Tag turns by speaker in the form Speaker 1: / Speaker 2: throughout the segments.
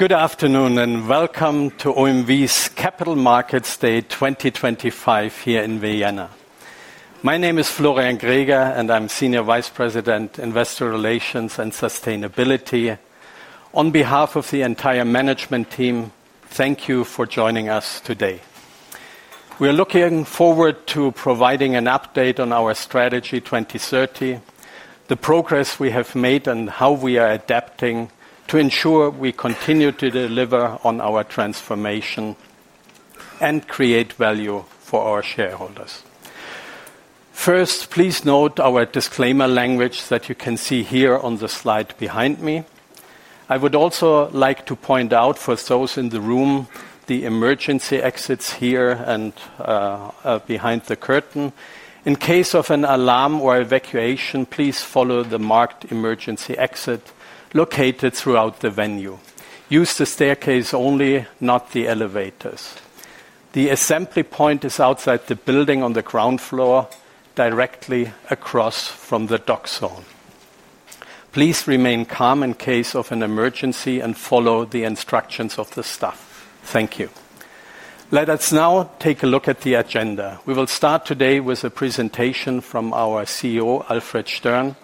Speaker 1: Good afternoon and welcome to OMV's Capital Markets Day 2025 here in Vienna. My name is Florian Greger, and I'm Senior Vice President, Investor Relations and Sustainability. On behalf of the entire management team, thank you for joining us today. We are looking forward to providing an update on our strategy 2030, the progress we have made, and how we are adapting to ensure we continue to deliver on our transformation and create value for our shareholders. First, please note our disclaimer language that you can see here on the slide behind me. I would also like to point out for those in the room, the emergency exits here and behind the curtain. In case of an alarm or evacuation, please follow the marked emergency exit located throughout the venue. Use the staircase only, not the elevators. The assembly point is outside the building on the ground floor, directly across from the dock zone. Please remain calm in case of an emergency and follow the instructions of the staff. Thank you. Let us now take a look at the agenda. We will start today with a presentation from our CEO, Alfred Stern,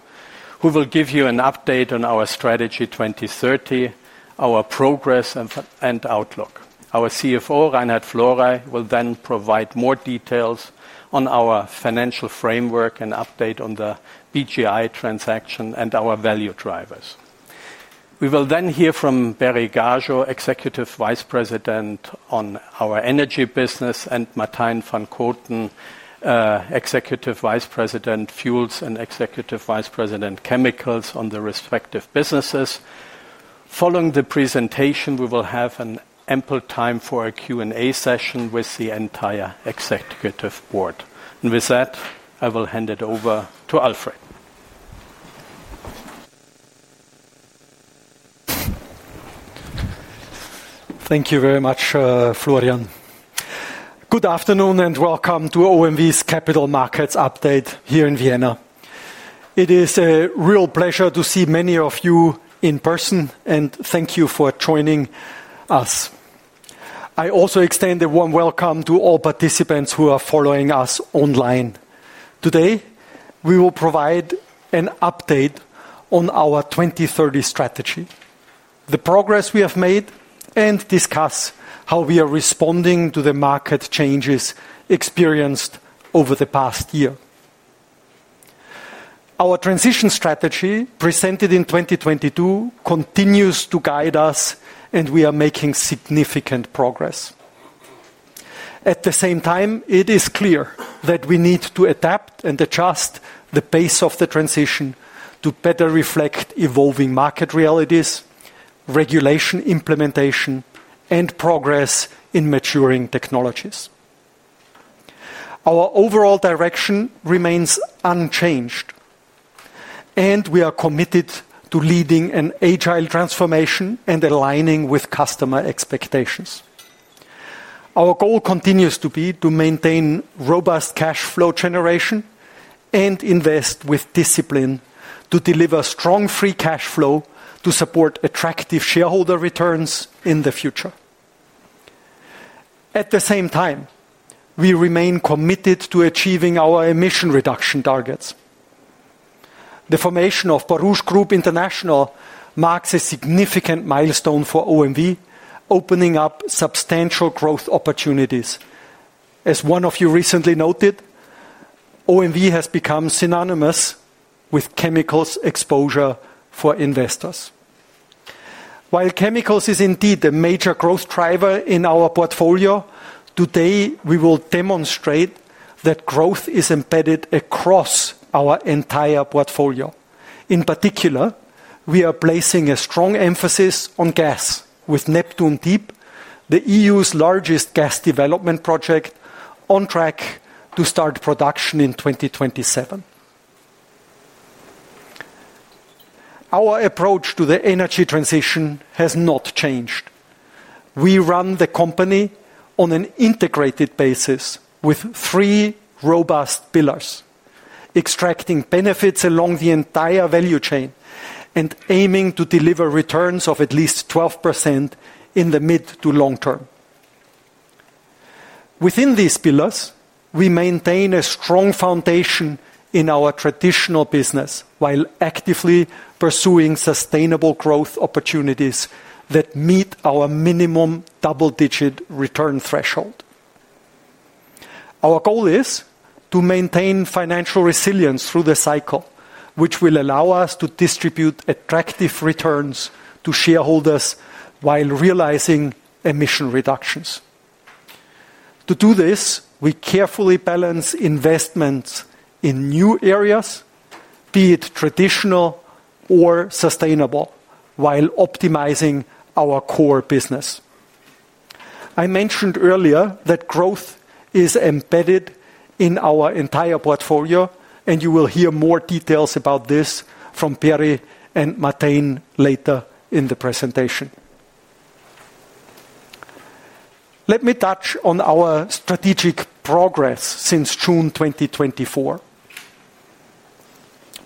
Speaker 1: who will give you an update on our strategy 2030, our progress, and outlook. Our CFO, Reinhard Florey, will then provide more details on our financial framework and update on the BGI transaction and our value drivers. We will then hear from Berislav Gašo, Executive Vice President on our energy business, and Martijn van Koten, Executive Vice President Fuels and Executive Vice President Chemicals, on the respective businesses. Following the presentation, we will have ample time for a Q&A session with the entire executive board. With that, I will hand it over to Alfred.
Speaker 2: Thank you very much, Florian. Good afternoon and welcome to OMV's Capital Markets Update here in Vienna. It is a real pleasure to see many of you in person, and thank you for joining us. I also extend a warm welcome to all participants who are following us online. Today, we will provide an update on our 2030 strategy, the progress we have made, and discuss how we are responding to the market changes experienced over the past year. Our transition strategy, presented in 2022, continues to guide us, and we are making significant progress. At the same time, it is clear that we need to adapt and adjust the pace of the transition to better reflect evolving market realities, regulation implementation, and progress in maturing technologies. Our overall direction remains unchanged, and we are committed to leading an agile transformation and aligning with customer expectations. Our goal continues to be to maintain robust cash flow generation and invest with discipline to deliver strong free cash flow to support attractive shareholder returns in the future. At the same time, we remain committed to achieving our emission reduction targets. The formation of Baruch Group International marks a significant milestone for OMV, opening up substantial growth opportunities. As one of you recently noted, OMV has become synonymous with chemicals exposure for investors. While chemicals is indeed a major growth driver in our portfolio, today we will demonstrate that growth is embedded across our entire portfolio. In particular, we are placing a strong emphasis on gas, with Neptune Deep, the EU's largest gas development project, on track to start production in 2027. Our approach to the energy transition has not changed. We run the company on an integrated basis with three robust pillars, extracting benefits along the entire value chain and aiming to deliver returns of at least 12% in the mid to long term. Within these pillars, we maintain a strong foundation in our traditional business while actively pursuing sustainable growth opportunities that meet our minimum double-digit return threshold. Our goal is to maintain financial resilience through the cycle, which will allow us to distribute attractive returns to shareholders while realizing emission reductions. To do this, we carefully balance investments in new areas, be it traditional or sustainable, while optimizing our core business. I mentioned earlier that growth is embedded in our entire portfolio, and you will hear more details about this from Berislav and Martijn later in the presentation. Let me touch on our strategic progress since June 2024.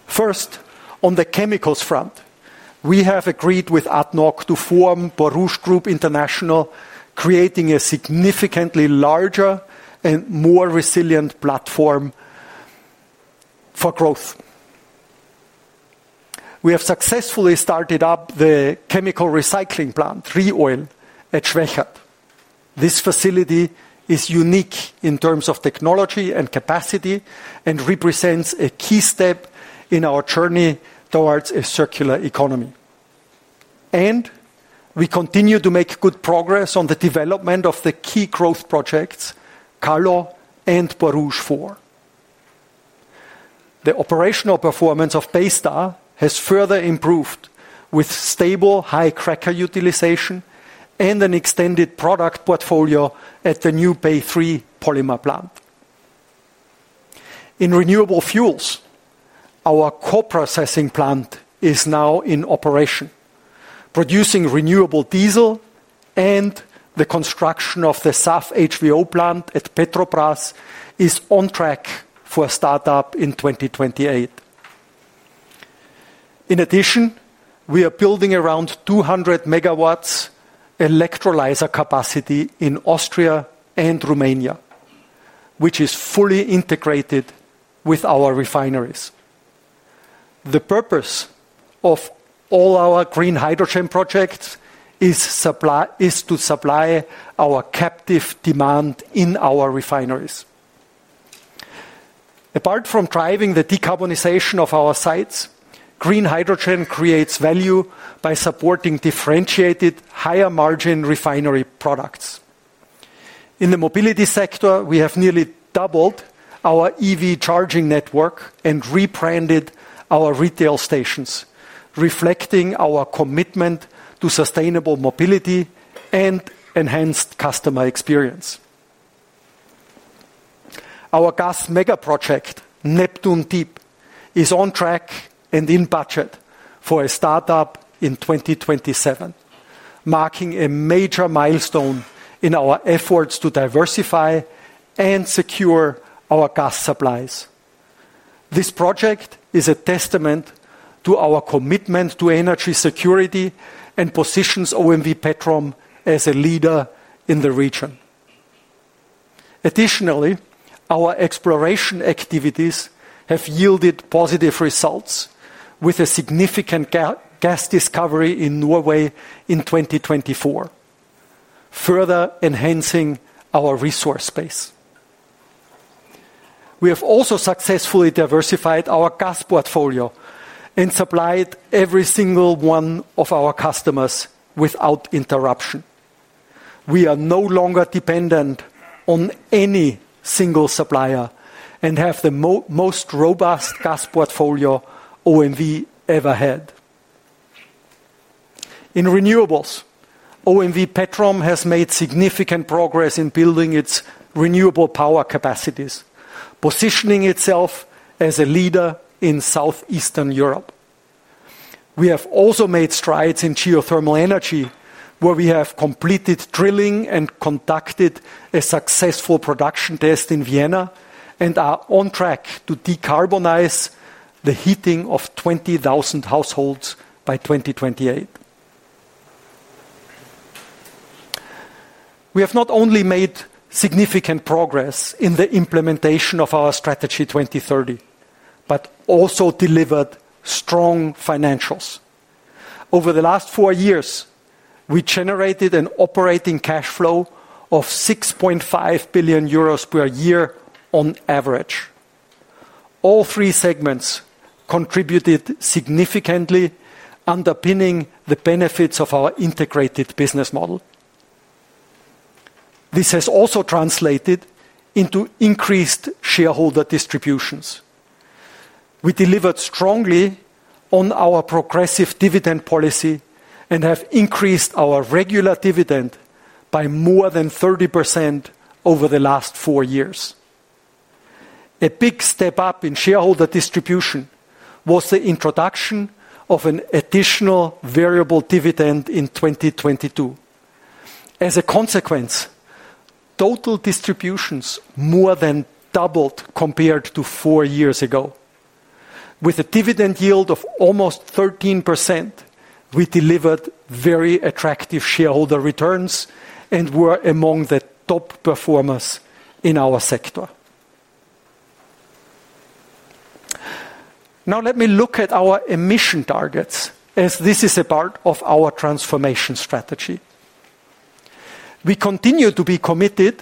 Speaker 2: First, on the chemicals front, we have agreed with Abu Dhabi National Oil Company (ADNOC) to form Baruch Group International (BGI), creating a significantly larger and more resilient platform for growth. We have successfully started up the chemical recycling plant, ReOil, at Schwechat. This facility is unique in terms of technology and capacity and represents a key step in our journey towards a circular economy. We continue to make good progress on the development of the key growth projects, Karlo and Borouge 4. The operational performance of Baystar has further improved with stable high cracker utilization and an extended product portfolio at the new Bay 3 polymer plant. In renewable fuels, our co-processing plant is now in operation, producing renewable diesel, and the construction of the SAF HVO plant at Petrobrazi is on track for a startup in 2028. In addition, we are building around 200 MW electrolyzer capacity in Austria and Romania, which is fully integrated with our refineries. The purpose of all our green hydrogen projects is to supply our captive demand in our refineries. Apart from driving the decarbonization of our sites, green hydrogen creates value by supporting differentiated, higher margin refinery products. In the mobility sector, we have nearly doubled our EV charging network and rebranded our retail stations, reflecting our commitment to sustainable mobility and enhanced customer experience. Our gas mega project, Neptune Deep, is on track and in budget for a startup in 2027, marking a major milestone in our efforts to diversify and secure our gas supplies. This project is a testament to our commitment to energy security and positions OMV Petrom as a leader in the region. Additionally, our exploration activities have yielded positive results with a significant gas discovery in Norway in 2024, further enhancing our resource base. We have also successfully diversified our gas portfolio and supplied every single one of our customers without interruption. We are no longer dependent on any single supplier and have the most robust gas portfolio OMV ever had. In renewables, OMV Petrom has made significant progress in building its renewable power capacities, positioning itself as a leader in Southeastern Europe. We have also made strides in geothermal energy, where we have completed drilling and conducted a successful production test in Vienna and are on track to decarbonize the heating of 20,000 households by 2028. We have not only made significant progress in the implementation of our Strategy 2030, but also delivered strong financials. Over the last four years, we generated an operating cash flow of 6.5 billion euros per year on average. All three segments contributed significantly, underpinning the benefits of our integrated business model. This has also translated into increased shareholder distributions. We delivered strongly on our progressive dividend policy and have increased our regular dividend by more than 30% over the last four years. A big step up in shareholder distribution was the introduction of an additional variable dividend in 2022. As a consequence, total distributions more than doubled compared to four years ago. With a dividend yield of almost 13%, we delivered very attractive shareholder returns and were among the top performers in our sector. Now, let me look at our emission targets, as this is a part of our transformation strategy. We continue to be committed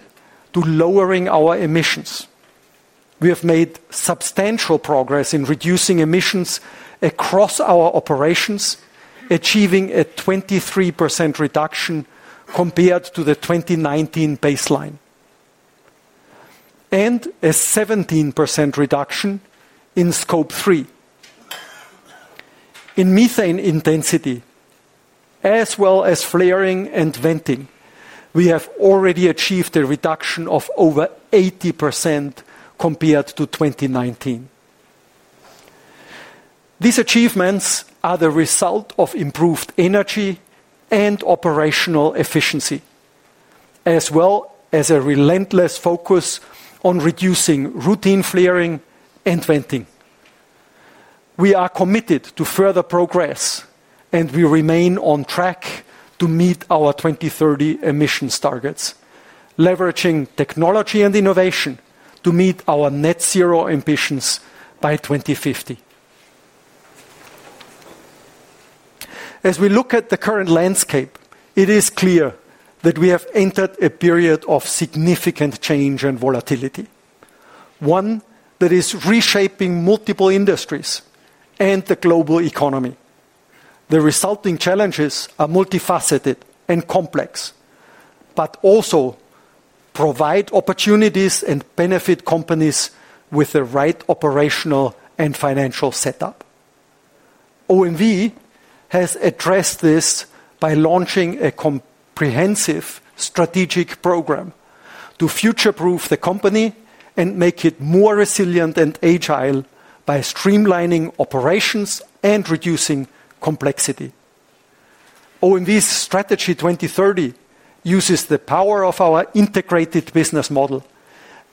Speaker 2: to lowering our emissions. We have made substantial progress in reducing emissions across our operations, achieving a 23% reduction compared to the 2019 baseline, and a 17% reduction in Scope 3. In methane intensity, as well as flaring and venting, we have already achieved a reduction of over 80% compared to 2019. These achievements are the result of improved energy and operational efficiency, as well as a relentless focus on reducing routine flaring and venting. We are committed to further progress, and we remain on track to meet our 2030 emissions targets, leveraging technology and innovation to meet our net zero ambitions by 2050. As we look at the current landscape, it is clear that we have entered a period of significant change and volatility, one that is reshaping multiple industries and the global economy. The resulting challenges are multifaceted and complex, but also provide opportunities and benefit companies with the right operational and financial setup. OMV has addressed this by launching a comprehensive strategic program to future-proof the company and make it more resilient and agile by streamlining operations and reducing complexity. OMV's Strategy 2030 uses the power of our integrated business model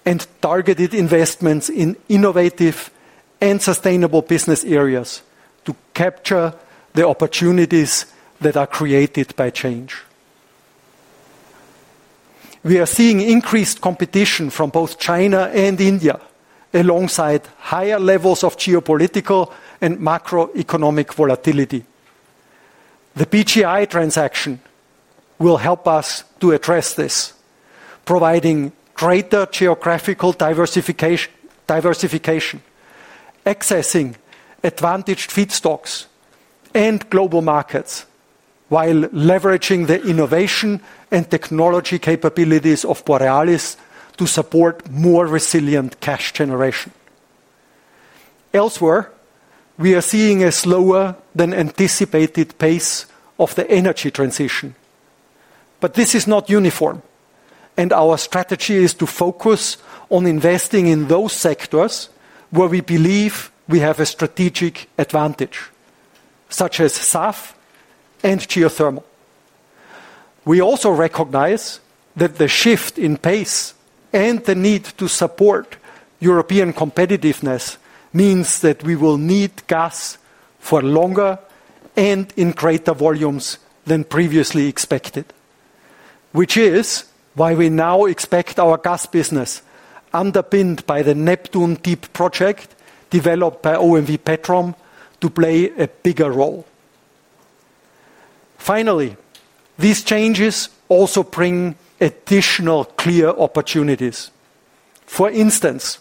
Speaker 2: and targeted investments in innovative and sustainable business areas to capture the opportunities that are created by change. We are seeing increased competition from both China and India, alongside higher levels of geopolitical and macroeconomic volatility. The BGI transaction will help us to address this, providing greater geographical diversification, accessing advantaged feedstocks, and global markets, while leveraging the innovation and technology capabilities of Borealis to support more resilient cash generation. Elsewhere, we are seeing a slower than anticipated pace of the energy transition. This is not uniform, and our strategy is to focus on investing in those sectors where we believe we have a strategic advantage, such as SAF and geothermal. We also recognize that the shift in pace and the need to support European competitiveness means that we will need gas for longer and in greater volumes than previously expected, which is why we now expect our gas business, underpinned by the Neptune Deep project developed by OMV Petrom, to play a bigger role. Finally, these changes also bring additional clear opportunities. For instance,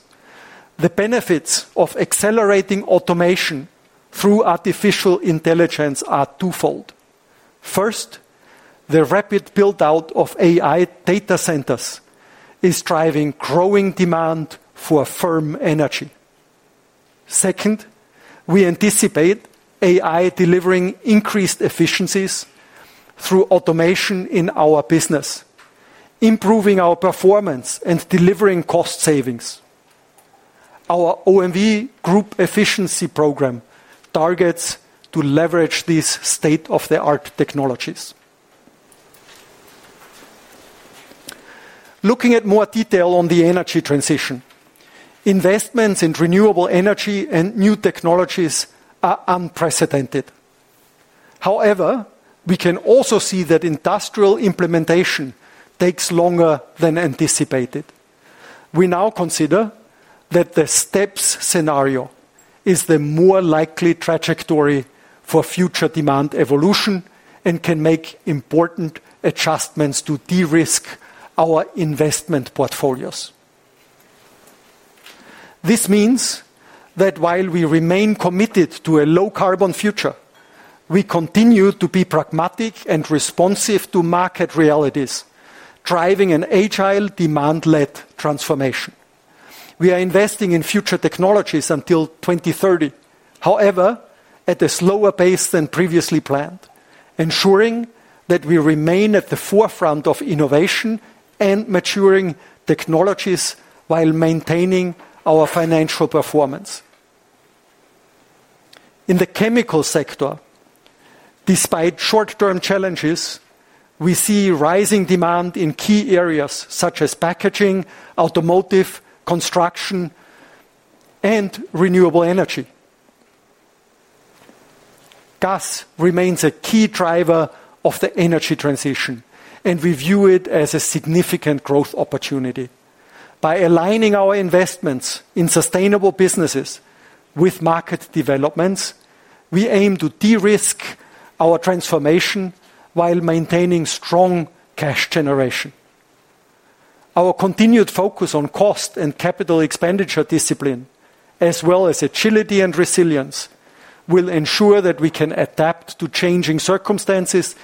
Speaker 2: the benefits of accelerating automation through artificial intelligence are twofold. First, the rapid build-out of AI data centers is driving growing demand for firm energy. Second, we anticipate AI delivering increased efficiencies through automation in our business, improving our performance and delivering cost savings. Our OMV Group Efficiency Program targets to leverage these state-of-the-art technologies. Looking at more detail on the energy transition, investments in renewable energy and new technologies are unprecedented. However, we can also see that industrial implementation takes longer than anticipated. We now consider that the STEPS scenario is the more likely trajectory for future demand evolution and can make important adjustments to de-risk our investment portfolios. This means that while we remain committed to a low-carbon future, we continue to be pragmatic and responsive to market realities, driving an agile, demand-led transformation. We are investing in future technologies until 2030, however, at a slower pace than previously planned, ensuring that we remain at the forefront of innovation and maturing technologies while maintaining our financial performance. In the chemical sector, despite short-term challenges, we see rising demand in key areas such as packaging, automotive, construction, and renewable energy. Gas remains a key driver of the energy transition, and we view it as a significant growth opportunity. By aligning our investments in sustainable businesses with market developments, we aim to de-risk our transformation while maintaining strong cash generation. Our continued focus on cost and capital expenditure discipline, as well as agility and resilience, will ensure that we can adapt to changing circumstances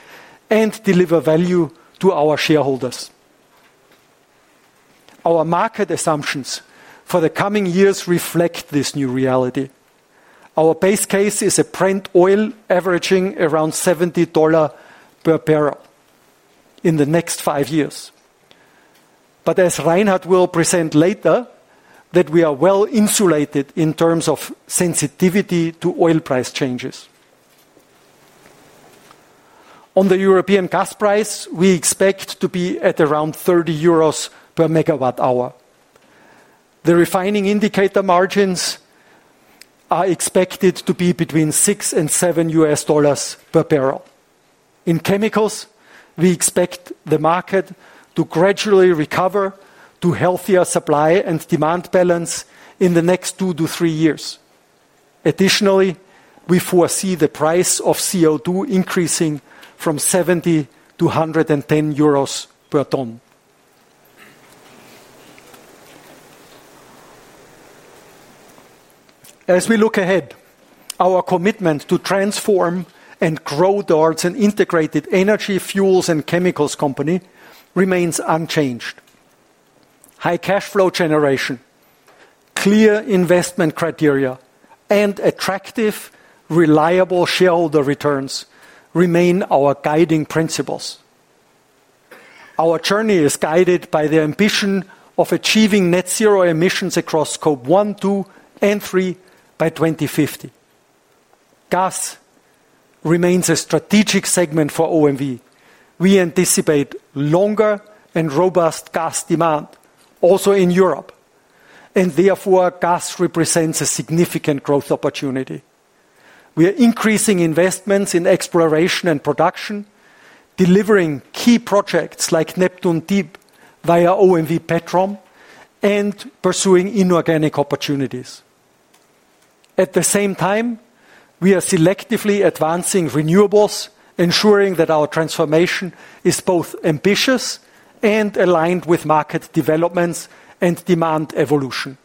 Speaker 2: and deliver value to our shareholders. Our market assumptions for the coming years reflect this new reality. Our base case is a Brent oil averaging around EUR 70 per barrel in the next five years. As Reinhard will present later, we are well insulated in terms of sensitivity to oil price changes. On the European gas price, we expect to be at around 30 euros pMWh. The refining indicator margins are expected to be between 6 and EUR 7 per barrel. In chemicals, we expect the market to gradually recover to a healthier supply and demand balance in the next two to three years. Additionally, we foresee the price of CO2 increasing from 70 to 110 euros per ton. As we look ahead, our commitment to transform and grow towards an integrated energy, fuels, and chemicals company remains unchanged. High cash flow generation, clear investment criteria, and attractive, reliable shareholder returns remain our guiding principles. Our journey is guided by the ambition of achieving net zero emissions across Scope one, two, and three by 2050. Gas remains a strategic segment for OMV. We anticipate longer and robust gas demand also in Europe, and therefore gas represents a significant growth opportunity. We are increasing investments in exploration and production, delivering key projects like Neptune Deep via OMV Petrom, and pursuing inorganic opportunities. At the same time, we are selectively advancing renewables, ensuring that our transformation is both ambitious and aligned with market developments and demand evolution.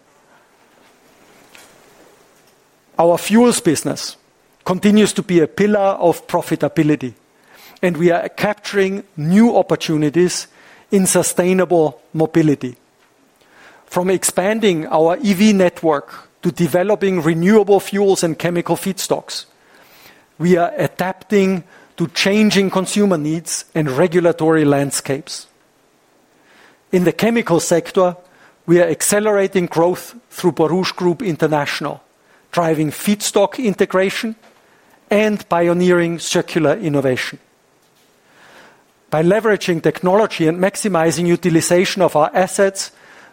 Speaker 2: Our fuels business continues to be a pillar of profitability, and we are capturing new opportunities in sustainable mobility. From expanding our EV network to developing renewable fuels and chemical feedstocks, we are adapting to changing consumer needs and regulatory landscapes. In the chemical sector, we are accelerating growth through Baruch Group International, driving feedstock integration and pioneering circular innovation. By leveraging technology and maximizing utilization of our assets,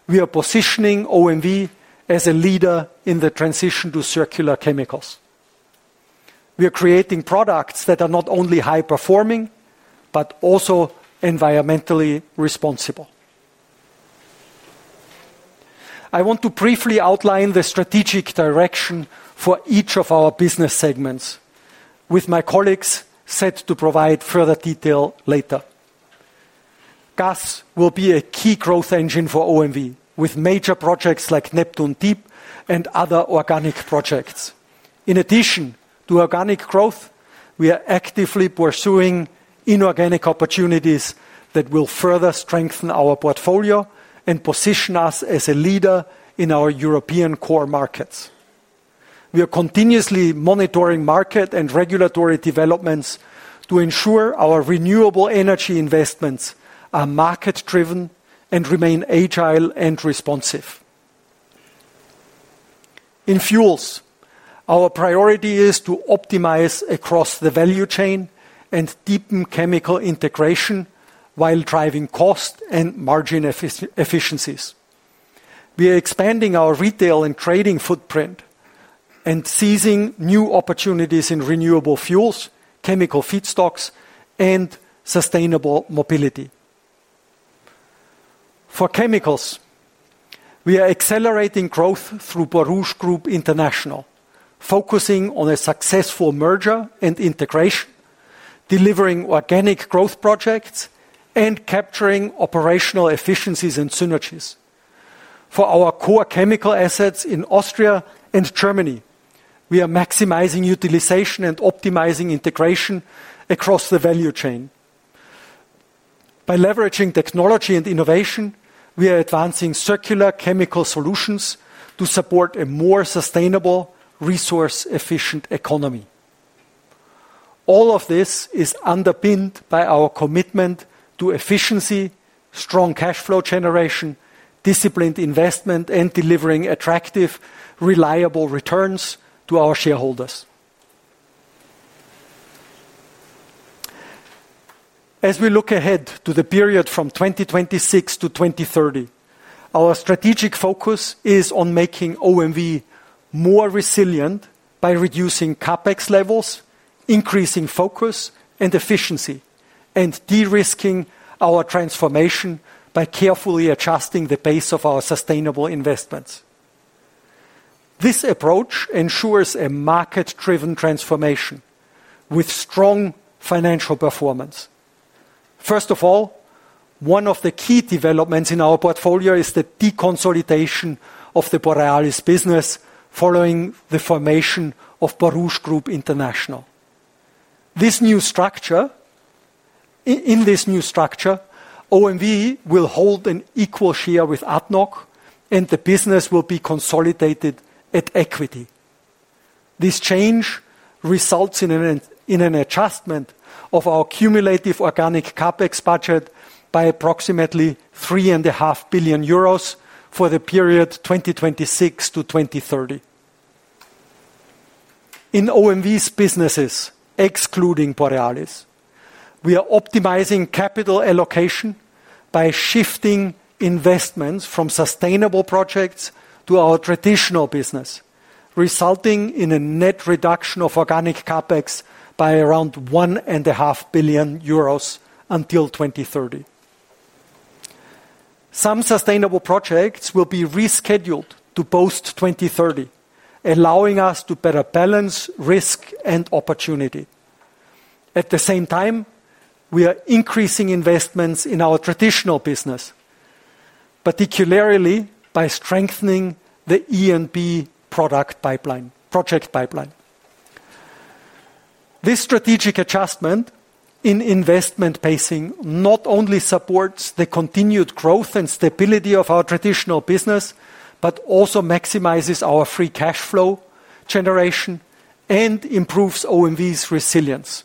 Speaker 2: we are positioning OMV as a leader in the transition to circular chemicals. We are creating products that are not only high-performing but also environmentally responsible. I want to briefly outline the strategic direction for each of our business segments, with my colleagues set to provide further detail later. Gas will be a key growth engine for OMV, with major projects like Neptune Deep and other organic projects. In addition to organic growth, we are actively pursuing inorganic opportunities that will further strengthen our portfolio and position us as a leader in our European core markets. We are continuously monitoring market and regulatory developments to ensure our renewable energy investments are market-driven and remain agile and responsive. In fuels, our priority is to optimize across the value chain and deepen chemical integration while driving cost and margin efficiencies. We are expanding our retail and trading footprint and seizing new opportunities in renewable fuels, chemical feedstocks, and sustainable mobility. For chemicals, we are accelerating growth through Baruch Group International, focusing on a successful merger and integration, delivering organic growth projects, and capturing operational efficiencies and synergies. For our core chemical assets in Austria and Germany, we are maximizing utilization and optimizing integration across the value chain. By leveraging technology and innovation, we are advancing circular chemical solutions to support a more sustainable, resource-efficient economy. All of this is underpinned by our commitment to efficiency, strong cash flow generation, disciplined investment, and delivering attractive, reliable returns to our shareholders. As we look ahead to the period from 2026 to 2030, our strategic focus is on making OMV more resilient by reducing CapEx levels, increasing focus and efficiency, and de-risking our transformation by carefully adjusting the base of our sustainable investments. This approach ensures a market-driven transformation with strong financial performance. First of all, one of the key developments in our portfolio is the deconsolidation of the Borealis business following the formation of Baruch Group International. In this new structure, OMV will hold an equal share with Abu Dhabi National Oil Company (ADNOC), and the business will be consolidated at equity. This change results in an adjustment of our cumulative organic CapEx budget by approximately 3.5 billion euros for the period 2026 to 2030. In OMV's businesses, excluding Borealis, we are optimizing capital allocation by shifting investments from sustainable projects to our traditional business, resulting in a net reduction of organic CapEx by around 1.5 billion euros until 2030. Some sustainable projects will be rescheduled to post-2030, allowing us to better balance risk and opportunity. At the same time, we are increasing investments in our traditional business, particularly by strengthening the E&B product project pipeline. This strategic adjustment in investment pacing not only supports the continued growth and stability of our traditional business, but also maximizes our free cash flow generation and improves OMV's resilience.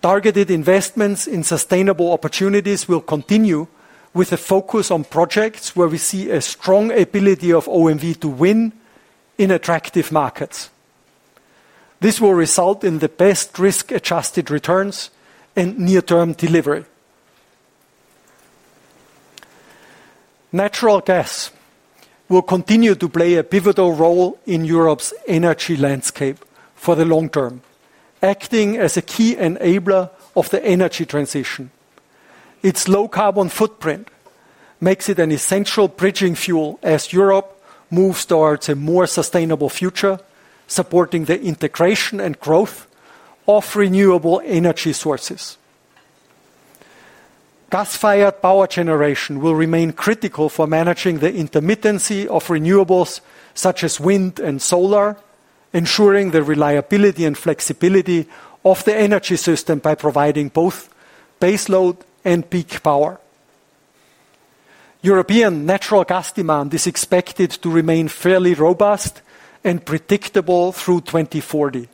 Speaker 2: Targeted investments in sustainable opportunities will continue, with a focus on projects where we see a strong ability of OMV to win in attractive markets. This will result in the best risk-adjusted returns and near-term delivery. Natural gas will continue to play a pivotal role in Europe's energy landscape for the long term, acting as a key enabler of the energy transition. Its low-carbon footprint makes it an essential bridging fuel as Europe moves towards a more sustainable future, supporting the integration and growth of renewable energy sources. Gas-fired power generation will remain critical for managing the intermittency of renewables such as wind and solar, ensuring the reliability and flexibility of the energy system by providing both baseload and peak power. European natural gas demand is expected to remain fairly robust and predictable through 2040,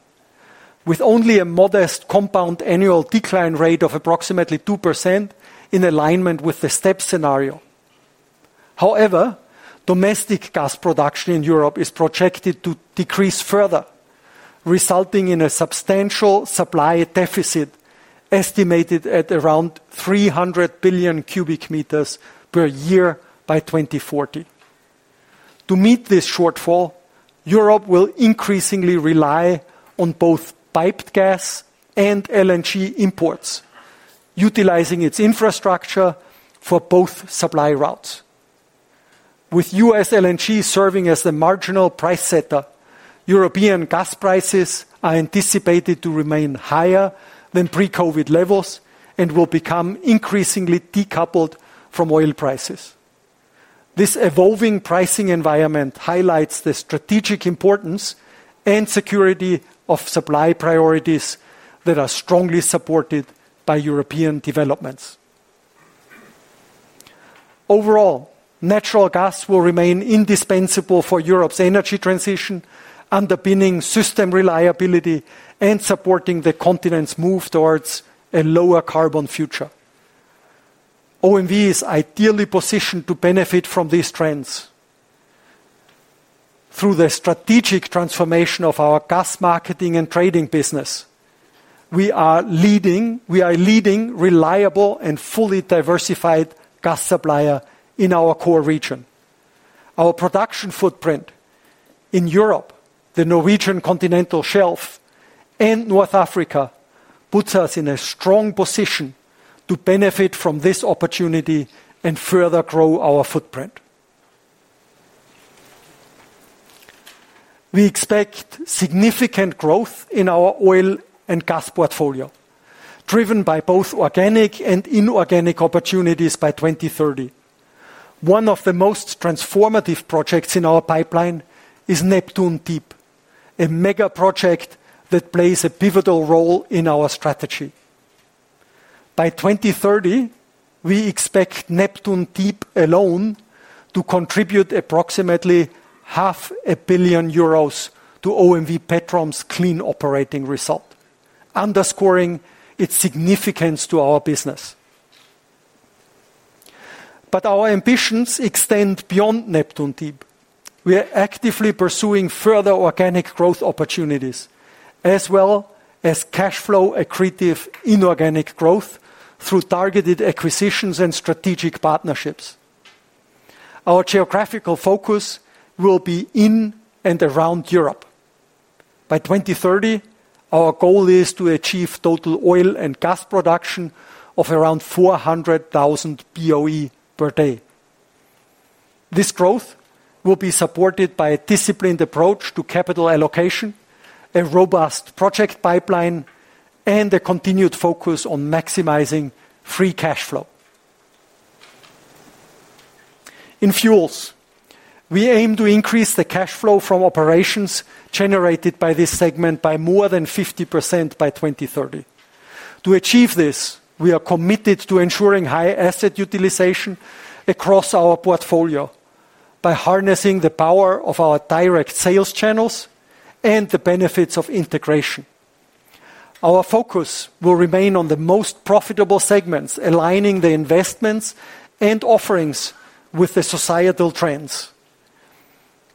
Speaker 2: with only a modest compound annual decline rate of approximately 2% in alignment with the STEPS scenario. However, domestic gas production in Europe is projected to decrease further, resulting in a substantial supply deficit estimated at around 300 billion cu m per year by 2040. To meet this shortfall, Europe will increasingly rely on both piped gas and LNG imports, utilizing its infrastructure for both supply routes. With U.S. LNG serving as the marginal price setter, European gas prices are anticipated to remain higher than pre-COVID levels and will become increasingly decoupled from oil prices. This evolving pricing environment highlights the strategic importance and security of supply priorities that are strongly supported by European developments. Overall, natural gas will remain indispensable for Europe's energy transition, underpinning system reliability and supporting the continent's move towards a lower carbon future. OMV is ideally positioned to benefit from these trends. Through the strategic transformation of our gas marketing and trading business, we are a leading, reliable, and fully diversified gas supplier in our core region. Our production footprint in Europe, the Norwegian continental shelf, and North Africa puts us in a strong position to benefit from this opportunity and further grow our footprint. We expect significant growth in our oil and gas portfolio, driven by both organic and inorganic opportunities by 2030. One of the most transformative projects in our pipeline is Neptune Deep, a mega project that plays a pivotal role in our strategy. By 2030, we expect Neptune Deep alone to contribute approximately 0.5 billion euros to OMV Petrom's clean operating result, underscoring its significance to our business. Our ambitions extend beyond Neptune Deep. We are actively pursuing further organic growth opportunities, as well as cash flow accretive inorganic growth through targeted acquisitions and strategic partnerships. Our geographical focus will be in and around Europe. By 2030, our goal is to achieve total oil and gas production of around 400,000 BOE per day. This growth will be supported by a disciplined approach to capital allocation, a robust project pipeline, and a continued focus on maximizing free cash flow. In fuels, we aim to increase the cash flow from operations generated by this segment by more than 50% by 2030. To achieve this, we are committed to ensuring high asset utilization across our portfolio by harnessing the power of our direct sales channels and the benefits of integration. Our focus will remain on the most profitable segments, aligning the investments and offerings with the societal trends.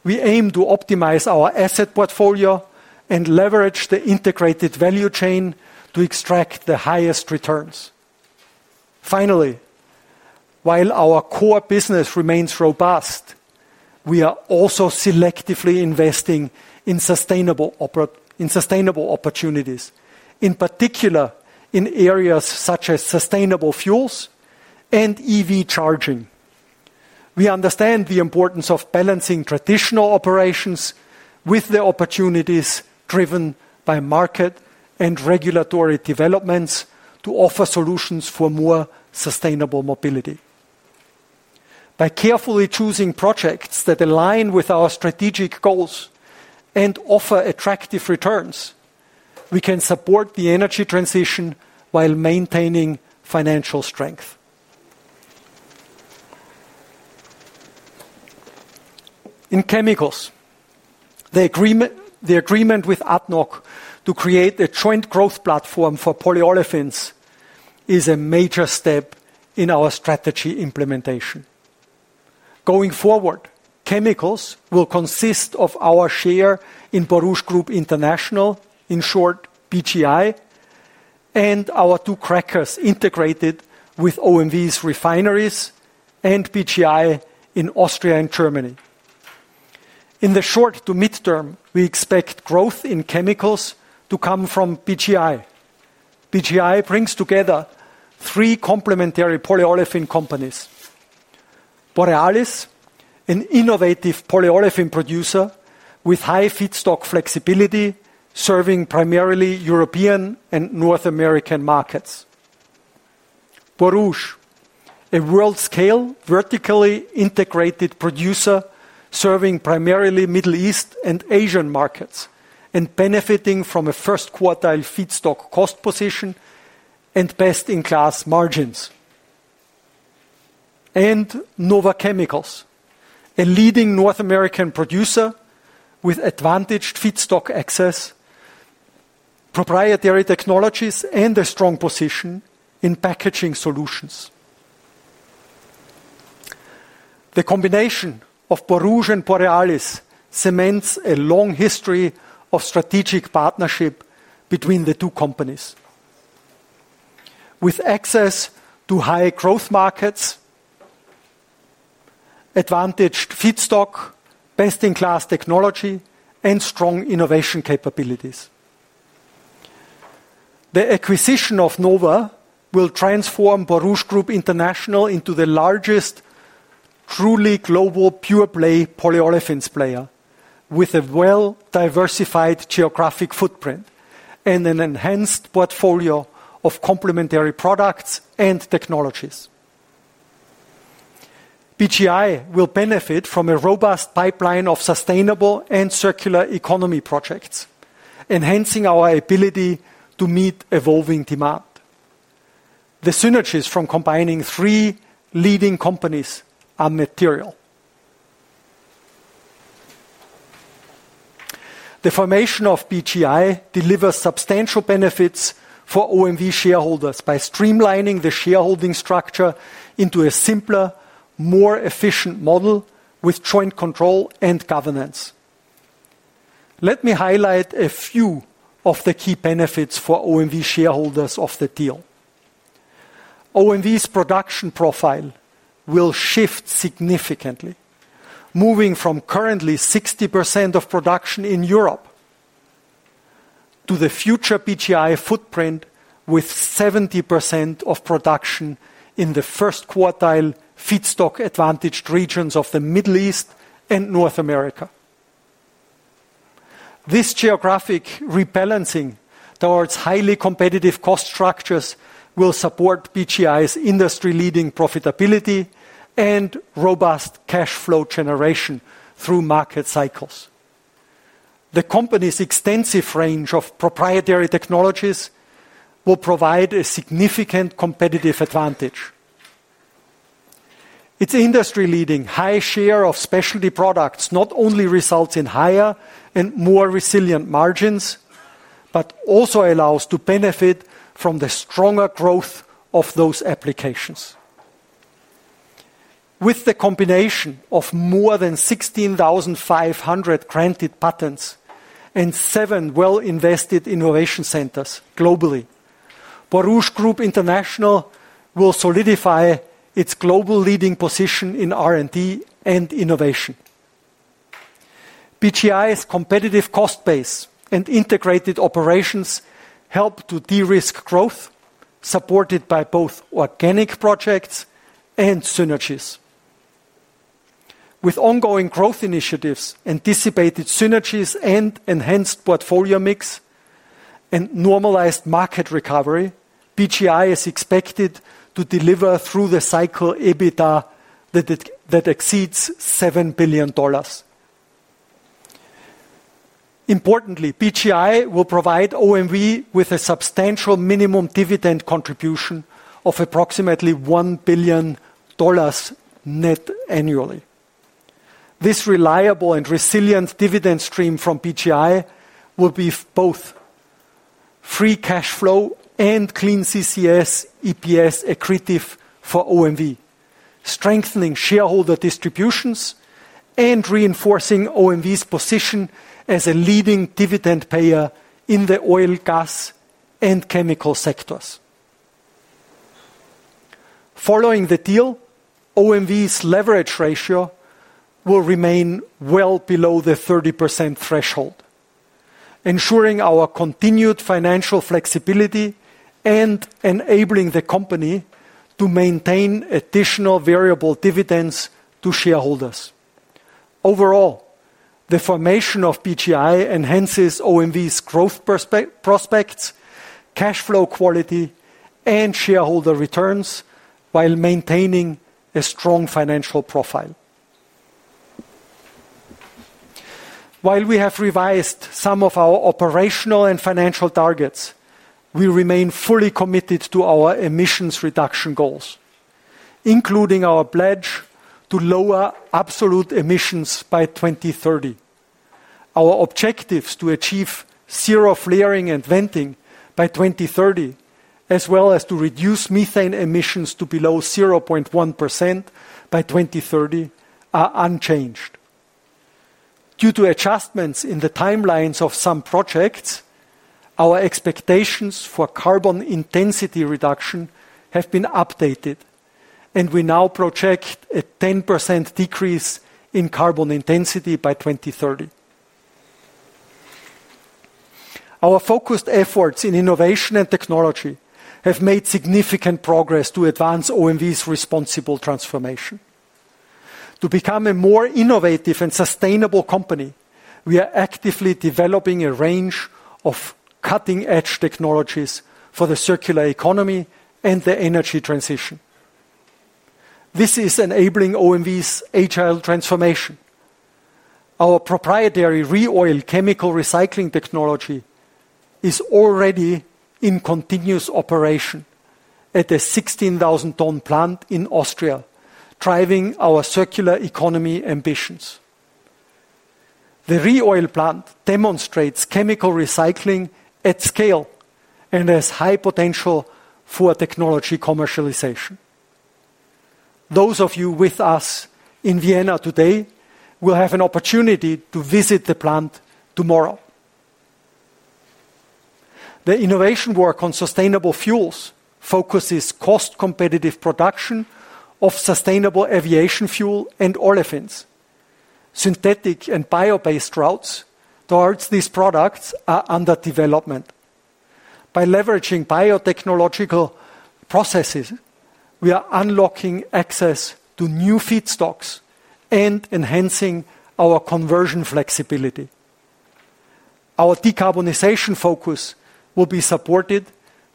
Speaker 2: We aim to optimize our asset portfolio and leverage the integrated value chain to extract the highest returns. Finally, while our core business remains robust, we are also selectively investing in sustainable opportunities, in particular in areas such as sustainable fuels and EV charging. We understand the importance of balancing traditional operations with the opportunities driven by market and regulatory developments to offer solutions for more sustainable mobility. By carefully choosing projects that align with our strategic goals and offer attractive returns, we can support the energy transition while maintaining financial strength. In chemicals, the agreement with Abu Dhabi National Oil Company (ADNOC) to create a joint growth platform for polyolefins is a major step in our strategy implementation. Going forward, chemicals will consist of our share in Baruch Group International, in short BGI, and our two crackers integrated with OMV's refineries and BGI in Austria and Germany. In the short to midterm, we expect growth in chemicals to come from BGI. BGI brings together three complementary polyolefin companies: Borealis, an innovative polyolefin producer with high feedstock flexibility, serving primarily European and North American markets; Borouge, a world-scale, vertically integrated producer serving primarily Middle East and Asian markets and benefiting from a first-quartile feedstock cost position and best-in-class margins; and Nova Chemicals, a leading North American producer with advantaged feedstock access, proprietary technologies, and a strong position in packaging solutions. The combination of Borouge and Borealis cements a long history of strategic partnership between the two companies, with access to high growth markets, advantaged feedstock, best-in-class technology, and strong innovation capabilities. The acquisition of Nova Chemicals will transform Baruch Group International into the largest, truly global pure-play polyolefins player, with a well-diversified geographic footprint and an enhanced portfolio of complementary products and technologies. BGI will benefit from a robust pipeline of sustainable and circular economy projects, enhancing our ability to meet evolving demand. The synergies from combining three leading companies are material. The formation of BGI delivers substantial benefits for OMV shareholders by streamlining the shareholding structure into a simpler, more efficient model with joint control and governance. Let me highlight a few of the key benefits for OMV shareholders of the deal. OMV's production profile will shift significantly, moving from currently 60% of production in Europe to the future BGI footprint with 70% of production in the first-quartile feedstock-advantaged regions of the Middle East and North America. This geographic rebalancing towards highly competitive cost structures will support BGI's industry-leading profitability and robust cash flow generation through market cycles. The company's extensive range of proprietary technologies will provide a significant competitive advantage. Its industry-leading high share of specialty products not only results in higher and more resilient margins, but also allows to benefit from the stronger growth of those applications. With the combination of more than 16,500 granted patents and seven well-invested innovation centers globally, Baruch Group International will solidify its global leading position in R&D and innovation. BGI's competitive cost base and integrated operations help to de-risk growth, supported by both organic projects and synergies. With ongoing growth initiatives, anticipated synergies, enhanced portfolio mix, and normalized market recovery, BGI is expected to deliver through the cycle EBITDA that exceeds EUR 7 billion. Importantly, BGI will provide OMV with a substantial minimum dividend contribution of approximately EUR 1 billion net annually. This reliable and resilient dividend stream from BGI will be both free cash flow and clean CCS EPS accretive for OMV, strengthening shareholder distributions and reinforcing OMV's position as a leading dividend payer in the oil, gas, and chemical sectors. Following the deal, OMV's leverage ratio will remain well below the 30% threshold, ensuring our continued financial flexibility and enabling the company to maintain additional variable dividends to shareholders. Overall, the formation of BGI enhances OMV's growth prospects, cash flow quality, and shareholder returns while maintaining a strong financial profile. While we have revised some of our operational and financial targets, we remain fully committed to our emissions reduction goals, including our pledge to lower absolute emissions by 2030, our objectives to achieve zero flaring and venting by 2030, as well as to reduce methane emissions to below 0.1% by 2030, are unchanged. Due to adjustments in the timelines of some projects, our expectations for carbon intensity reduction have been updated, and we now project a 10% decrease in carbon intensity by 2030. Our focused efforts in innovation and technology have made significant progress to advance OMV's responsible transformation. To become a more innovative and sustainable company, we are actively developing a range of cutting-edge technologies for the circular economy and the energy transition. This is enabling OMV's agile transformation. Our proprietary ReOil chemical recycling technology is already in continuous operation at a 16,000-ton plant in Austria, driving our circular economy ambitions. The ReOil plant demonstrates chemical recycling at scale and has high potential for technology commercialization. Those of you with us in Vienna today will have an opportunity to visit the plant tomorrow. The innovation work on sustainable fuels focuses on cost-competitive production of sustainable aviation fuel and olefins. Synthetic and bio-based routes towards these products are under development. By leveraging biotechnological processes, we are unlocking access to new feedstocks and enhancing our conversion flexibility. Our decarbonization focus will be supported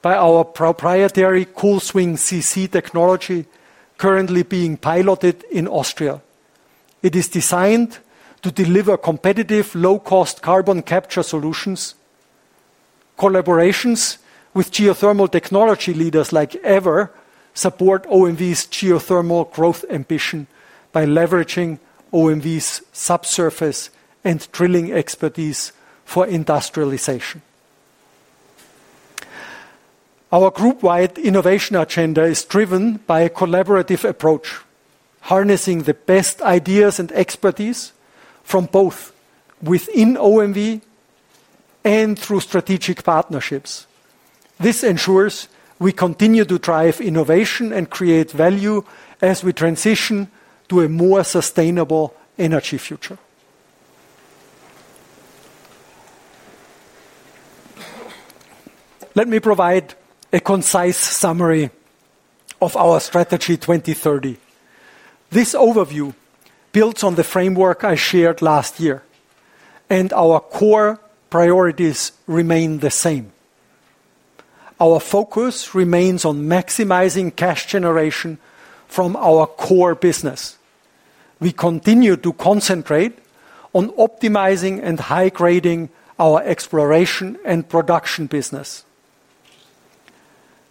Speaker 2: by our proprietary Cool Swing CC technology, currently being piloted in Austria. It is designed to deliver competitive, low-cost carbon capture solutions. Collaborations with geothermal technology leaders like EVER support OMV's geothermal growth ambition by leveraging OMV's subsurface and drilling expertise for industrialization. Our group-wide innovation agenda is driven by a collaborative approach, harnessing the best ideas and expertise from both within OMV and through strategic partnerships. This ensures we continue to drive innovation and create value as we transition to a more sustainable energy future. Let me provide a concise summary of our Strategy 2030. This overview builds on the framework I shared last year, and our core priorities remain the same. Our focus remains on maximizing cash generation from our core business. We continue to concentrate on optimizing and high-grading our exploration and production business.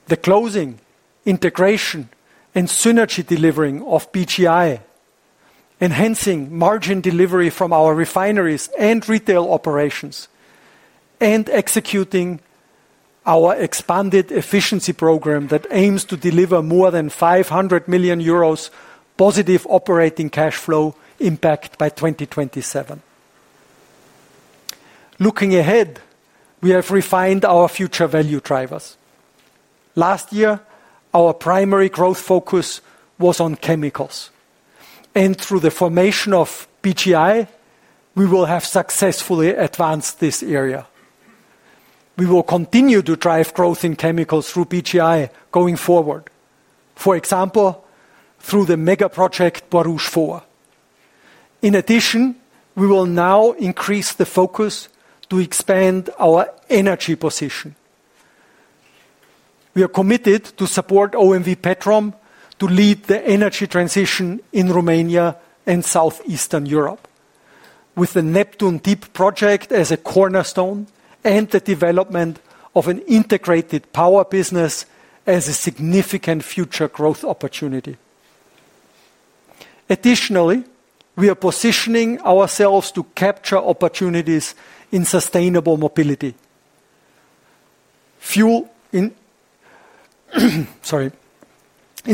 Speaker 2: The closing, integration, and synergy delivery of BGI, enhancing margin delivery from our refineries and retail operations, and executing our expanded efficiency program that aims to deliver more than 500 million euros positive operating cash flow impact by 2027. Looking ahead, we have refined our future value drivers. Last year, our primary growth focus was on chemicals, and through the formation of BGI, we will have successfully advanced this area. We will continue to drive growth in chemicals through BGI going forward, for example, through the mega project Borouge 4. In addition, we will now increase the focus to expand our energy position. We are committed to support OMV Petrom to lead the energy transition in Romania and Southeastern Europe, with the Neptune Deep project as a cornerstone and the development of an integrated power business as a significant future growth opportunity. Additionally, we are positioning ourselves to capture opportunities in sustainable mobility,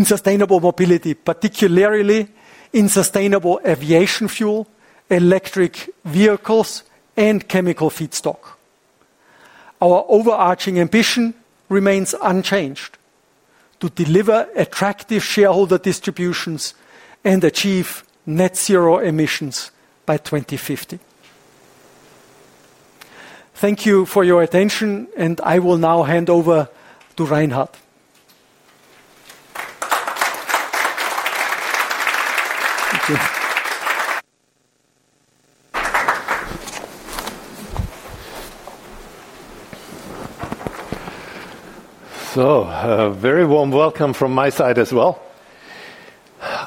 Speaker 2: particularly in sustainable aviation fuel, electric vehicles, and chemical feedstock. Our overarching ambition remains unchanged: to deliver attractive shareholder distributions and achieve net zero emissions by 2050. Thank you for your attention, and I will now hand over to Reinhard.
Speaker 3: A very warm welcome from my side as well.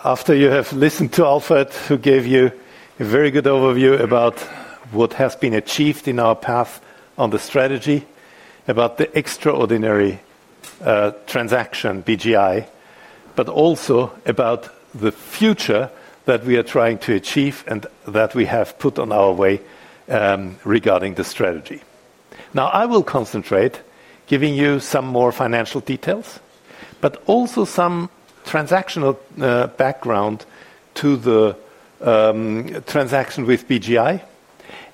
Speaker 3: After you have listened to Alfred, who gave you a very good overview about what has been achieved in our path on the strategy, about the extraordinary transaction, BGI, but also about the future that we are trying to achieve and that we have put on our way regarding the strategy. I will concentrate on giving you some more financial details, but also some transactional background to the transaction with BGI,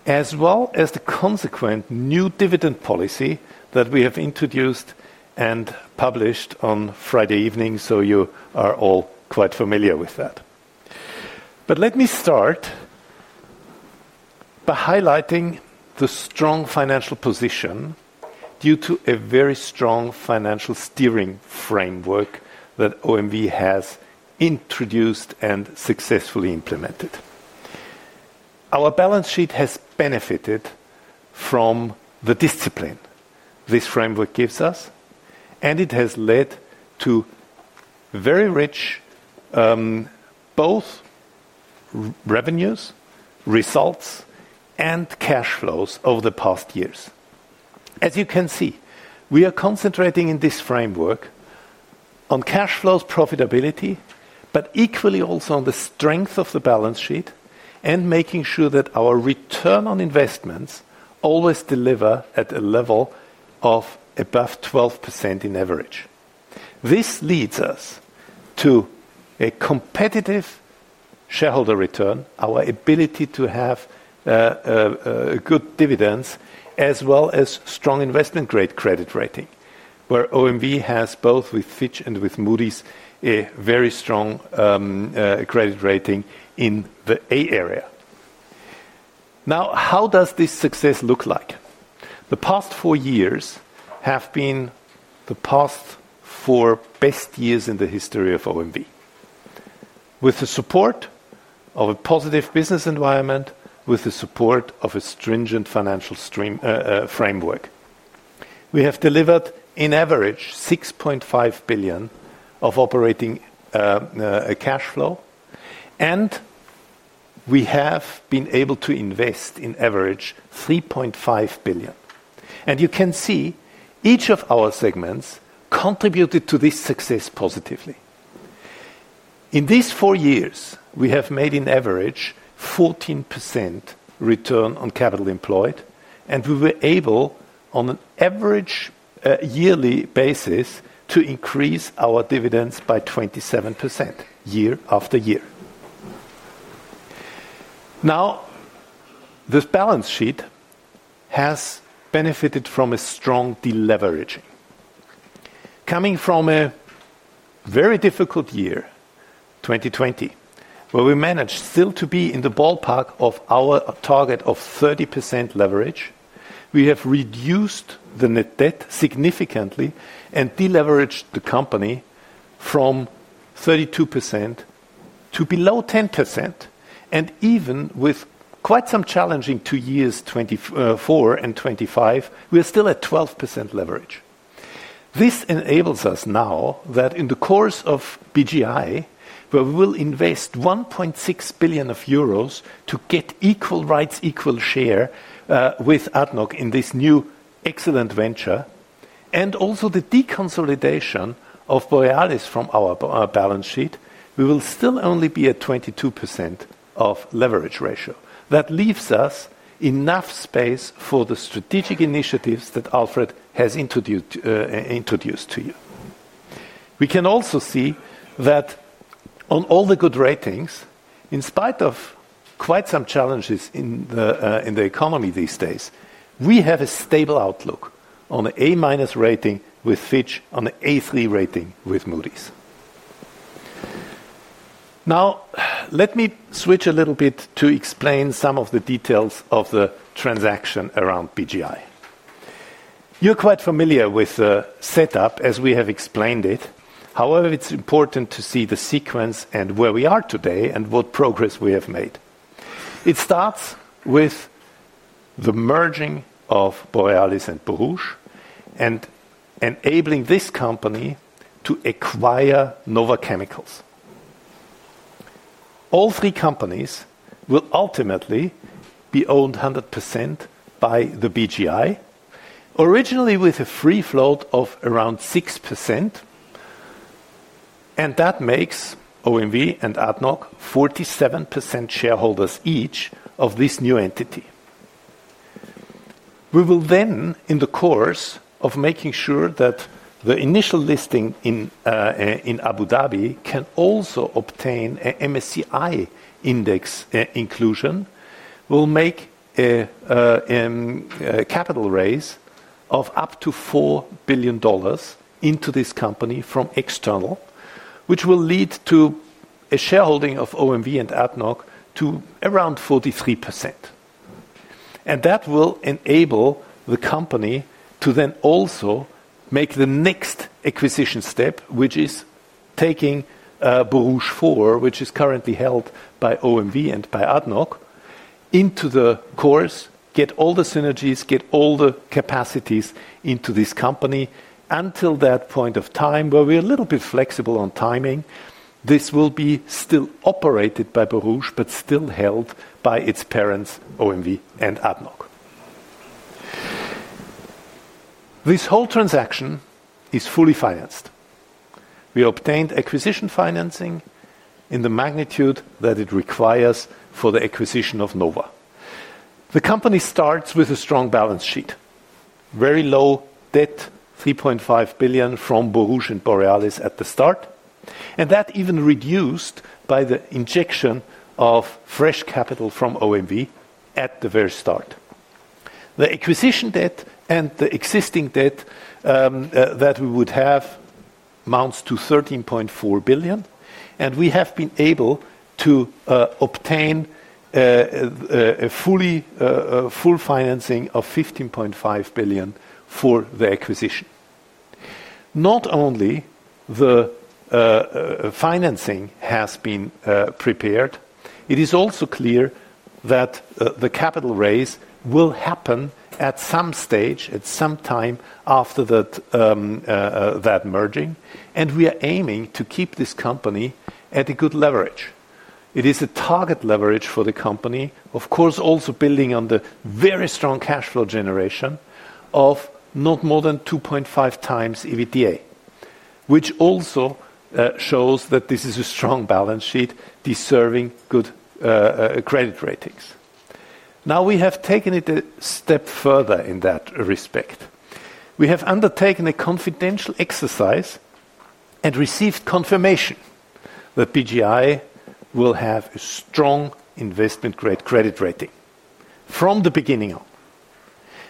Speaker 3: as well as the consequent new dividend policy that we have introduced and published on Friday evening, so you are all quite familiar with that. Let me start by highlighting the strong financial position due to a very strong financial steering framework that OMV has introduced and successfully implemented. Our balance sheet has benefited from the discipline this framework gives us, and it has led to very rich both revenues, results, and cash flows over the past years. As you can see, we are concentrating in this framework on cash flow's profitability, but equally also on the strength of the balance sheet and making sure that our return on investments always deliver at a level of above 12% in average. This leads us to a competitive shareholder return, our ability to have good dividends, as well as strong investment-grade credit rating, where OMV has both with Fitch and with Moody's a very strong credit rating in the A area. Now, how does this success look like? The past four years have been the past four best years in the history of OMV. With the support of a positive business environment, with the support of a stringent financial framework, we have delivered an average of 6.5 billion of operating cash flow, and we have been able to invest an average of 3.5 billion. You can see each of our segments contributed to this success positively. In these four years, we have made an average of 14% return on capital employed, and we were able, on an average yearly basis, to increase our dividends by 27% year after year. The balance sheet has benefited from a strong deleveraging, coming from a very difficult year, 2020, where we managed still to be in the ballpark of our target of 30% leverage. We have reduced the net debt significantly and deleveraged the company from 32% to below 10%. Even with quite some challenging two years, 2024 and 2025, we are still at 12% leverage. This enables us now that in the course of BGI, where we will invest 1.6 billion euros to get equal rights, equal share with Abu Dhabi National Oil Company (ADNOC) in this new excellent venture, and also the deconsolidation of Borealis from our balance sheet, we will still only be at 22% of leverage ratio. That leaves us enough space for the strategic initiatives that Alfred has introduced to you. We can also see that on all the good ratings, in spite of quite some challenges in the economy these days, we have a stable outlook on an A-rating with Fitch, on an A3 rating with Moody's. Now, let me switch a little bit to explain some of the details of the transaction around BGI. You're quite familiar with the setup, as we have explained it. However, it's important to see the sequence and where we are today and what progress we have made. It starts with the merging of Borealis and Borouge and enabling this company to acquire Nova Chemicals. All three companies will ultimately be owned 100% by the BGI, originally with a free float of around 6%. That makes OMV and Abu Dhabi National Oil Company (ADNOC) 47% shareholders each of this new entity. We will then, in the course of making sure that the initial listing in Abu Dhabi can also obtain an MSCI index inclusion, make a capital raise of up to EUR 4 billion into this company from external, which will lead to a shareholding of OMV and Abu Dhabi National Oil Company (ADNOC) to around 43%. That will enable the company to then also make the next acquisition step, which is taking Borouge 4, which is currently held by OMV and by Abu Dhabi National Oil Company (ADNOC), into the course, get all the synergies, get all the capacities into this company until that point of time, where we're a little bit flexible on timing. This will be still operated by Borouge, but still held by its parents, OMV and Abu Dhabi National Oil Company (ADNOC). This whole transaction is fully financed. We obtained acquisition financing in the magnitude that it requires for the acquisition of Nova Chemicals. The company starts with a strong balance sheet, very low debt, 3.5 billion from Borouge and Borealis at the start, and that even reduced by the injection of fresh capital from OMV at the very start. The acquisition debt and the existing debt that we would have amounts to 13.4 billion, and we have been able to obtain a fully full financing of 15.5 billion for the acquisition. Not only the financing has been prepared, it is also clear that the capital raise will happen at some stage, at some time after that merging, and we are aiming to keep this company at a good leverage. It is a target leverage for the company, of course, also building on the very strong cash flow generation of not more than 2.5 times EBITDA, which also shows that this is a strong balance sheet deserving good credit ratings. Now, we have taken it a step further in that respect. We have undertaken a confidential exercise and received confirmation that BGI will have a strong investment-grade credit rating from the beginning on.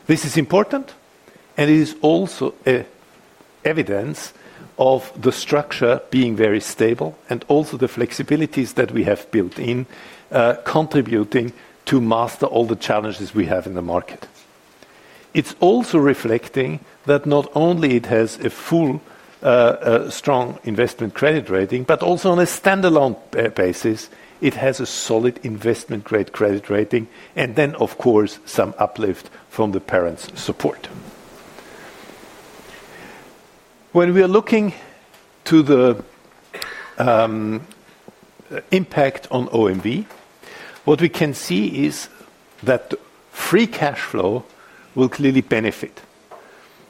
Speaker 3: This is important, and it is also evidence of the structure being very stable and also the flexibilities that we have built in, contributing to master all the challenges we have in the market. It's also reflecting that not only it has a full, strong investment-grade credit rating, but also on a standalone basis, it has a solid investment-grade credit rating and then, of course, some uplift from the parents' support. When we are looking at the impact on OMV, what we can see is that the free cash flow will clearly benefit.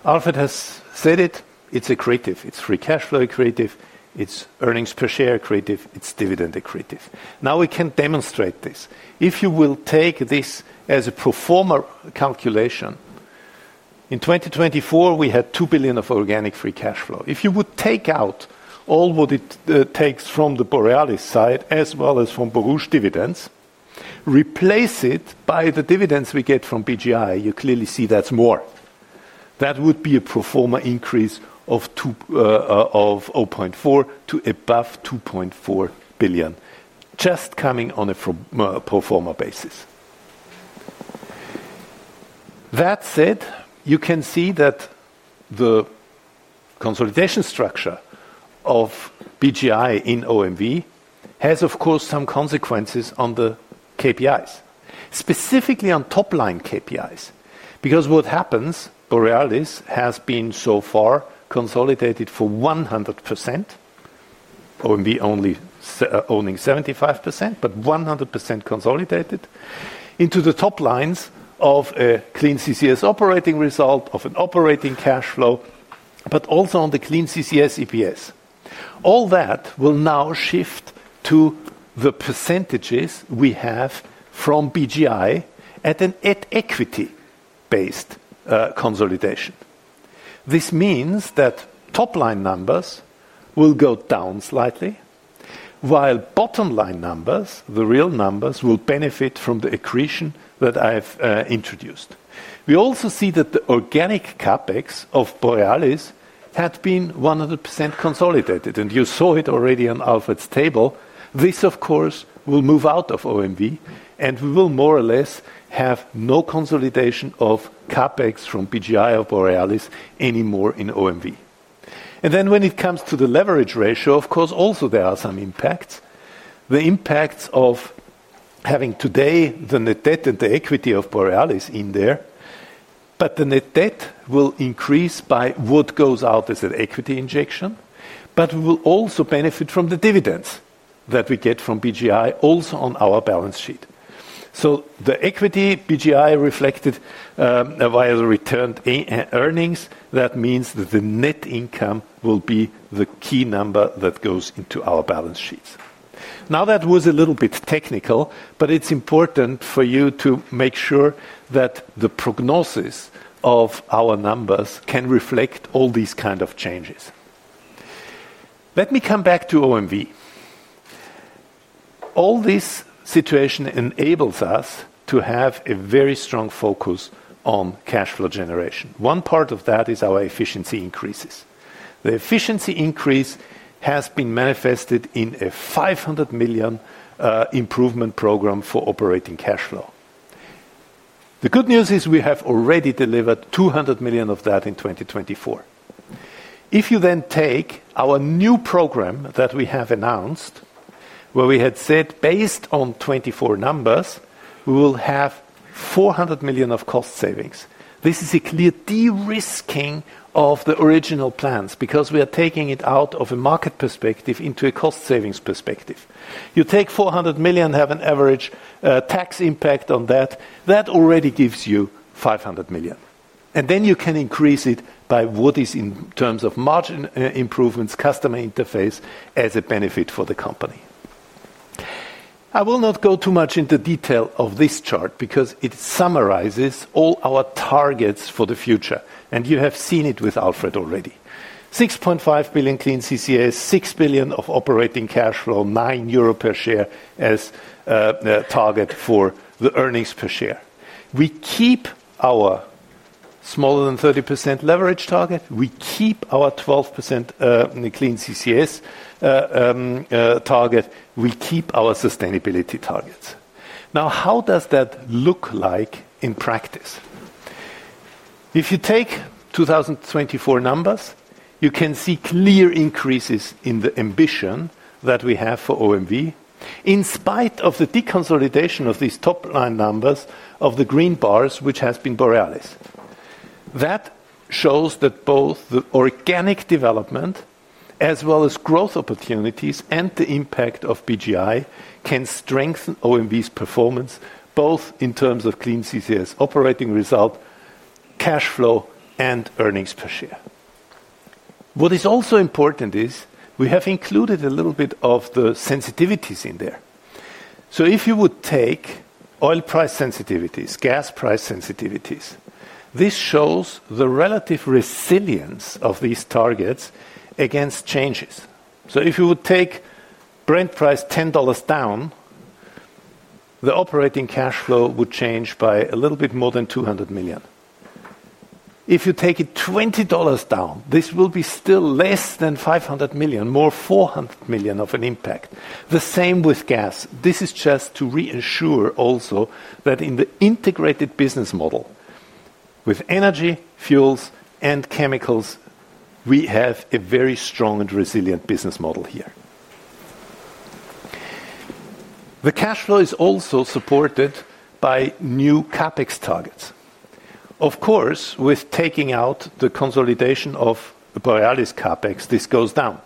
Speaker 3: Alfred has said it, it's accretive. It's free cash flow accretive. It's earnings per share accretive. It's dividend accretive. Now, we can demonstrate this. If you will take this as a pro forma calculation, in 2024, we had 2 billion of organic free cash flow. If you would take out all what it takes from the Borealis side, as well as from Borouge's dividends, replace it by the dividends we get from BGI, you clearly see that's more. That would be a pro forma increase of 0.4 billion to above 2.4 billion, just coming on a pro forma basis. That said, you can see that the consolidation structure of BGI in OMV has, of course, some consequences on the KPIs, specifically on top-line KPIs, because what happens, Borealis has been so far consolidated for 100%, OMV only owning 75%, but 100% consolidated into the top lines of a clean CCS operating result, of an operating cash flow, but also on the clean CCS EPS. All that will now shift to the percentages we have from BGI at an equity-based consolidation. This means that top-line numbers will go down slightly, while bottom-line numbers, the real numbers, will benefit from the accretion that I've introduced. We also see that the organic CapEx of Borealis had been 100% consolidated, and you saw it already on Alfred's table. This, of course, will move out of OMV, and we will more or less have no consolidation of CapEx from BGI or Borealis anymore in OMV. When it comes to the leverage ratio, of course, also there are some impacts. The impacts of having today the net debt and the equity of Borealis in there, but the net debt will increase by what goes out as an equity injection, but we will also benefit from the dividends that we get from BGI also on our balance sheet. The equity BGI reflected via the returned earnings, that means that the net income will be the key number that goes into our balance sheets. That was a little bit technical, but it's important for you to make sure that the prognosis of our numbers can reflect all these kinds of changes. Let me come back to OMV. All this situation enables us to have a very strong focus on cash flow generation. One part of that is our efficiency increases. The efficiency increase has been manifested in a 500 million improvement program for operating cash flow. The good news is we have already delivered 200 million of that in 2024. If you then take our new program that we have announced, where we had said based on 2024 numbers, we will have 400 million of cost savings. This is a clear de-risking of the original plans because we are taking it out of a market perspective into a cost savings perspective. You take 400 million and have an average tax impact on that. That already gives you 500 million. You can increase it by what is in terms of margin improvements, customer interface as a benefit for the company. I will not go too much into detail of this chart because it summarizes all our targets for the future, and you have seen it with Alfred already. 6.5 billion clean CCS, 6 billion of operating cash flow, 9 euro per share as a target for the earnings per share. We keep our smaller than 30% leverage target. We keep our 12% clean CCS target. We keep our sustainability targets. How does that look like in practice? If you take 2024 numbers, you can see clear increases in the ambition that we have for OMV, in spite of the deconsolidation of these top-line numbers of the green bars, which has been Borealis. That shows that both the organic development, as well as growth opportunities and the impact of BGI, can strengthen OMV's performance, both in terms of clean CCS operating result, cash flow, and earnings per share. What is also important is we have included a little bit of the sensitivities in there. If you would take oil price sensitivities, gas price sensitivities, this shows the relative resilience of these targets against changes. If you would take Brent price EUR 10 down, the operating cash flow would change by a little bit more than 200 million. If you take it EUR 20 down, this will be still less than 500 million, more 400 million of an impact. The same with gas. This is just to reassure also that in the integrated business model with energy, fuels, and chemicals, we have a very strong and resilient business model here. The cash flow is also supported by new CapEx targets. Of course, with taking out the consolidation of Borealis CapEx, this goes down.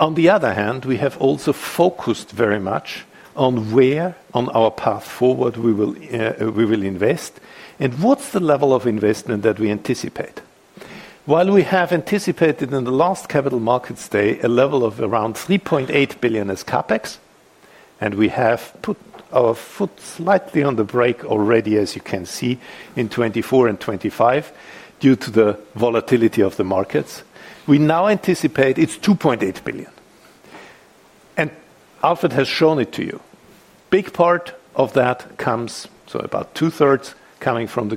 Speaker 3: On the other hand, we have also focused very much on where on our path forward we will invest and what's the level of investment that we anticipate. While we have anticipated in the last Capital Markets Day a level of around 3.8 billion as CapEx, and we have put our foot slightly on the brake already, as you can see, in 2024 and 2025 due to the volatility of the markets, we now anticipate it's 2.8 billion. Alfred has shown it to you. A big part of that comes, so about two-thirds coming from the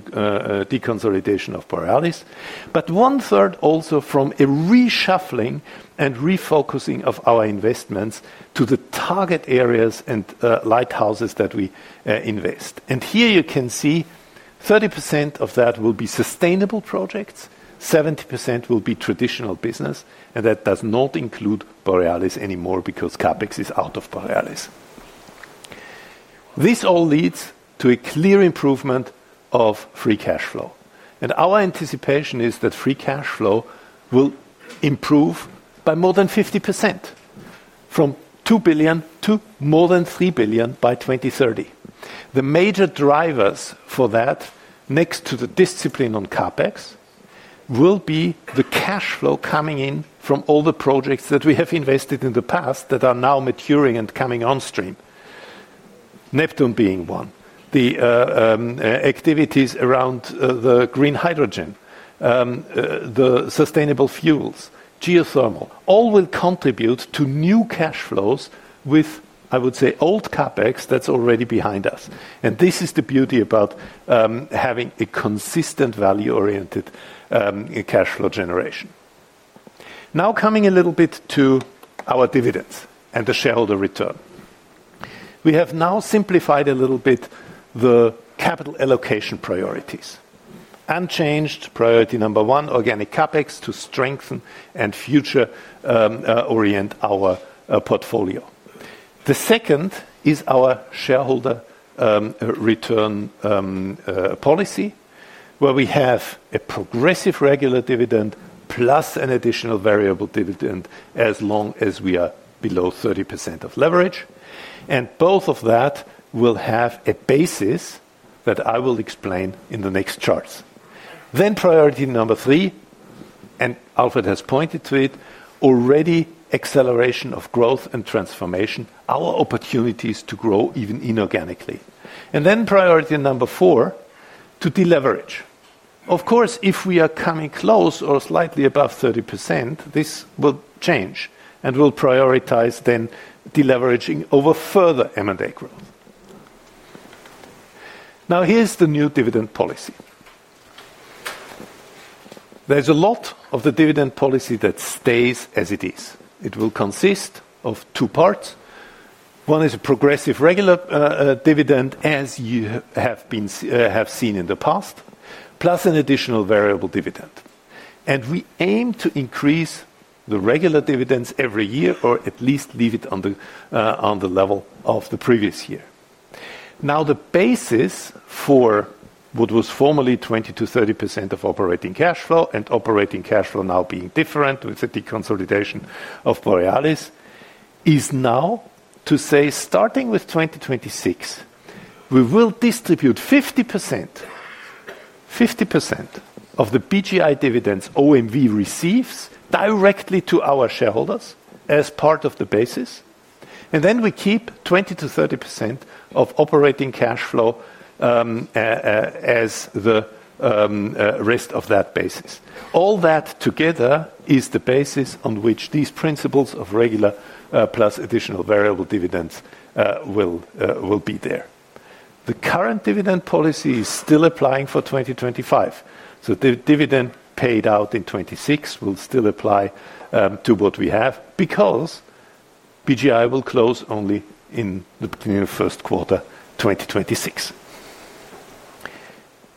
Speaker 3: deconsolidation of Borealis, but one-third also from a reshuffling and refocusing of our investments to the target areas and lighthouses that we invest. Here you can see 30% of that will be sustainable projects, 70% will be traditional business, and that does not include Borealis anymore because CapEx is out of Borealis. This all leads to a clear improvement of free cash flow, and our anticipation is that free cash flow will improve by more than 50% from 2 billion to more than 3 billion by 2030. The major drivers for that, next to the discipline on CapEx, will be the cash flow coming in from all the projects that we have invested in the past that are now maturing and coming on stream. Neptune being one, the activities around the green hydrogen, the sustainable fuels, geothermal, all will contribute to new cash flows with, I would say, old CapEx that's already behind us. This is the beauty about having a consistent value-oriented cash flow generation. Now coming a little bit to our dividends and the shareholder return. We have now simplified a little bit the capital allocation priorities. Unchanged, priority number one, organic CapEx to strengthen and future-orient our portfolio. The second is our shareholder return policy, where we have a progressive regular dividend plus an additional variable dividend as long as we are below 30% of leverage. Both of that will have a basis that I will explain in the next charts. Priority number three, as Alfred has pointed to it already, is acceleration of growth and transformation, our opportunities to grow even inorganically. Priority number four is to deleverage. Of course, if we are coming close or slightly above 30%, this will change and we'll prioritize deleveraging over further M&A growth. Here is the new dividend policy. There's a lot of the dividend policy that stays as it is. It will consist of two parts. One is a progressive regular dividend, as you have seen in the past, plus an additional variable dividend. We aim to increase the regular dividends every year or at least leave it on the level of the previous year. The basis for what was formerly 20%-30% of operating cash flow, and operating cash flow now being different with the deconsolidation of Borealis, is now to say, starting with 2026, we will distribute 50% of the BGI dividends OMV receives directly to our shareholders as part of the basis. We keep 20%-30% of operating cash flow as the rest of that basis. All that together is the basis on which these principles of regular plus additional variable dividends will be there. The current dividend policy is still applying for 2025. Dividend paid out in 2026 will still apply to what we have because BGI will close only in the first quarter of 2026.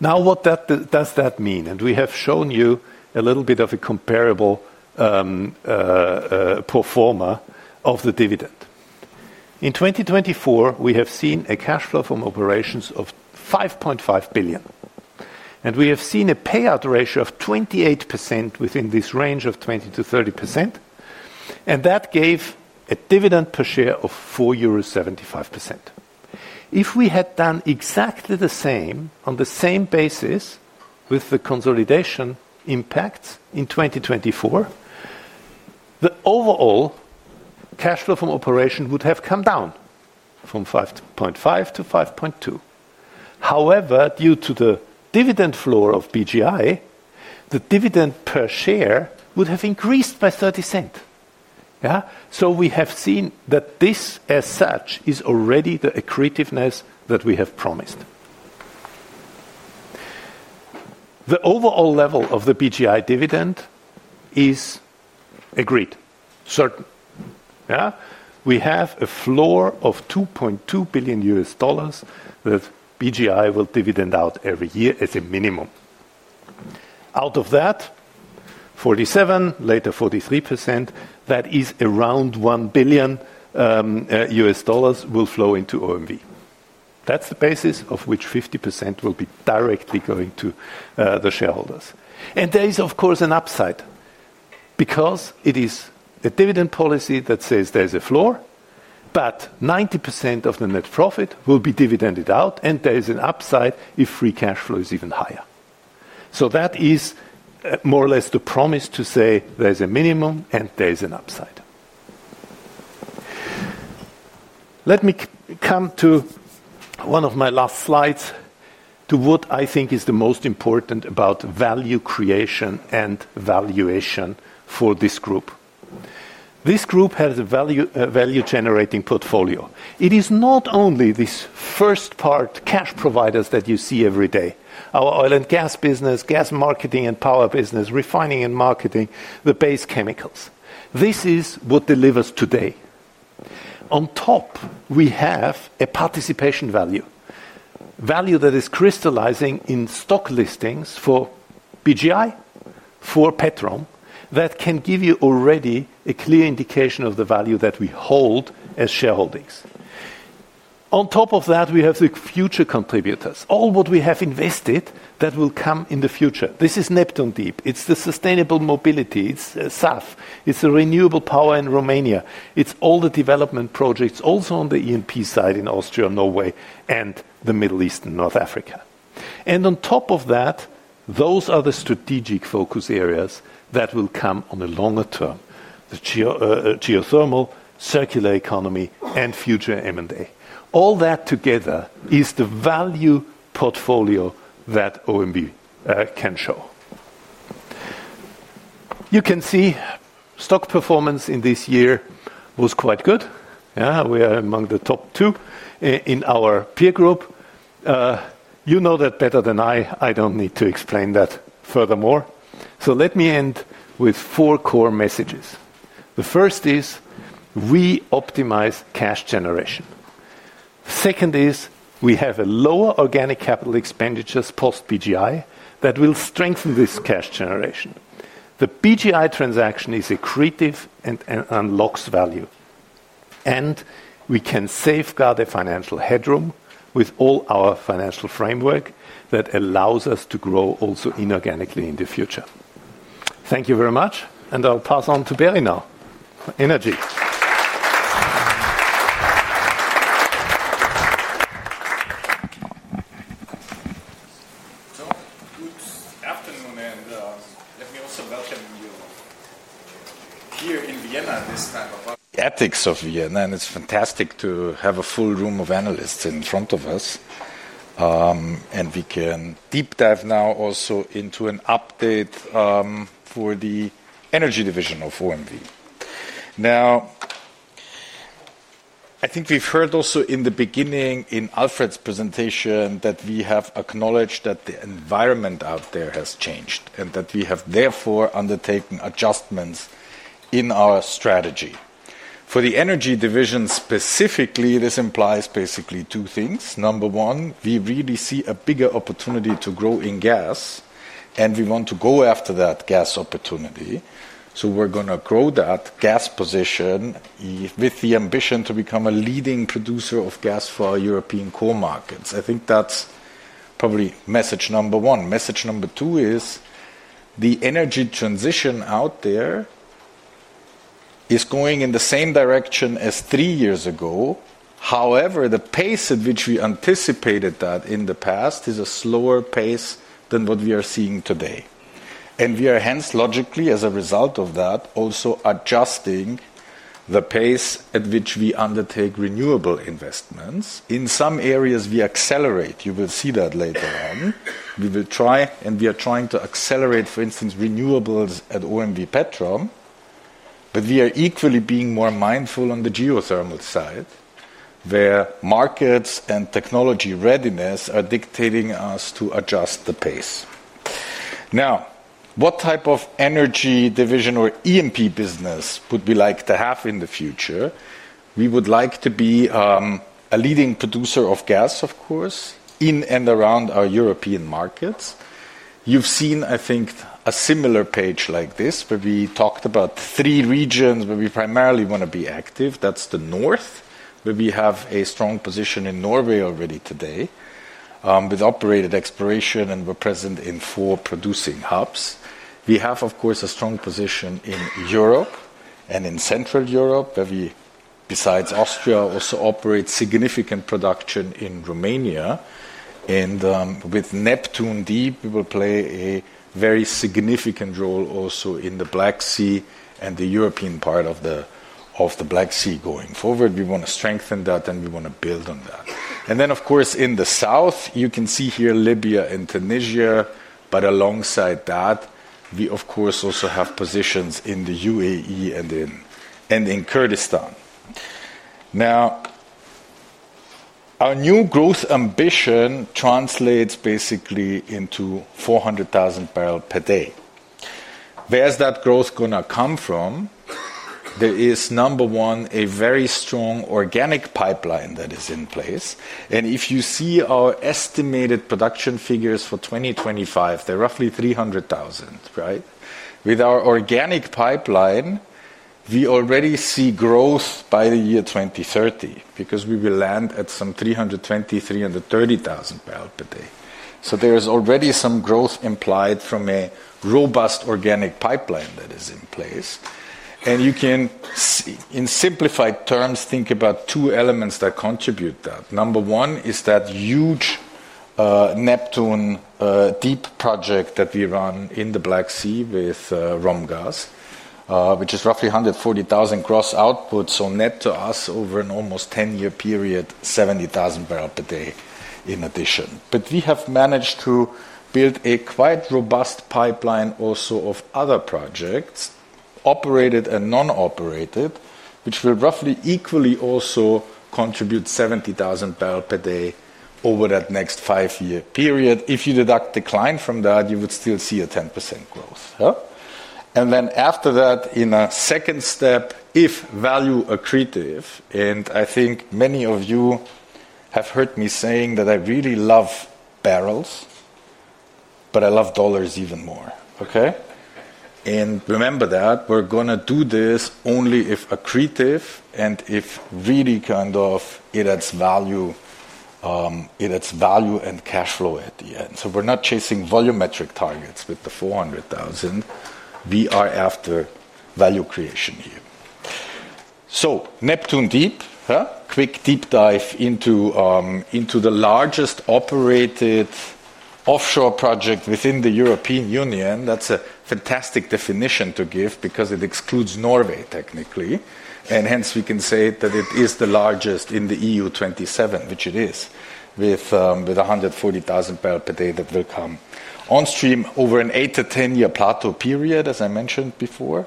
Speaker 3: What does that mean? We have shown you a little bit of a comparable pro forma of the dividend. In 2024, we have seen a cash flow from operations of 5.5 billion. We have seen a payout ratio of 28% within this range of 20%-30%. That gave a dividend per share of 4.75%. If we had done exactly the same on the same basis with the consolidation impacts in 2024, the overall cash flow from operation would have come down from 5.5 billion to 5.2 billion. However, due to the dividend floor of BGI, the dividend per share would have increased by 30%. We have seen that this, as such, is already the accretiveness that we have promised. The overall level of the BGI dividend is agreed, certain. We have a floor of EUR 2.2 billion that BGI will dividend out every year as a minimum. Out of that, 47%, later 43%, that is around EUR 1 billion will flow into OMV. That's the basis of which 50% will be directly going to the shareholders. There is, of course, an upside because it is a dividend policy that says there's a floor, but 90% of the net profit will be dividended out, and there's an upside if free cash flow is even higher. That is more or less the promise to say there's a minimum and there's an upside. Let me come to one of my last slides to what I think is the most important about value creation and valuation for this group. This group has a value-generating portfolio. It is not only this first part cash providers that you see every day, our oil and gas business, gas marketing and power business, refining and marketing, the base chemicals. This is what delivers today. On top, we have a participation value, value that is crystallizing in stock listings for BGI, for OMV Petrom, that can give you already a clear indication of the value that we hold as shareholders. On top of that, we have the future contributors, all what we have invested that will come in the future. This is Neptune Deep. It's the sustainable mobility. It's SAF. It's the renewable power in Romania. It's all the development projects also on the ENP side in Austria, Norway, and the Middle East and North Africa. On top of that, those are the strategic focus areas that will come on a longer term, the geothermal, circular economy, and future M&A. All that together is the value portfolio that OMV can show. You can see stock performance in this year was quite good. We are among the top two in our peer group. You know that better than I. I don't need to explain that furthermore. Let me end with four core messages. The first is we optimize cash generation. Second is we have a lower organic CapEx post BGI that will strengthen this cash generation. The BGI transaction is accretive and unlocks value. We can safeguard the financial headroom with all our financial framework that allows us to grow also inorganically in the future. Thank you very much. I'll pass on to Berislav Gašo now. Energy.
Speaker 4: Good afternoon. Let me also welcome you here in Vienna this time. The attics of Vienna, and it's fantastic to have a full room of analysts in front of us. We can deep dive now also into an update for the energy division of OMV. I think we've heard also in the beginning in Alfred's presentation that we have acknowledged that the environment out there has changed and that we have therefore undertaken adjustments in our strategy. For the energy division specifically, this implies basically two things. Number one, we really see a bigger opportunity to grow in gas, and we want to go after that gas opportunity. We are going to grow that gas position with the ambition to become a leading producer of gas for our European core markets. I think that's probably message number one. Message number two is the energy transition out there is going in the same direction as three years ago. However, the pace at which we anticipated that in the past is a slower pace than what we are seeing today. We are hence logically, as a result of that, also adjusting the pace at which we undertake renewable investments. In some areas, we accelerate. You will see that later on. We will try, and we are trying to accelerate, for instance, renewables at OMV Petrom. We are equally being more mindful on the geothermal side where markets and technology readiness are dictating us to adjust the pace. Now, what type of energy division or E&P business would we like to have in the future? We would like to be a leading producer of gas, of course, in and around our European markets. You've seen, I think, a similar page like this where we talked about three regions where we primarily want to be active. That's the north, where we have a strong position in Norway already today with operated exploration, and we're present in four producing hubs. We have, of course, a strong position in Europe and in Central Europe, where we besides Austria also operate significant production in Romania. With Neptune Deep, we will play a very significant role also in the Black Sea and the European part of the Black Sea going forward. We want to strengthen that, and we want to build on that. In the south, you can see here Libya and Tunisia, but alongside that, we also have positions in the UAE and in Kurdistan. Our new growth ambition translates basically into 400,000 bpd. Where's that growth going to come from? There is, number one, a very strong organic pipeline that is in place. If you see our estimated production figures for 2025, they're roughly 300,000 bpd. With our organic pipeline, we already see growth by the year 2030 because we will land at some 323,000 bpd. There is already some growth implied from a robust organic pipeline that is in place. You can, in simplified terms, think about two elements that contribute to that. Number one is that huge Neptune Deep project that we run in the Black Sea with Romgas, which is roughly 140,000 gross output. Net to us over an almost 10-year period, 70,000 bpd in addition. We have managed to build a quite robust pipeline also of other projects, operated and non-operated, which will roughly equally also contribute 70,000 bpd over that next five-year period. If you deduct decline from that, you would still see a 10% growth. After that, in a second step, if value accretive, and I think many of you have heard me saying that I really love barrels, but I love dollars even more. Remember that we're going to do this only if accretive and if it really adds value and cash flow at the end. We are not chasing volumetric targets with the 400,000 bpd. We are after value creation here. Neptune Deep, quick deep dive into the largest operated offshore project within the European Union. That's a fantastic definition to give because it excludes Norway technically. We can say that it is the largest in the EU 27, which it is, with 140,000 bpd that will come on stream over an eight to ten-year plateau period, as I mentioned before,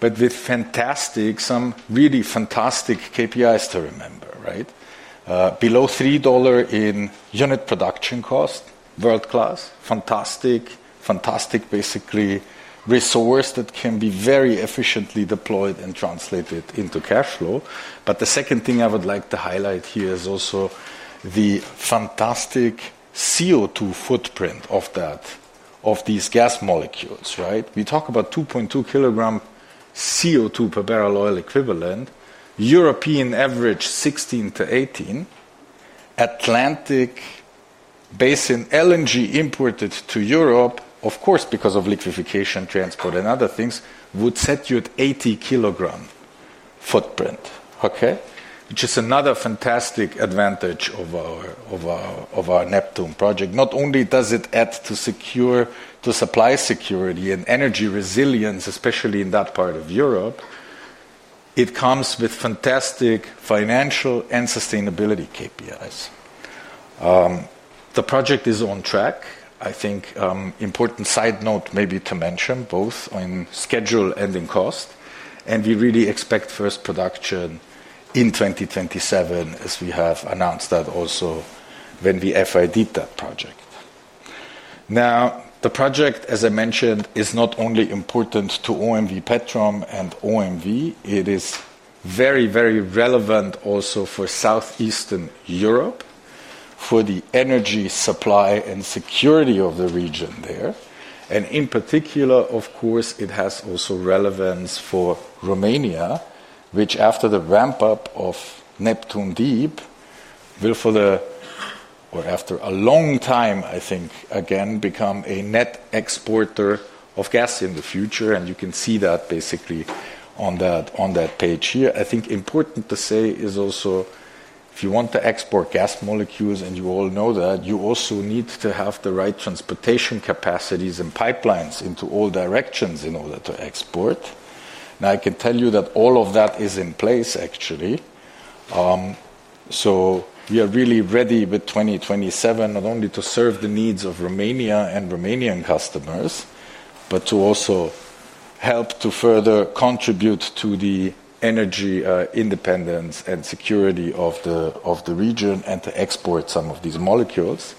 Speaker 4: but with fantastic, some really fantastic KPIs to remember. Below EUR 3 in unit production cost, world class, fantastic, basically, resource that can be very efficiently deployed and translated into cash flow. The second thing I would like to highlight here is also the fantastic CO2 footprint of that, of these gas molecules. We talk about 2.2 kg CO2 per barrel oil equivalent, European average 16 kg-18 kg. Atlantic Basin LNG imported to Europe, of course, because of liquefaction, transport, and other things, would set you at 80 kg footprint, which is another fantastic advantage of our Neptune project. Not only does it add to supply security and energy resilience, especially in that part of Europe, it comes with fantastic financial and sustainability KPIs. The project is on track. I think an important side note may be to mention both in schedule and in cost. We really expect first production in 2027, as we have announced that also when we FID that project. Now, the project, as I mentioned, is not only important to OMV Petrom and OMV. It is very, very relevant also for Southeastern Europe for the energy supply and security of the region there. In particular, of course, it has also relevance for Romania, which after the ramp-up of Neptune Deep will, after a long time, I think, again become a net exporter of gas in the future. You can see that basically on that page here. I think important to say is also, if you want to export gas molecules, and you all know that, you also need to have the right transportation capacities and pipelines into all directions in order to export. I can tell you that all of that is in place, actually. We are really ready with 2027, not only to serve the needs of Romania and Romanian customers, but to also help to further contribute to the energy independence and security of the region and to export some of these molecules.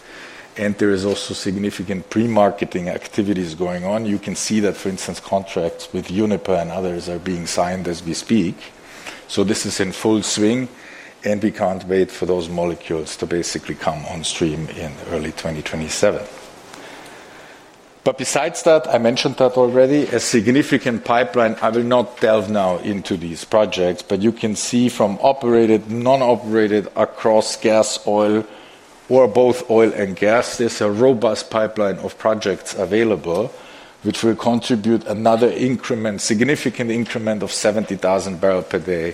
Speaker 4: There are also significant pre-marketing activities going on. You can see that, for instance, contracts with Uniper and others are being signed as we speak. This is in full swing, and we can't wait for those molecules to basically come on stream in early 2027. Besides that, I mentioned that already, a significant pipeline. I will not delve now into these projects, but you can see from operated, non-operated, across gas, oil, or both oil and gas, there's a robust pipeline of projects available, which will contribute another increment, significant increment of 70,000 bpd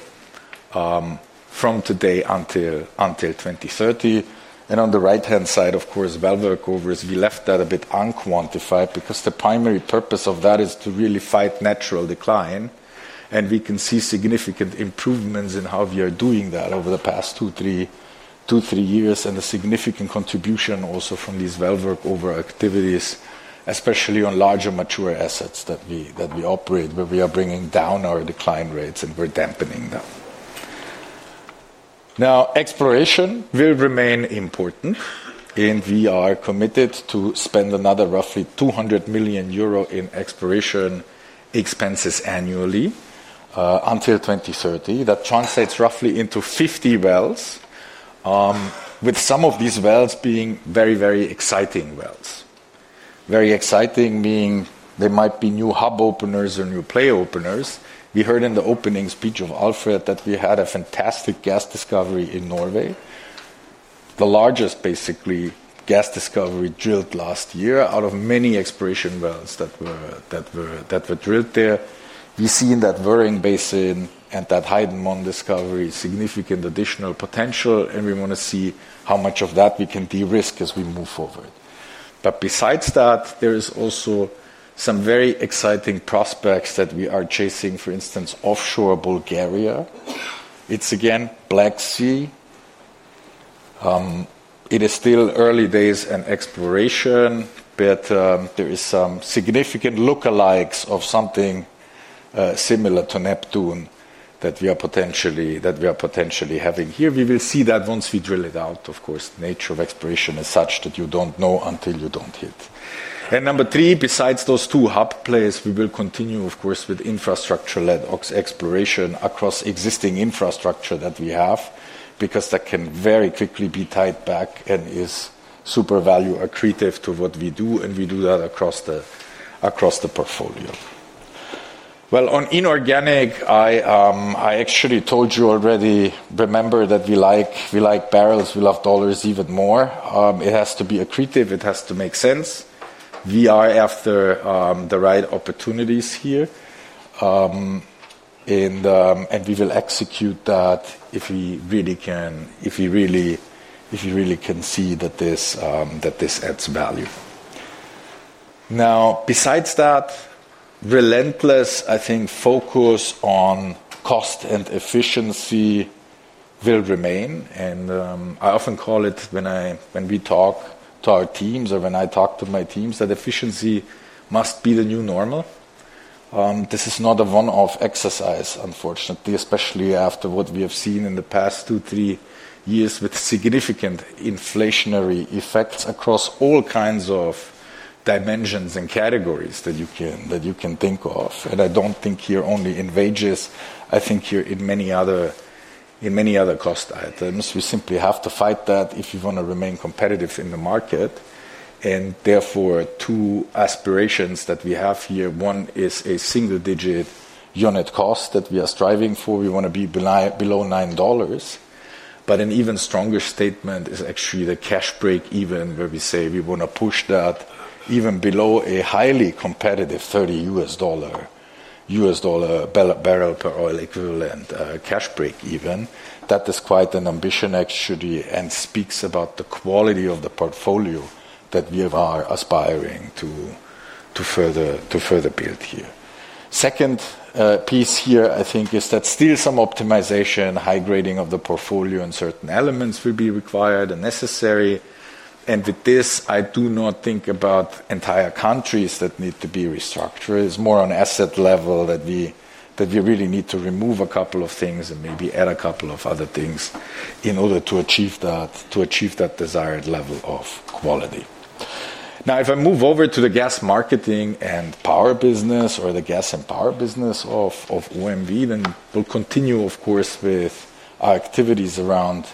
Speaker 4: from today until 2030. On the right-hand side, of course, valve recoveries, we left that a bit unquantified because the primary purpose of that is to really fight natural decline. We can see significant improvements in how we are doing that over the past two, three years, and a significant contribution also from these valve recovery activities, especially on larger mature assets that we operate, where we are bringing down our decline rates and we're dampening them. Exploration will remain important, and we are committed to spend another roughly 200 million euro in exploration expenses annually until 2030. That translates roughly into 50 wells, with some of these wells being very, very exciting wells. Very exciting, meaning there might be new hub openers or new play openers. We heard in the opening speech of Alfred Stern that we had a fantastic gas discovery in Norway, the largest gas discovery drilled last year out of many exploration wells that were drilled there. We see in that Wöring Basin and that Heidenmann discovery significant additional potential, and we want to see how much of that we can de-risk as we move forward. Besides that, there are also some very exciting prospects that we are chasing, for instance, offshore Bulgaria. It's again Black Sea. It is still early days in exploration, but there are some significant lookalikes of something similar to Neptune that we are potentially having here. We will see that once we drill it out. Of course, the nature of exploration is such that you don't know until you hit it. Number three, besides those two hub players, we will continue, of course, with infrastructure-led exploration across existing infrastructure that we have because that can very quickly be tied back and is super value accretive to what we do, and we do that across the portfolio. On inorganic, I actually told you already, remember that we like barrels, we love dollars even more. It has to be accretive, it has to make sense. We are after the right opportunities here, and we will execute that if we really can, if we really can see that this adds value. Besides that, relentless focus on cost and efficiency will remain. I often call it when we talk to our teams or when I talk to my teams that efficiency must be the new normal. This is not a one-off exercise, unfortunately, especially after what we have seen in the past two, three years with significant inflationary effects across all kinds of dimensions and categories that you can think of. I don't think you're only in wages. I think you're in many other cost items. We simply have to fight that if you want to remain competitive in the market. Therefore, two aspirations that we have here. One is a single-digit unit cost that we are striving for. We want to be below $9. An even stronger statement is actually the cash break even, where we say we want to push that even below a highly competitive $30 barrel per oil equivalent cash break even. That is quite an ambition, actually, and speaks about the quality of the portfolio that we are aspiring to further build here. Second piece here, I think, is that still some optimization, high grading of the portfolio and certain elements will be required and necessary. With this, I do not think about entire countries that need to be restructured. It's more on asset level that we really need to remove a couple of things and maybe add a couple of other things in order to achieve that desired level of quality. Now, if I move over to the gas marketing and power business or the gas and power business of OMV, we'll continue, of course, with our activities around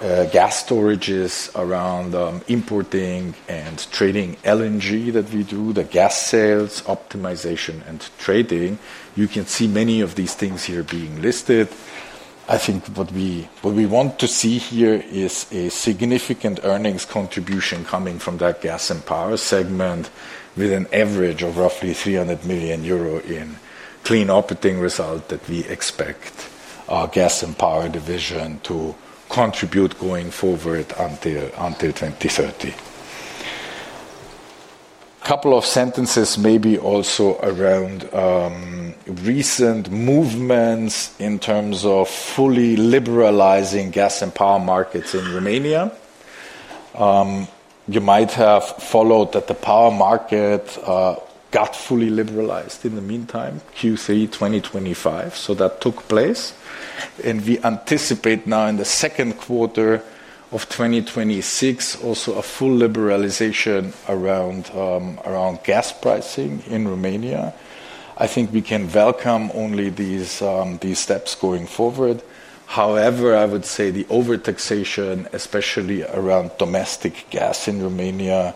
Speaker 4: gas storages, around importing and trading LNG that we do, the gas sales, optimization, and trading. You can see many of these things here being listed. I think what we want to see here is a significant earnings contribution coming from that gas and power segment with an average of roughly 300 million euro in clean operating result that we expect our gas and power division to contribute going forward until 2030. A couple of sentences maybe also around recent movements in terms of fully liberalizing gas and power markets in Romania. You might have followed that the power market got fully liberalized in the meantime, Q3 2025. That took place. We anticipate now in the second quarter of 2026 also a full liberalization around gas pricing in Romania. I think we can welcome only these steps going forward. However, I would say the overtaxation, especially around domestic gas in Romania,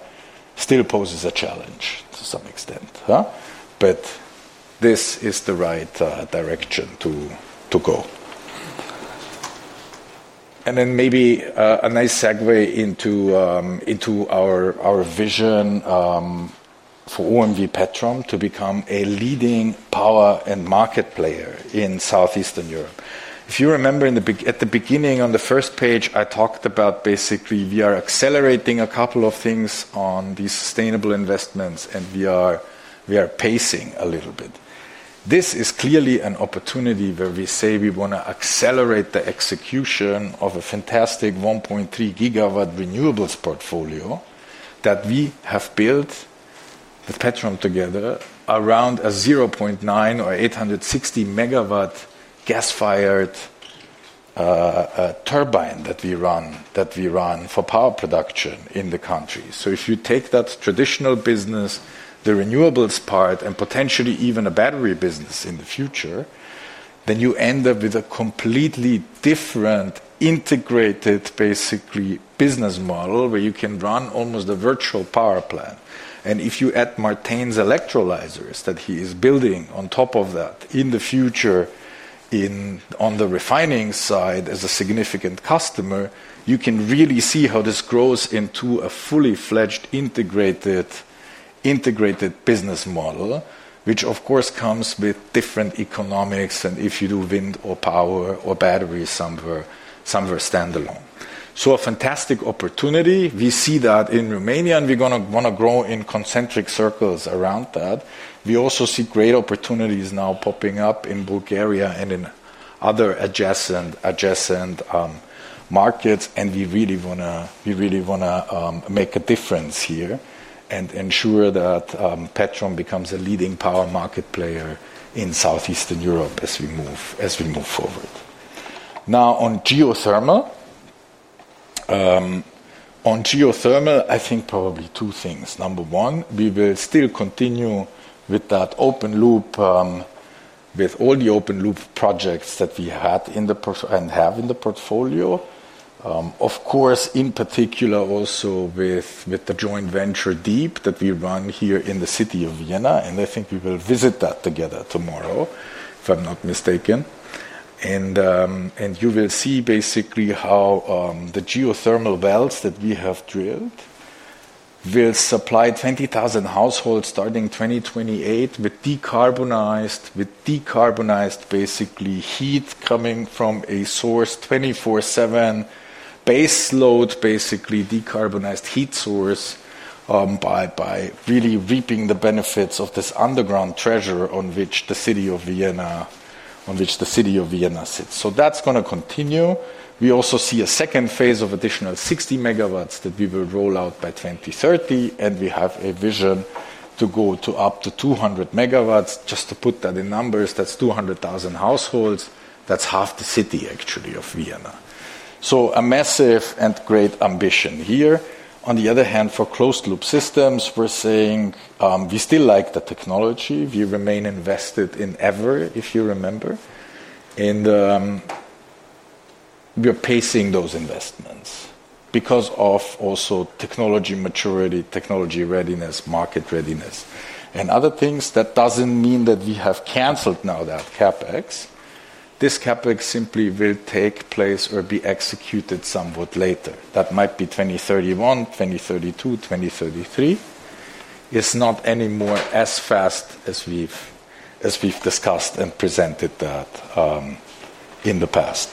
Speaker 4: still poses a challenge to some extent. This is the right direction to go. Maybe a nice segue into our vision for OMV Petrom to become a leading power and market player in Southeastern Europe. If you remember at the beginning on the first page, I talked about basically we are accelerating a couple of things on these sustainable investments and we are pacing a little bit. This is clearly an opportunity where we say we want to accelerate the execution of a fantastic 1.3 GW renewables portfolio that we have built with Petrom together around a 0.9 GW or 860 MW gas-fired turbine that we run for power production in the country. If you take that traditional business, the renewables part, and potentially even a battery business in the future, then you end up with a completely different integrated, basically, business model where you can run almost a virtual power plant. If you add Martijn van Koten's electrolyzers that he is building on top of that in the future on the refining side as a significant customer, you can really see how this grows into a fully fledged integrated business model, which, of course, comes with different economics than if you do wind or power or battery somewhere standalone. A fantastic opportunity. We see that in Romania and we want to grow in concentric circles around that. We also see great opportunities now popping up in Bulgaria and in other adjacent markets. We really want to make a difference here and ensure that OMV Petrom becomes a leading power market player in Southeastern Europe as we move forward. Now, on geothermal, I think probably two things. Number one, we will still continue with that open loop with all the open loop projects that we had and have in the portfolio. Of course, in particular also with the joint venture Neptune Deep that we run here in the city of Vienna. I think we will visit that together tomorrow, if I'm not mistaken. You will see basically how the geothermal wells that we have drilled will supply 20,000 households starting 2028 with decarbonized heat coming from a source 24/7 base load, basically, decarbonized heat source by really reaping the benefits of this underground treasure on which the city of Vienna sits. That is going to continue. We also see a second phase of additional 60 MW that we will roll out by 2030. We have a vision to go up to 200 MW. Just to put that in numbers, that's 200,000 households. That's half the city, actually, of Vienna. A massive and great ambition here. On the other hand, for closed loop systems, we're saying we still like the technology. We remain invested in Ever, if you remember. We're pacing those investments because of also technology maturity, technology readiness, market readiness, and other things. That doesn't mean that we have canceled now that CapEx. This CapEx simply will take place or be executed somewhat later. That might be 2031, 2032, 2033. It's not anymore as fast as we've discussed and presented that in the past.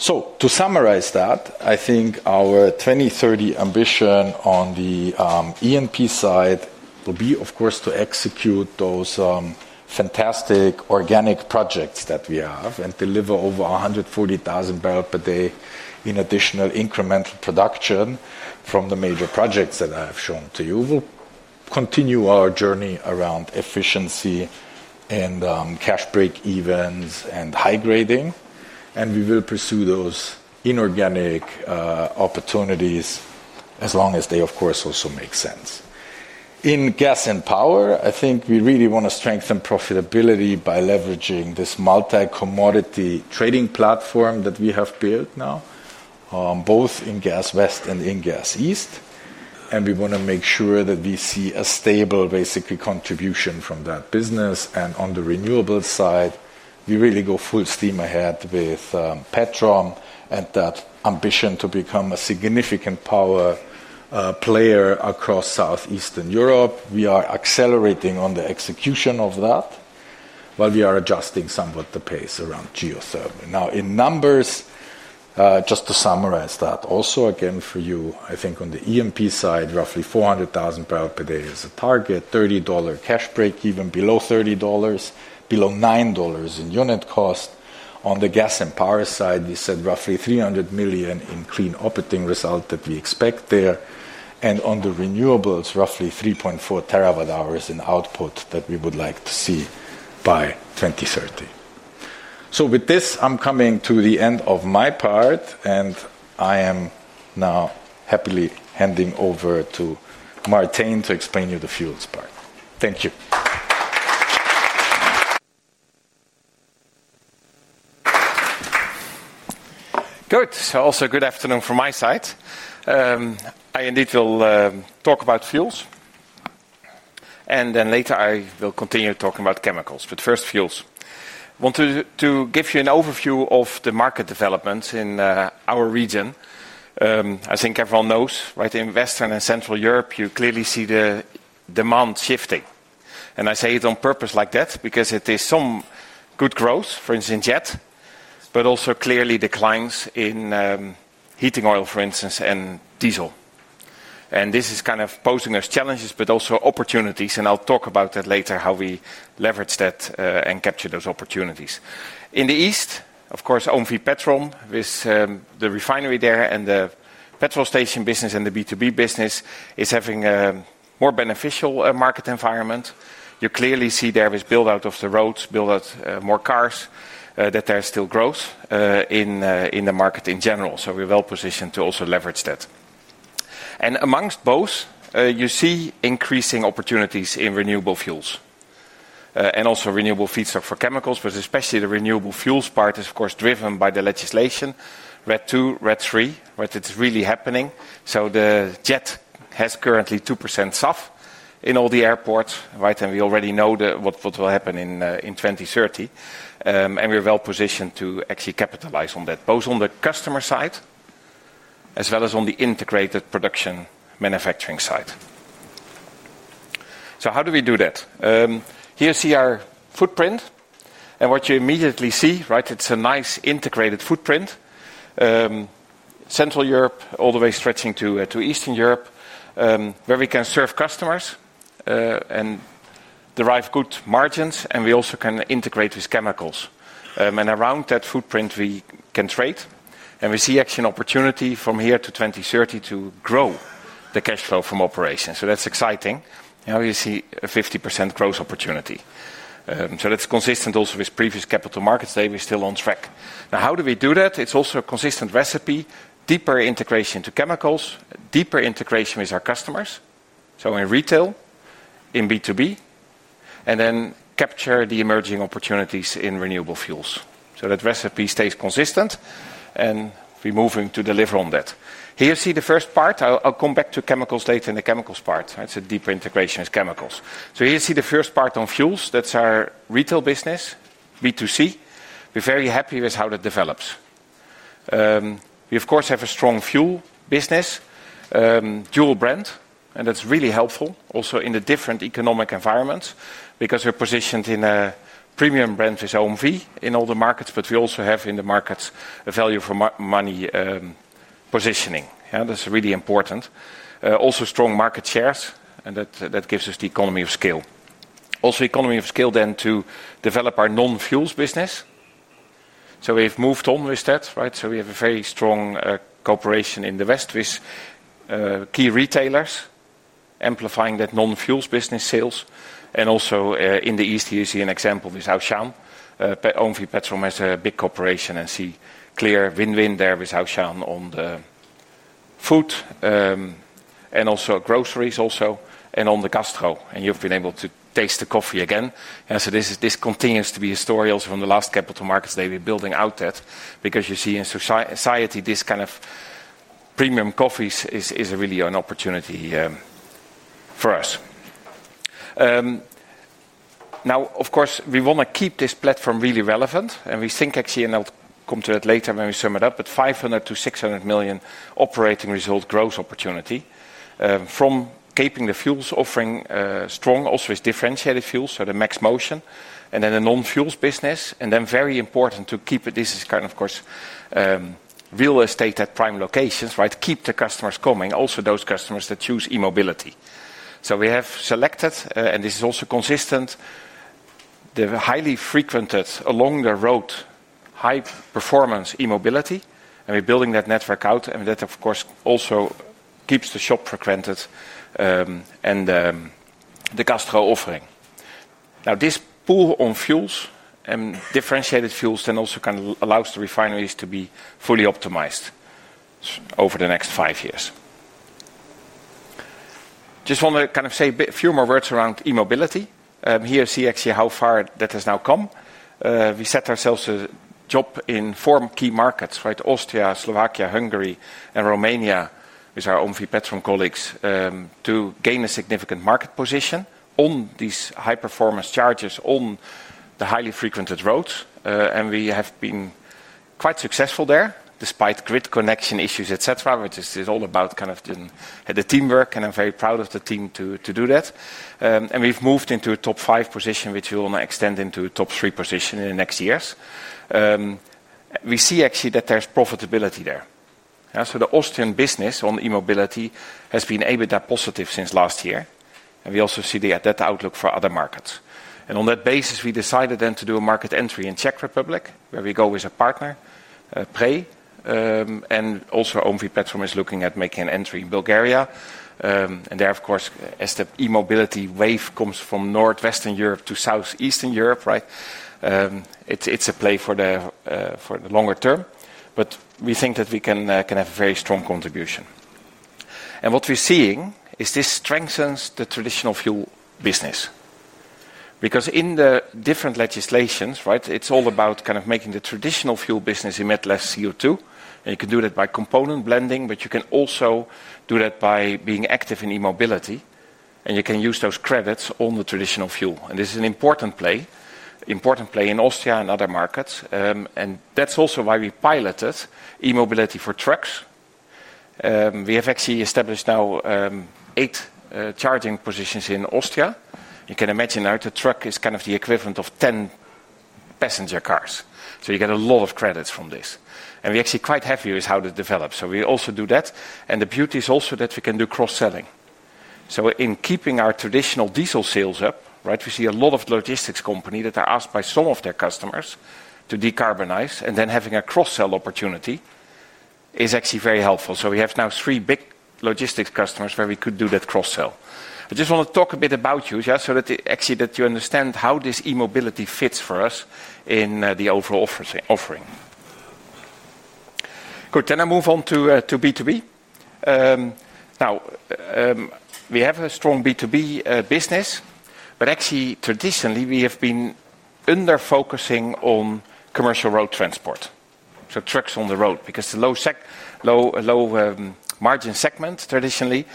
Speaker 4: To summarize that, I think our 2030 ambition on the E&P side will be, of course, to execute those fantastic organic projects that we have and deliver over 140,000 bpd in additional incremental production from the major projects that I have shown to you. We'll continue our journey around efficiency and cash break events and high grading. We will pursue those inorganic opportunities as long as they, of course, also make sense. In gas and power, I think we really want to strengthen profitability by leveraging this multi-commodity trading platform that we have built now, both in Gas West and in Gas East. We want to make sure that we see a stable, basically, contribution from that business. On the renewable side, we really go full steam ahead with Petrom and that ambition to become a significant power player across Southeastern Europe. We are accelerating on the execution of that, while we are adjusting somewhat the pace around geothermal. Now, in numbers, just to summarize that, also again for you, I think on the E&P side, roughly 400,000 bpd is a target, $30 cash break, even below $30, below $9 in unit cost. On the gas and power side, we said roughly 300 million in clean operating result that we expect there. On the renewables, roughly 3.4 TWh in output that we would like to see by 2030. With this, I'm coming to the end of my part, and I am now happily handing over to Martijn to explain you the fuels part. Thank you.
Speaker 5: Good. Also, a good afternoon from my side. I indeed will talk about fuels. Later, I will continue talking about chemicals, but first fuels. I want to give you an overview of the market developments in our region. I think everyone knows, right, in Western and Central Europe, you clearly see the demand shifting. I say it on purpose like that because it is some good growth, for instance, yet also clearly declines in heating oil, for instance, and diesel. This is kind of posing us challenges, but also opportunities. I'll talk about that later, how we leverage that and capture those opportunities. In the East, of course, OMV Petrom with the refinery there and the petrol station business and the B2B business is having a more beneficial market environment. You clearly see there with build-out of the roads, build-out, more cars, that there's still growth in the market in general. We're well positioned to also leverage that. Amongst both, you see increasing opportunities in renewable fuels and also renewable feedstock for chemicals, but especially the renewable fuels part is, of course, driven by the legislation, RED II, RED III, where it's really happening. The jet has currently 2% SAF in all the airports, right? We already know what will happen in 2030. We're well positioned to actually capitalize on that, both on the customer side as well as on the integrated production manufacturing side. How do we do that? Here's the footprint. What you immediately see, right, it's a nice integrated footprint, Central Europe all the way stretching to Eastern Europe, where we can serve customers and derive good margins. We also can integrate with chemicals. Around that footprint, we can trade. We see actually an opportunity from here to 2030 to grow the cash flow from operations. That's exciting. Now you see a 50% growth opportunity. That's consistent also with previous capital markets. We're still on track. How do we do that? It's also a consistent recipe, deeper integration to chemicals, deeper integration with our customers. In retail, in B2B, and then capture the emerging opportunities in renewable fuels. That recipe stays consistent and we're moving to deliver on that. Here you see the first part. I'll come back to chemicals later in the chemicals part. It's a deeper integration with chemicals. Here you see the first part on fuels. That's our retail business, B2C. We're very happy with how that develops. We, of course, have a strong fuel business, fuel brand, and that's really helpful also in the different economic environments because we're positioned in a premium brand with OMV in all the markets, but we also have in the markets a value for money positioning. That's really important. Also, strong market shares, and that gives us the economy of scale. Also, economy of scale then to develop our non-fuels business. We've moved on with that, right? We have a very strong cooperation in the West with key retailers, amplifying that non-fuels business sales. Also in the East, you see an example with Hauschauen. OMV Petrom has a big cooperation and see clear win-win there with Hauschauen on the food and also groceries and on the gastro. You've been able to taste the coffee again. This continues to be a story also on the last Capital Markets Day. We're building out that because you see in society this kind of premium coffee is really an opportunity for us. Now, of course, we want to keep this platform really relevant. We think actually, and I'll come to it later when we sum it up, but 500 million-600 million operating result growth opportunity from keeping the fuels offering strong, also with differentiated fuels, so the MaxxMotion, and then the non-fuels business. Very important to keep it, this is kind of, of course, real estate at prime locations, right? Keep the customers coming, also those customers that choose e-mobility. We have selected, and this is also consistent, the highly frequented along the road, high performance e-mobility. We're building that network out. That, of course, also keeps the shop frequented and the gastro offering. This pool on fuels and differentiated fuels then also kind of allows the refineries to be fully optimized over the next five years. I just want to say a few more words around e-mobility. Here you see actually how far that has now come. We set ourselves a job in four key markets, right? Austria, Slovakia, Hungary, and Romania with our OMV Petrom colleagues to gain a significant market position on these high-performance chargers on the highly frequented roads. We have been quite successful there despite grid connection issues, etc., which is all about the teamwork. I'm very proud of the team to do that. We have moved into a top five position, which we want to extend into a top three position in the next years. We see actually that there's profitability there. The Austrian business on e-mobility has been able to be positive since last year. We also see that outlook for other markets. On that basis, we decided to do a market entry in Czech Republic, where we go with a partner, Prai. OMV Petrom is looking at making an entry in Bulgaria. As the e-mobility wave comes from Northwestern Europe to Southeastern Europe, right, it's a play for the longer term. We think that we can have a very strong contribution. What we're seeing is this strengthens the traditional fuel business. In the different legislations, right, it's all about kind of making the traditional fuel business emit less CO2. You can do that by component blending, but you can also do that by being active in e-mobility. You can use those credits on the traditional fuel. This is an important play, important play in Austria and other markets. That's also why we piloted e-mobility for trucks. We have actually established now eight charging positions in Austria. You can imagine now the truck is kind of the equivalent of 10 passenger cars. You get a lot of credits from this. We are actually quite happy with how that develops. We also do that. The beauty is also that we can do cross-selling. In keeping our traditional diesel sales up, right, we see a lot of logistics companies that are asked by some of their customers to decarbonize. Having a cross-sell opportunity is actually very helpful. We have now three big logistics customers where we could do that cross-sell. I just want to talk a bit about you, yeah, so that actually you understand how this e-mobility fits for us in the overall offering. Good. I move on to B2B. We have a strong B2B business, but actually, traditionally, we have been under-focusing on commercial road transport. Trucks on the road because the low margin segment traditionally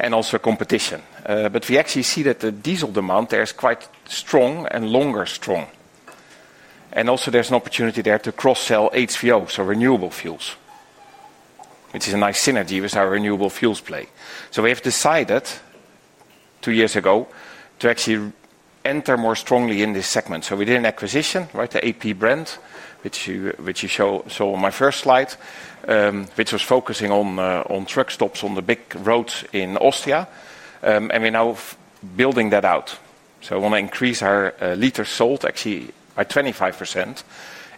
Speaker 5: and also competition. We actually see that the diesel demand there is quite strong and longer strong. There is an opportunity there to cross-sell HVO, so renewable fuels, which is a nice synergy with our renewable fuels play. We have decided two years ago to actually enter more strongly in this segment. We did an acquisition, right, the AP brand, which you saw on my first slide, which was focusing on truck stops on the big roads in Austria. We're now building that out. We want to increase our liters sold actually by 25%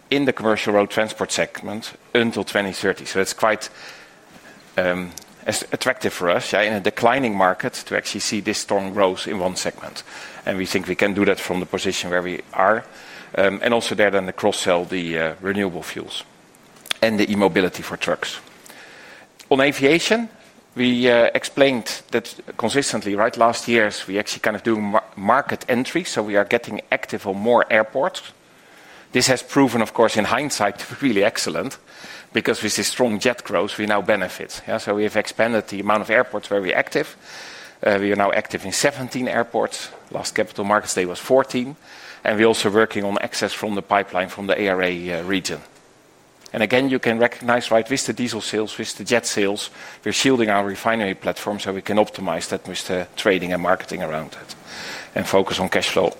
Speaker 5: in the commercial road transport segment until 2030. It's quite attractive for us, yeah, in a declining market to actually see this strong growth in one segment. We think we can do that from the position where we are. There then the cross-sell, the renewable fuels and the e-mobility for trucks. On aviation, we explained that consistently, right, last years, we actually kind of do market entry. We are getting active on more airports. This has proven, of course, in hindsight, really excellent because with this strong jet growth, we now benefit. We have expanded the amount of airports where we're active. We are now active in 17 airports. Last Capital Markets Day was 14. We're also working on access from the pipeline from the ARA region. You can recognize, right, with the diesel sales, with the jet sales, we're shielding our refinery platform so we can optimize that with the trading and marketing around that and focus on cash flow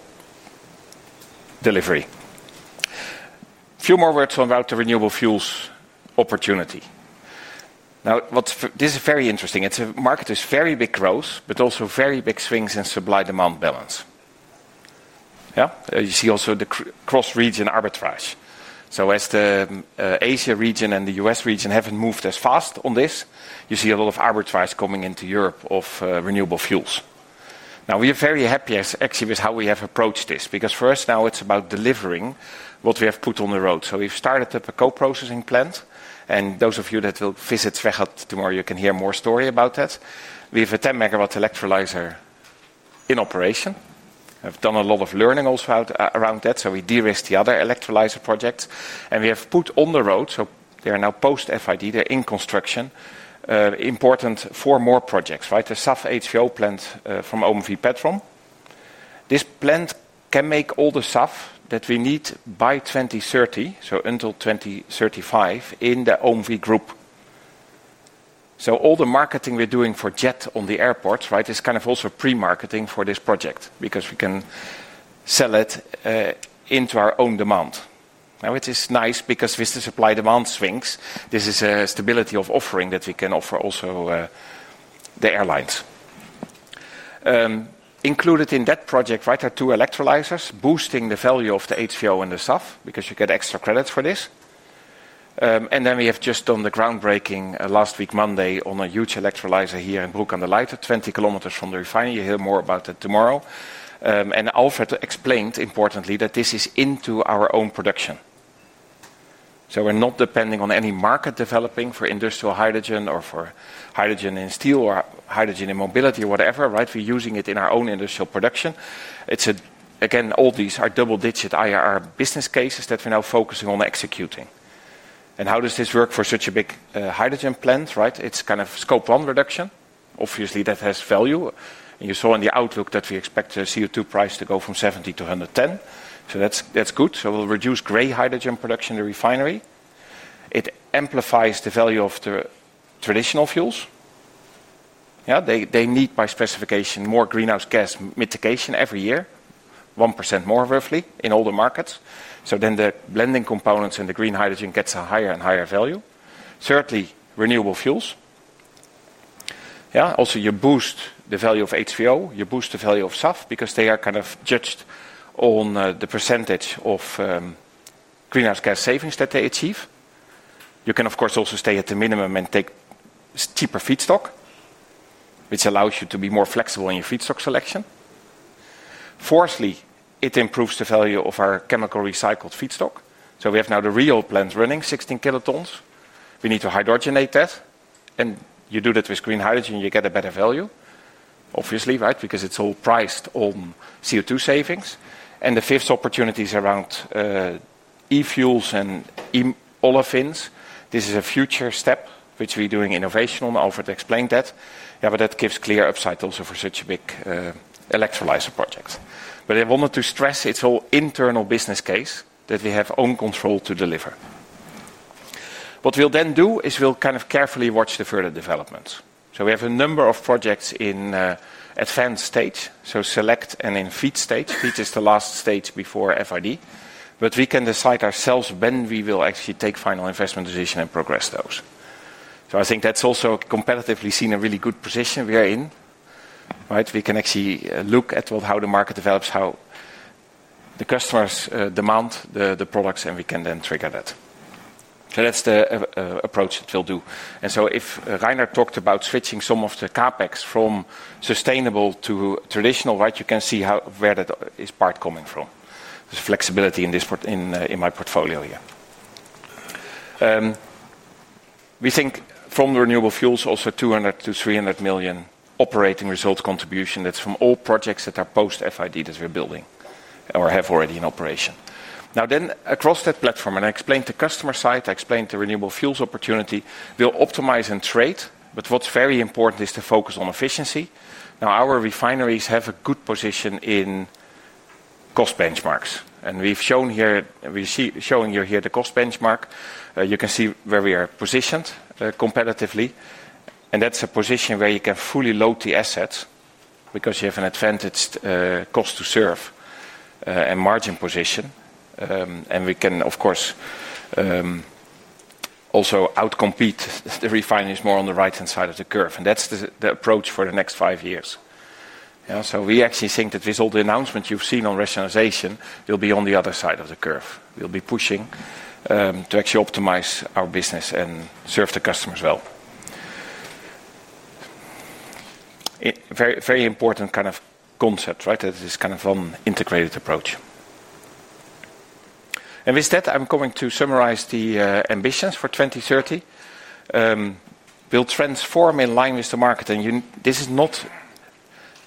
Speaker 5: delivery. A few more words about the renewable fuels opportunity. This is very interesting. It's a market with very big growth, but also very big swings in supply-demand balance. You see also the cross-region arbitrage. As the Asia region and the U.S. region haven't moved as fast on this, you see a lot of arbitrage coming into Europe of renewable fuels. We are very happy actually with how we have approached this because first now it's about delivering what we have put on the road. We've started up a co-processing plant. Those of you that will visit Ferhat tomorrow, you can hear more stories about that. We have a 10 MW electrolyzer in operation. We have done a lot of learning also around that. We de-risked the other electrolyzer projects. We have put on the road, so they are now post-FID. They're in construction. Important four more projects, right? The SAF HVO plant from OMV Petrom. This plant can make all the SAF that we need by 2030, so until 2035, in the OMV group. All the marketing we're doing for jet on the airports, right, is kind of also pre-marketing for this project because we can sell it into our own demand. Now, it is nice because with the supply-demand swings, this is a stability of offering that we can offer also the airlines. Included in that project, right, are two electrolyzers, boosting the value of the HVO and the SAF because you get extra credit for this. We have just done the groundbreaking last week, Monday, on a huge electrolyzer here in Brook and the Leith, 20 km from the refinery. You hear more about that tomorrow. Alfred explained importantly that this is into our own production. We're not depending on any market developing for industrial hydrogen or for hydrogen in steel or hydrogen in mobility or whatever, right? We're using it in our own industrial production. Again, all these are double-digit IRR business cases that we're now focusing on executing. How does this work for such a big hydrogen plant, right? It's kind of scope one reduction. Obviously, that has value. You saw in the outlook that we expect the CO2 price to go from 70 to 110. That's good. We'll reduce gray hydrogen production in the refinery. It amplifies the value of the traditional fuels. They need by specification more greenhouse gas mitigation every year, 1% more roughly in all the markets. The blending components and the green hydrogen get a higher and higher value. Certainly, renewable fuels. You also boost the value of HVO. You boost the value of SAF because they are kind of judged on the percentage of greenhouse gas savings that they achieve. You can, of course, also stay at the minimum and take cheaper feedstock, which allows you to be more flexible in your feedstock selection. Fourthly, it improves the value of our chemical recycled feedstock. We have now the ReOil plants running, 16 kilotons. We need to hydrogenate that. You do that with green hydrogen, you get a better value, obviously, because it's all priced on CO2 savings. The fifth opportunity is around e-fuels and e-olefins. This is a future step, which we're doing innovation on. Alfred explained that. That gives clear upside also for such a big electrolyzer project. I wanted to stress it's all internal business case that we have own control to deliver. What we'll then do is we'll kind of carefully watch the further developments. We have a number of projects in advanced stage, so select and in feed stage. Feed is the last stage before FID. We can decide ourselves when we will actually take final investment decision and progress those. I think that's also competitively seen a really good position we are in, right? We can actually look at how the market develops, how the customers demand the products, and we can then trigger that. That's the approach that we'll do. If Reinhard talked about switching some of the CapEx from sustainable to traditional, right, you can see where that is part coming from. There's flexibility in my portfolio here. We think from renewable fuels also 200 million-300 million operating result contribution. That's from all projects that are post-FID that we're building or have already in operation. Across that platform, and I explained the customer side, I explained the renewable fuels opportunity, we'll optimize and trade, but what's very important is to focus on efficiency. Our refineries have a good position in cost benchmarks. We've shown here, we're showing you here the cost benchmark. You can see where we are positioned competitively. That's a position where you can fully load the assets because you have an advantaged cost to serve and margin position. We can, of course, also outcompete the refineries more on the right-hand side of the curve. That's the approach for the next five years. We actually think that with all the announcements you've seen on rationalization, we'll be on the other side of the curve. We'll be pushing to actually optimize our business and serve the customers well. Very important kind of concepts, right? That is kind of an integrated approach. With that, I'm going to summarize the ambitions for 2030. We'll transform in line with the market. This is not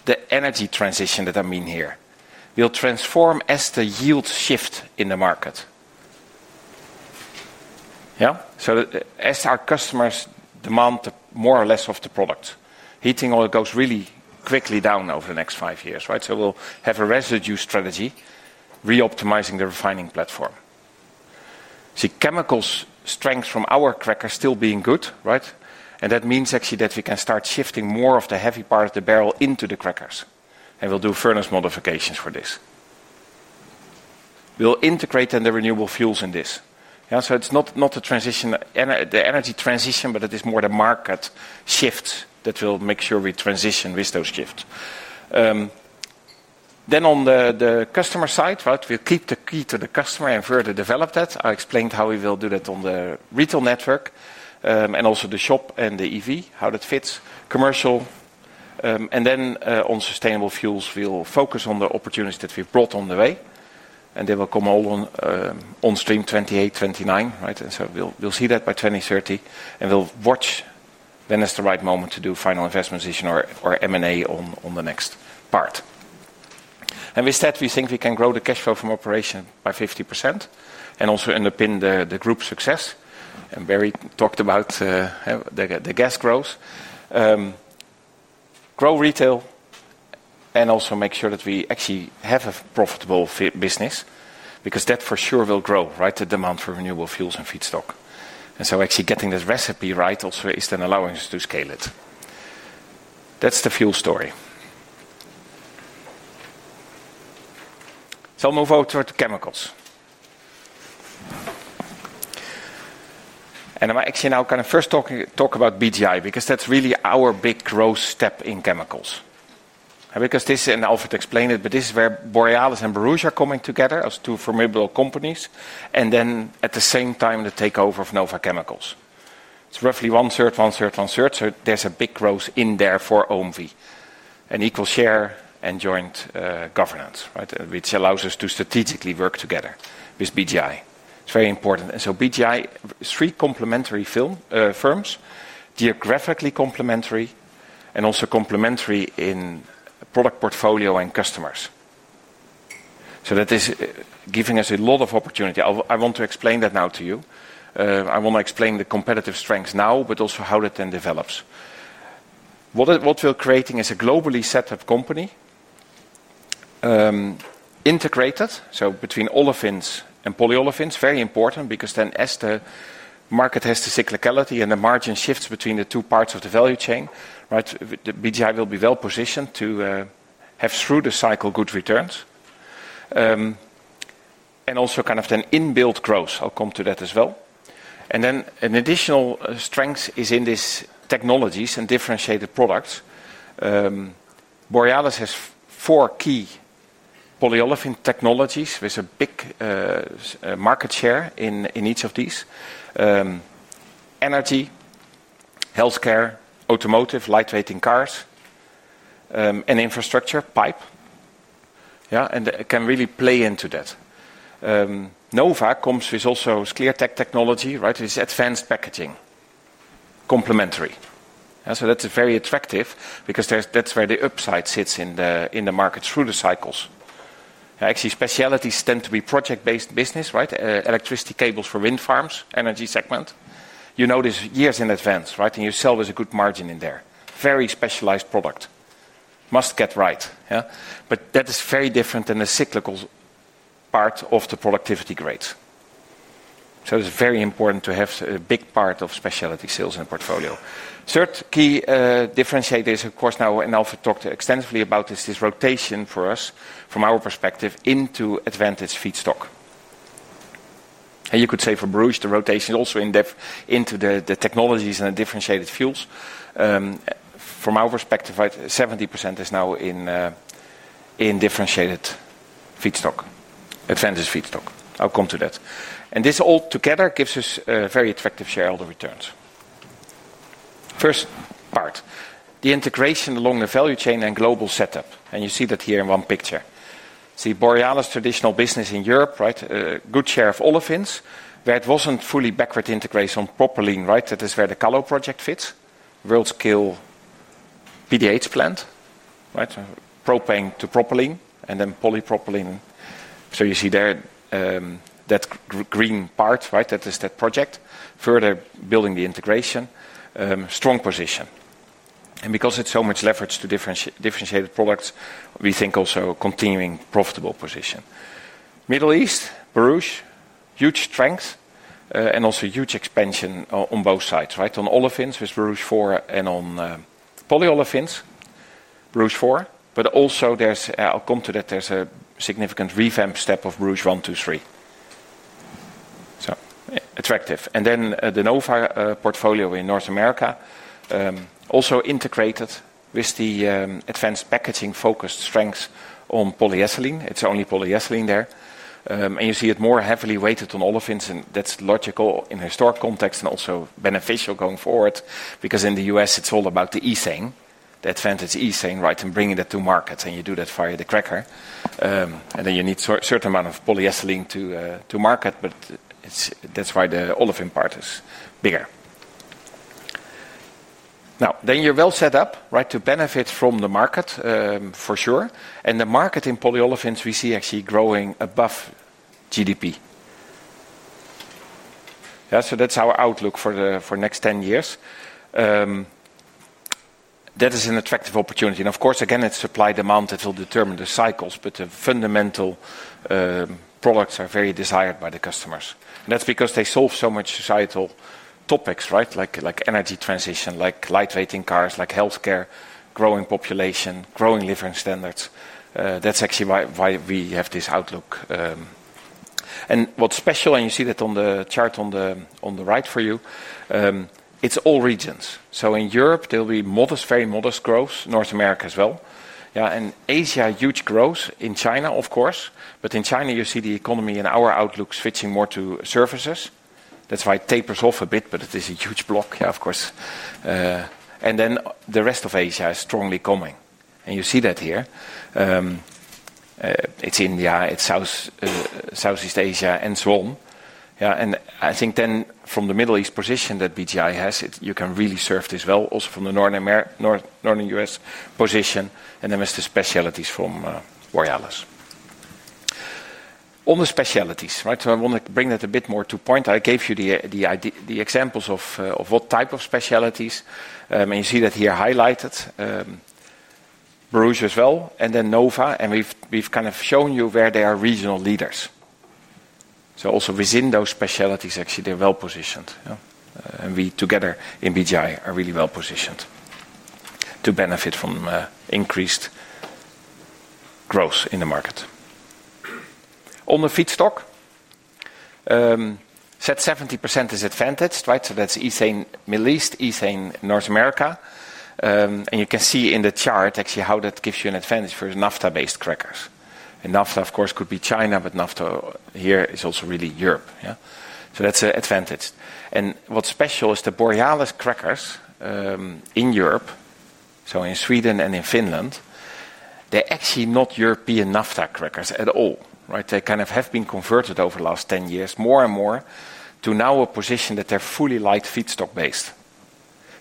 Speaker 5: the energy transition that I mean here. We'll transform as the yield shift in the market. As our customers demand more or less of the product. Heating oil goes really quickly down over the next five years, right? We'll have a residue strategy, reoptimizing the refining platform. See, chemical strengths from our crackers still being good, right? That means actually that we can start shifting more of the heavy part of the barrel into the crackers. We'll do furnace modifications for this. We'll integrate then the renewable fuels in this. It's not a transition, the energy transition, but it is more the market shifts that we'll make sure we transition with those shifts. On the customer side, we'll keep the key to the customer and further develop that. I explained how we will do that on the retail network and also the shop and the EV, how that fits commercial. On sustainable fuels, we'll focus on the opportunities that we've brought on the way. They will come all on stream 2028, 2029, and we'll see that by 2030. We'll watch when is the right moment to do final investment decision or M&A on the next part. With that, we think we can grow the cash flow from operation by 50% and also underpin the group success. Barry talked about the gas growth. Grow retail and also make sure that we actually have a profitable business because that for sure will grow the demand for renewable fuels and feedstock. Actually getting this recipe right also is then allowing us to scale it. That's the fuel story. I'll move over to the chemicals. I'm actually now kind of first talking about BGI because that's really our big growth step in chemicals. This is, and Alfred explained it, but this is where Borealis and Borouge are coming together as two formidable companies. At the same time, the takeover of Nova Chemicals. It's roughly one third, one third, one third. There's a big growth in there for OMV and equal share and joint governance, which allows us to strategically work together with BGI. It's very important. BGI, three complementary firms, geographically complementary, and also complementary in product portfolio and customers. That is giving us a lot of opportunity. I want to explain that now to you. I want to explain the competitive strengths now, but also how that then develops. What we're creating is a globally set-up company, integrated, so between olefins and polyolefins, very important because then as the market has the cyclicality and the margin shifts between the two parts of the value chain, the BGI will be well positioned to have through the cycle good returns and also kind of then in-build growth. I'll come to that as well. An additional strength is in these technologies and differentiated products. Borealis has four key polyolefin technologies with a big market share in each of these: energy, healthcare, automotive, lightweight in cars, and infrastructure, pipe. It can really play into that. Nova comes with also ClearTech technology, with advanced packaging, complementary. That's very attractive because that's where the upside sits in the market through the cycles. Actually, specialties tend to be project-based business, right, electricity cables for wind farms, energy segment. You know this years in advance, right, and you sell with a good margin in there. Very specialized product. Must get right. Yeah, but that is very different than the cyclical part of the productivity grades. It's very important to have a big part of specialty sales in the portfolio. Third key differentiator is, of course, now, and Alfred talked extensively about this, this rotation for us from our perspective into advantaged feedstock. You could say for BGI, the rotation is also in depth into the technologies and the differentiated fuels. From our perspective, 70% is now in differentiated feedstock, advantaged feedstock. I'll come to that. This all together gives us very attractive shareholder returns. First part, the integration along the value chain and global setup. You see that here in one picture. See, Borealis traditional business in Europe, right, good share of olefins, where it wasn't fully backward integration on propylene, right, that is where the Kallo project fits, world scale PDH plant, right, propane to propylene, and then polypropylene. You see there, that green part, right, that is that project, further building the integration, strong position. Because it's so much leverage to differentiated products, we think also continuing profitable position. Middle East, Borouge, huge strength, and also huge expansion on both sides, right, on olefins with Borouge 4 and on polyolefins, Borouge 4. There's a significant revamp step of Borouge 1, 2, 3. So attractive. The Nova Chemicals portfolio in North America, also integrated with the advanced packaging focused strengths on polyethylene. It's only polyethylene there. You see it more heavily weighted on olefins, and that's logical in a historic context and also beneficial going forward because in the U.S. it's all about the ethane, the advantaged ethane, right, and bringing that to market. You do that via the cracker. You need a certain amount of polyethylene to market, but that's why the olefin part is bigger. You're well set up, right, to benefit from the market, for sure. The market in polyolefins we see actually growing above GDP. Yeah, that's our outlook for the next 10 years. That is an attractive opportunity. Of course, again, it's supply-demand that will determine the cycles, but the fundamental products are very desired by the customers. That's because they solve so much societal topics, like energy transition, like lightweight in cars, like healthcare, growing population, growing living standards. That's actually why we have this outlook. What's special, and you see that on the chart on the right for you, it's all regions. In Europe, there'll be modest, very modest growth, North America as well. Asia, huge growth in China, of course. In China, you see the economy and our outlook switching more to services. That's why it tapers off a bit, but it is a huge block. The rest of Asia is strongly coming. You see that here. It's India, it's Southeast Asia, and so on. I think then from the Middle East position that BGI has, you can really serve this well, also from the Northern U.S. position, and then with the specialties from Borealis. On the specialties, I want to bring that a bit more to point. I gave you the examples of what type of specialties. You see that here highlighted, Borouge as well, and then Nova. We've kind of shown you where they are regional leaders. Also within those specialties, actually, they're well positioned. We together in BGI are really well positioned to benefit from increased growth in the market. On the feedstock, that 70% is advantaged, right? That's ethane Middle East, ethane North America. You can see in the chart actually how that gives you an advantage for naphtha-based crackers. Naphtha, of course, could be China, but naphtha here is also really Europe. That's an advantage. What's special is the Borealis crackers in Europe, so in Sweden and in Finland, they're actually not European naphtha crackers at all. They kind of have been converted over the last 10 years more and more to now a position that they're fully light feedstock based.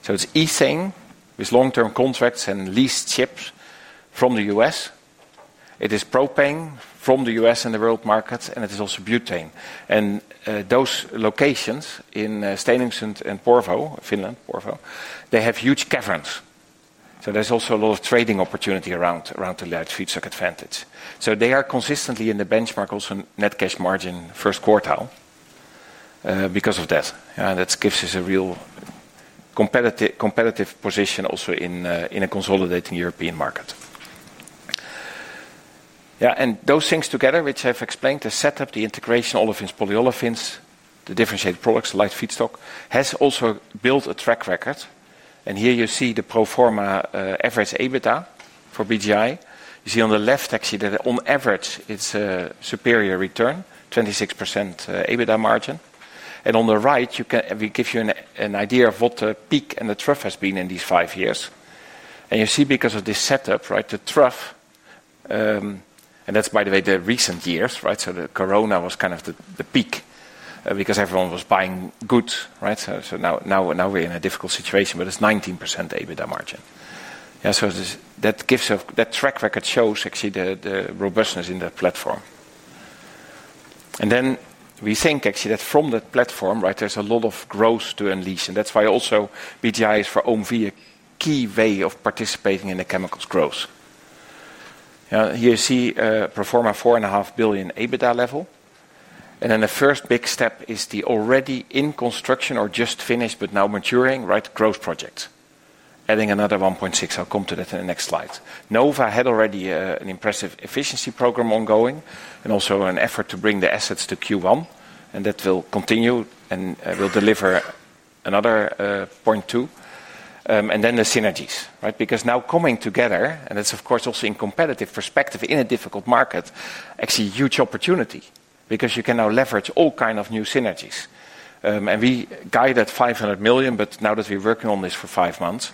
Speaker 5: It's ethane with long-term contracts and lease ships from the U.S. It is propane from the U.S. and the road markets, and it is also butane. Those locations in Stenungsund and Porvoo, Finland, they have huge caverns. There's also a lot of trading opportunity around the large feedstock advantage. They are consistently in the benchmark also net cash margin first quartile because of that. Yeah, that gives us a real competitive position also in a consolidating European market. Those things together, which I've explained, the setup, the integration, olefins, polyolefins, the differentiated products, the light feedstock, has also built a track record. Here you see the pro forma average EBITDA for BGI. You see on the left, actually, that on average, it's a superior return, 26% EBITDA margin. On the right, we give you an idea of what the peak and the trough has been in these five years. You see, because of this setup, the trough, and that's, by the way, the recent years, right? The corona was kind of the peak because everyone was buying goods, right? Now we're in a difficult situation, but it's 19% EBITDA margin. That track record shows actually the robustness in that platform. We think actually that from that platform, there's a lot of growth to unleash. That's why also BGI is for OMV a key way of participating in the chemicals growth. Here you see a pro forma 4.5 billion EBITDA level. The first big step is the already in construction or just finished, but now maturing, growth project, adding another 1.6 billion. I'll come to that in the next slides. Nova had already an impressive efficiency program ongoing and also an effort to bring the assets to Q1. That will continue and will deliver another EUR 0.2 billion. The synergies, because now coming together, and it's, of course, also in competitive perspective in a difficult market, actually a huge opportunity because you can now leverage all kinds of new synergies. We guide at 500 million, but now that we're working on this for five months,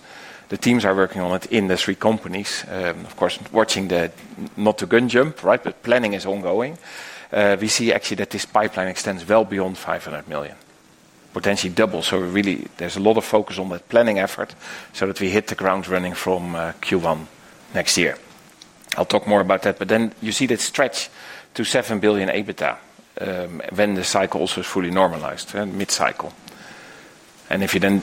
Speaker 5: the teams are working on it in the three companies. Of course, watching not to gun jump, but planning is ongoing. We see actually that this pipeline extends well beyond 500 million, potentially double. There's a lot of focus on that planning effort so that we hit the ground running from Q1 next year. I'll talk more about that, but then you see that stretch to 7 billion EBITDA when the cycle also is fully normalized, mid-cycle. If you then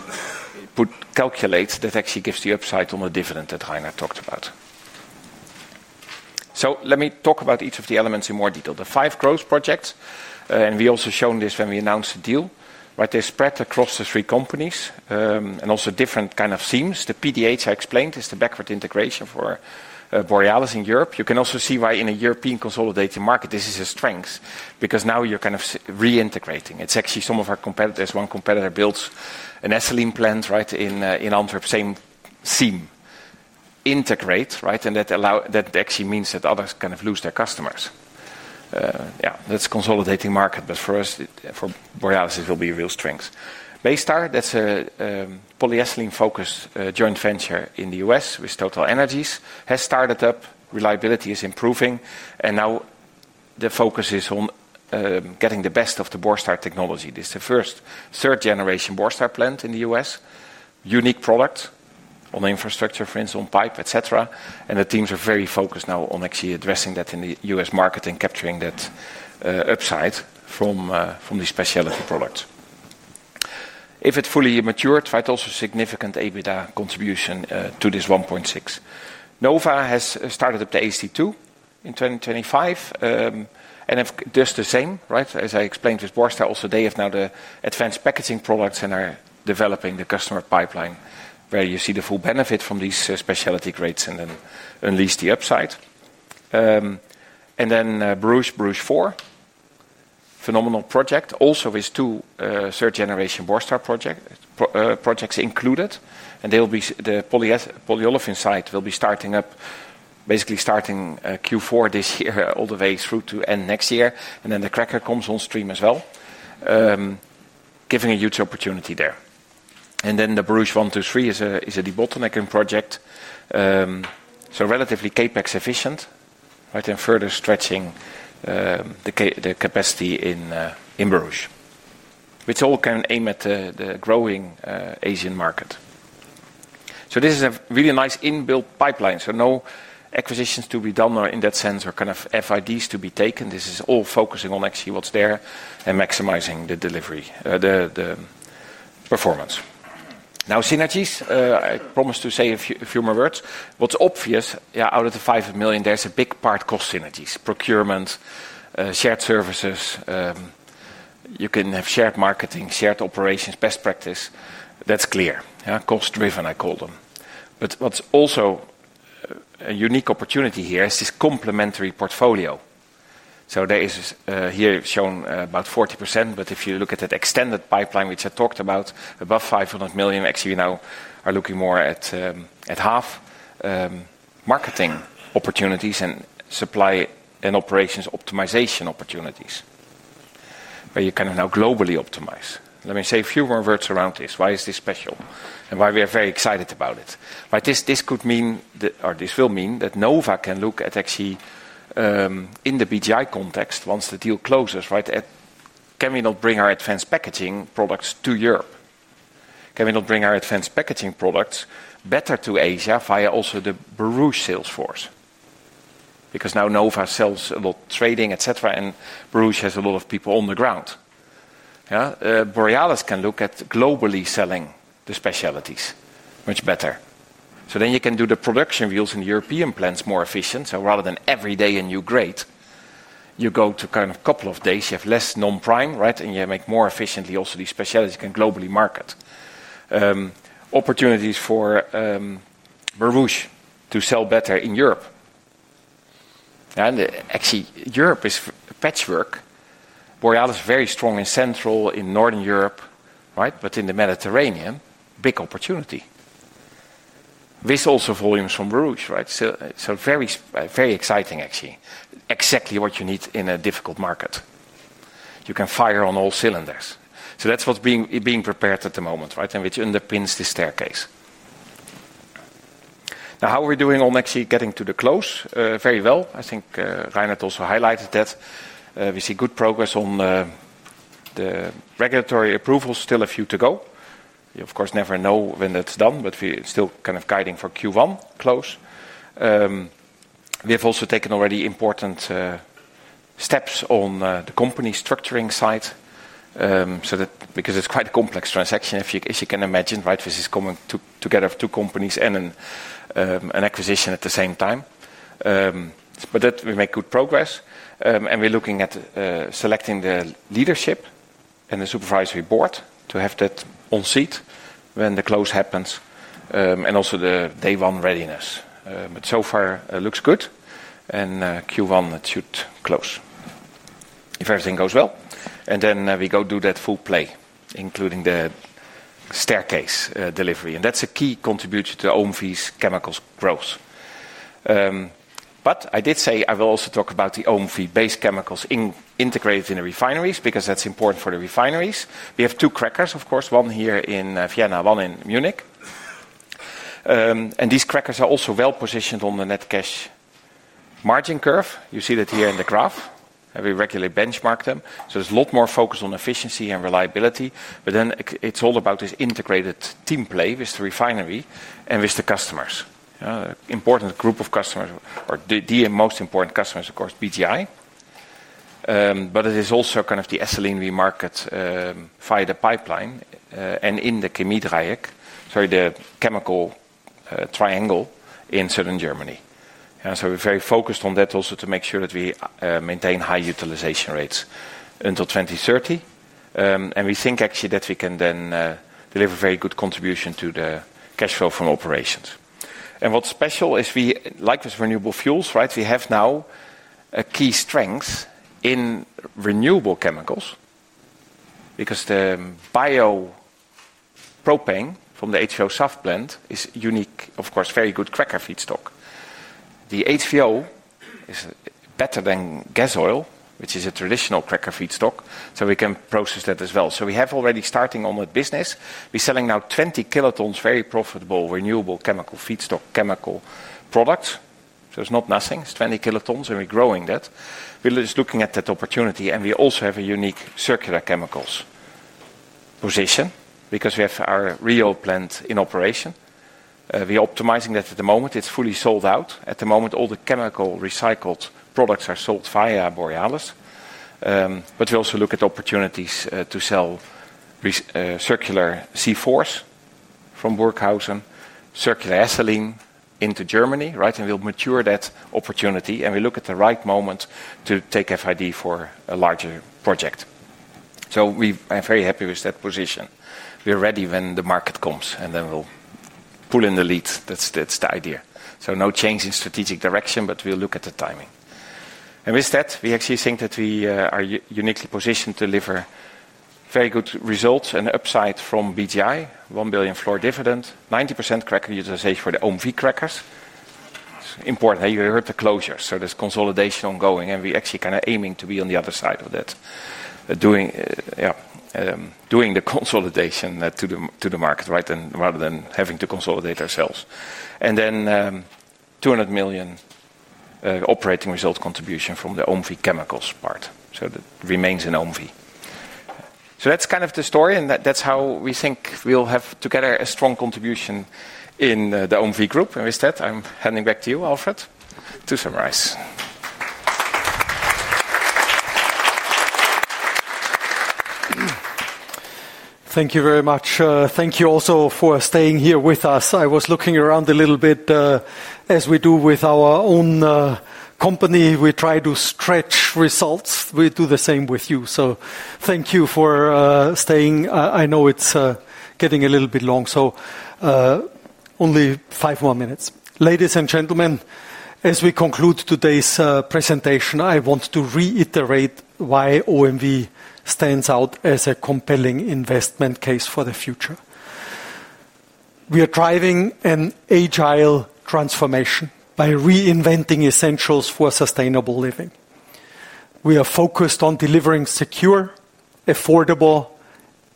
Speaker 5: calculate that, actually gives the upside on the dividend that Reinhard talked about. Let me talk about each of the elements in more detail. The five growth projects, and we also shown this when we announced the deal, right, they're spread across the three companies and also different kind of themes. The PDH I explained is the backward integration for Borealis in Europe. You can also see why in a European consolidated market this is a strength because now you're kind of reintegrating. It's actually some of our competitors. One competitor builds an ethylene plant, right, in Antwerp. Same theme, integrate, right, and that actually means that others kind of lose their customers. Yeah, that's a consolidating market, but for us, for Borealis, this will be a real strength. Baystar, that's a polyethylene-focused joint venture in the U.S. with TotalEnergies, has started up. Reliability is improving. Now the focus is on getting the best of the Borstar technology. This is the first third-generation Borstar plant in the U.S., unique product on the infrastructure, for instance, on pipe, et cetera. The teams are very focused now on actually addressing that in the U.S. market and capturing that upside from these specialty products. If it fully matures, right, also significant EBITDA contribution to this 1.6 billion. Nova has started up the AC2 in 2025 and have just the same, right, as I explained with Borstar. Also, they have now the advanced packaging products and are developing the customer pipeline where you see the full benefit from these specialty grades and then unleash the upside. Barouge, Borouge 4, phenomenal project, also with two third-generation Borstar projects included. The polyolefin side will be starting up, basically starting Q4 this year all the way through to end next year. The cracker comes on stream as well, giving a huge opportunity there. Borouge 1, 2, 3 is a debottlenecking project, so relatively CapEx efficient, right, and further stretching the capacity in Borouge, which all can aim at the growing Asian market. This is a really nice in-built pipeline. No acquisitions to be done or in that sense or kind of FIDs to be taken. This is all focusing on actually what's there and maximizing the delivery, the performance. Now, synergies, I promised to say a few more words. What's obvious, yeah, out of the 500 million, there's a big part cost synergies, procurement, shared services. You can have shared marketing, shared operations, best practice. That's clear. Yeah, cost-driven, I call them. What's also a unique opportunity here is this complementary portfolio. There is here shown about 40%, but if you look at that extended pipeline, which I talked about, above 500 million, actually we now are looking more at half marketing opportunities and supply and operations optimization opportunities where you kind of now globally optimize. Let me say a few more words around this. Why is this special and why we are very excited about it? Why this could mean or this will mean that Nova can look at actually in the BGI context once the deal closes, right? Can we not bring our advanced packaging products to Europe? Can we not bring our advanced packaging products better to Asia via also the Borouge sales force? Because now Nova sells a lot of trading, et cetera, and Borouge has a lot of people on the ground. Borealis can look at globally selling the specialties much better. Then you can do the production wheels in European plants more efficient. Rather than every day a new grade, you go to kind of a couple of days, you have less non-prime, right, and you make more efficiently also these specialties you can globally market. Opportunities for Borouge to sell better in Europe. Europe is a patchwork. Borealis is very strong and central in Northern Europe, right, but in the Mediterranean, big opportunity. This also volumes from Borouge, right? Very, very exciting actually. Exactly what you need in a difficult market. You can fire on all cylinders. That's what's being prepared at the moment, right, and which underpins the staircase. Now, how are we doing on actually getting to the close? Very well. I think Reinhard also highlighted that. We see good progress on the regulatory approvals, still a few to go. You, of course, never know when that's done, but we're still kind of guiding for Q1 close. We've also taken already important steps on the company structuring side, so that because it's quite a complex transaction, as you can imagine, right, with this coming together of two companies and an acquisition at the same time. We make good progress. We're looking at selecting the leadership and the Supervisory Board to have that on seat when the close happens and also the day one readiness. So far, it looks good. Q1, it should close if everything goes well. We go do that full play, including the staircase delivery. That's a key contribution to OMV's chemicals growth. I did say I will also talk about the OMV-based chemicals integrated in the refineries because that's important for the refineries. We have two crackers, of course, one here in Vienna, one in Munich. These crackers are also well positioned on the net cash margin curve. You see that here in the graph, how we regularly benchmark them. There's a lot more focus on efficiency and reliability. It's all about this integrated team play with the refinery and with the customers. An important group of customers or the most important customers, of course, BGI. It is also kind of the ethylene remarket via the pipeline and in the Chemiedreieck, sorry, the chemical triangle in southern Germany. We're very focused on that also to make sure that we maintain high utilization rates until 2030. We think actually that we can then deliver a very good contribution to the cash flow from operations. What's special is we, like with renewable fuels, right, we have now key strengths in renewable chemicals because the biopropane from the HVO SAF plant is unique, of course, very good cracker feedstock. The HVO is better than gas oil, which is a traditional cracker feedstock. We can process that as well. We have already starting on a business. We're selling now 20 kilotons very profitable renewable chemical feedstock, chemical product. It's not nothing. It's 20 kilotons and we're growing that. We're just looking at that opportunity. We also have a unique circular chemicals position because we have our ReOil plant in operation. We're optimizing that at the moment. It's fully sold out. At the moment, all the chemical recycled products are sold via Borealis. We also look at opportunities to sell circular C4s from Burghausen, circular ethylene into Germany, right? We'll mature that opportunity. We look at the right moment to take FID for a larger project. We are very happy with that position. We're ready when the market comes and then we'll pull in the lead. That's the idea. No change in strategic direction, but we'll look at the timing. With that, we actually think that we are uniquely positioned to deliver very good results and upside from BGI, 1 billion floor dividend, 90% cracker utilization for the OMV crackers. It's important. Hey, we're at the closure. There's consolidation ongoing. We're actually kind of aiming to be on the other side of that, doing the consolidation to the market, right, rather than having to consolidate ourselves. Then 200 million operating result contribution from the OMV chemicals part. It remains in OMV. That's kind of the story. That's how we think we'll have together a strong contribution in the OMV group. With that, I'm handing back to you, Alfred, to summarize.
Speaker 2: Thank you very much. Thank you also for staying here with us. I was looking around a little bit. As we do with our own company, we try to stretch results. We do the same with you. Thank you for staying. I know it's getting a little bit long. Only five more minutes. Ladies and gentlemen, as we conclude today's presentation, I want to reiterate why OMV stands out as a compelling investment case for the future. We are driving an agile transformation by reinventing essentials for sustainable living. We are focused on delivering secure, affordable,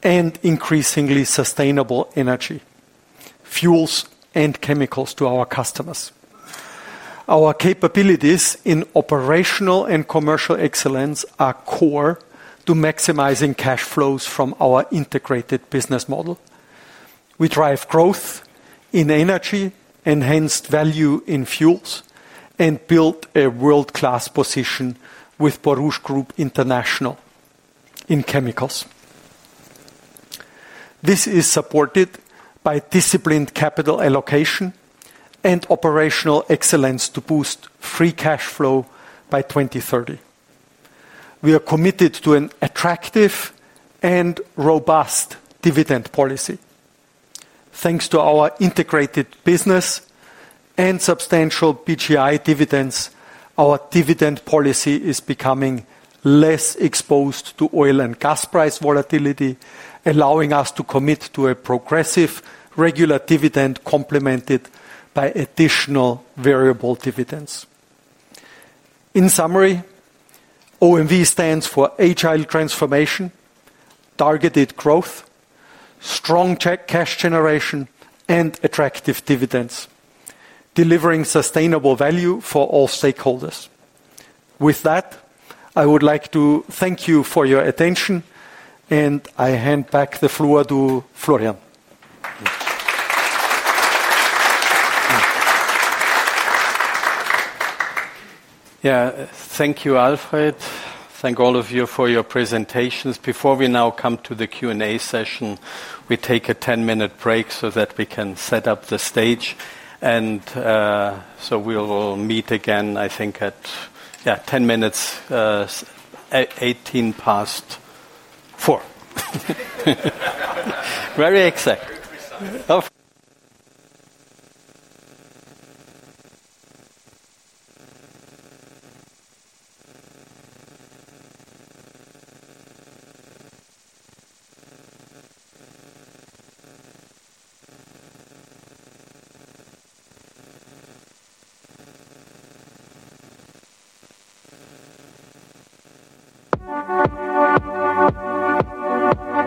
Speaker 2: and increasingly sustainable energy, fuels, and chemicals to our customers. Our capabilities in operational and commercial excellence are core to maximizing cash flows from our integrated business model. We drive growth in energy, enhanced value in fuels, and build a world-class position with Baruch Group International in chemicals. This is supported by disciplined capital allocation and operational excellence to boost free cash flow by 2030. We are committed to an attractive and robust dividend policy. Thanks to our integrated business and substantial BGI dividends, our dividend policy is becoming less exposed to oil and gas price volatility, allowing us to commit to a progressive regular dividend complemented by additional variable dividends. In summary, OMV stands for agile transformation, targeted growth, strong cash generation, and attractive dividends, delivering sustainable value for all stakeholders. With that, I would like to thank you for your attention, and I hand back the floor to Florian.
Speaker 1: Yeah, thank you, Alfred. Thank all of you for your presentations. Before we now come to the Q&A session, we take a 10-minute break so that we can set up the stage. We will meet again, I think, in 10 minutes, 4:18 P.M. Very exact.
Speaker 2: Good.
Speaker 6: We're back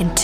Speaker 6: in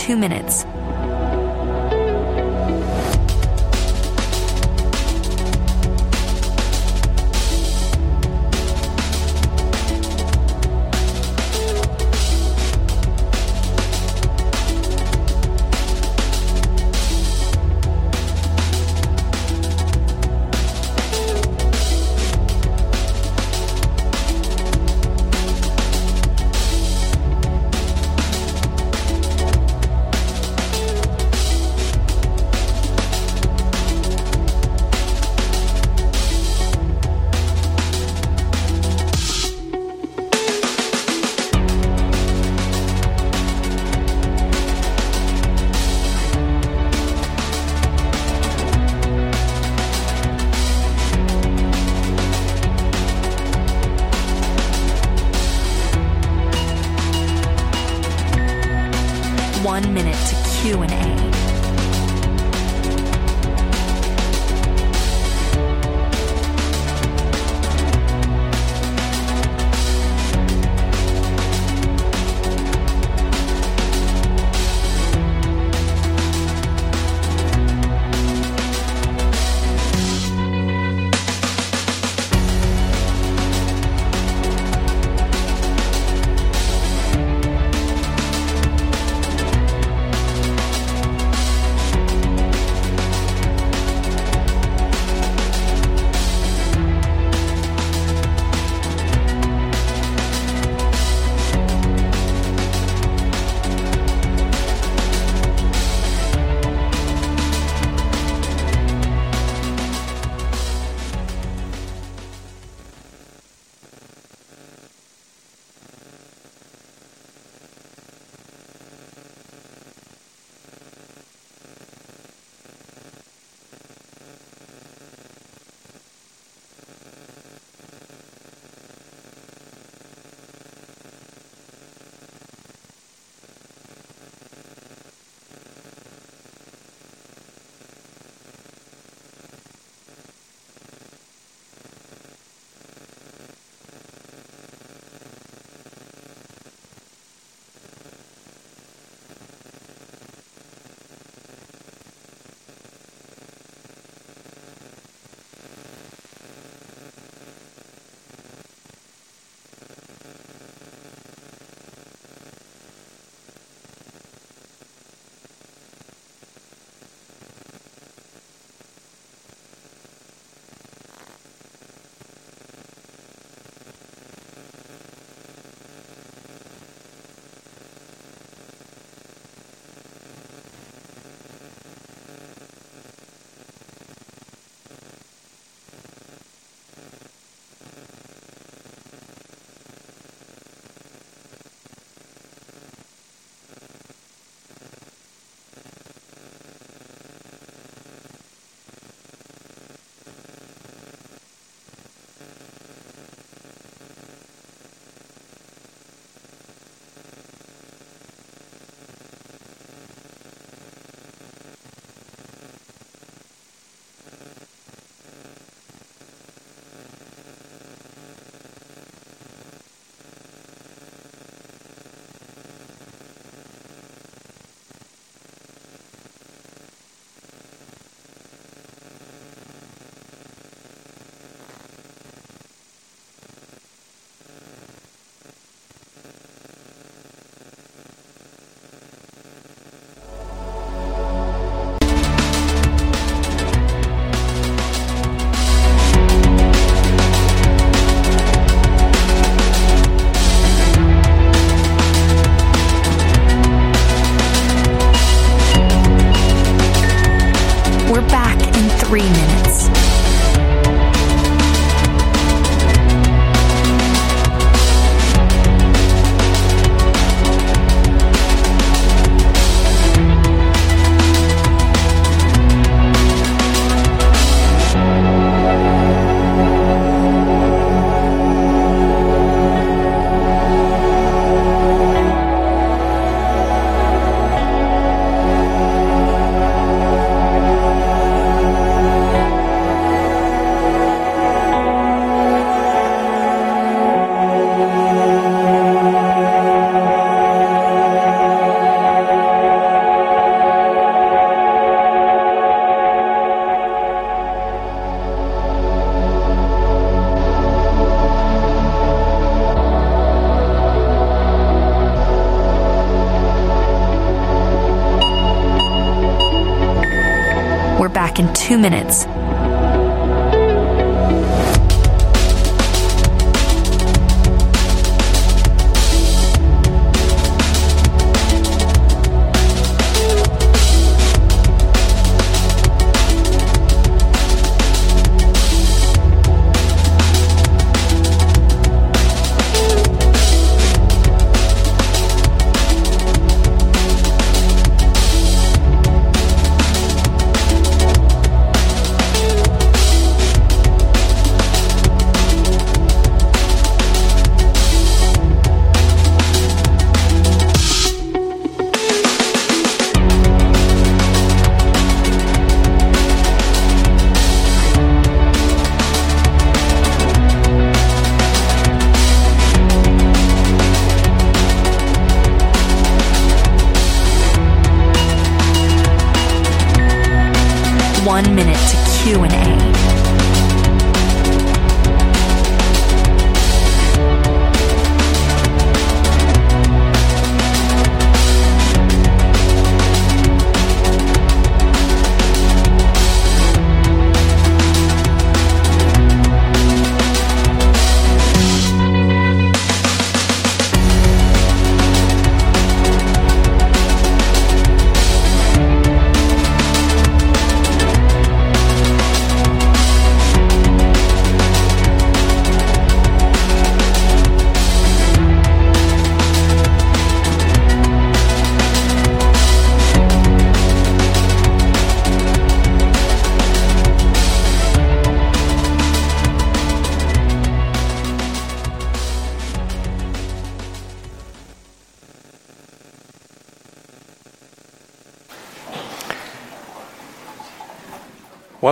Speaker 6: two minutes.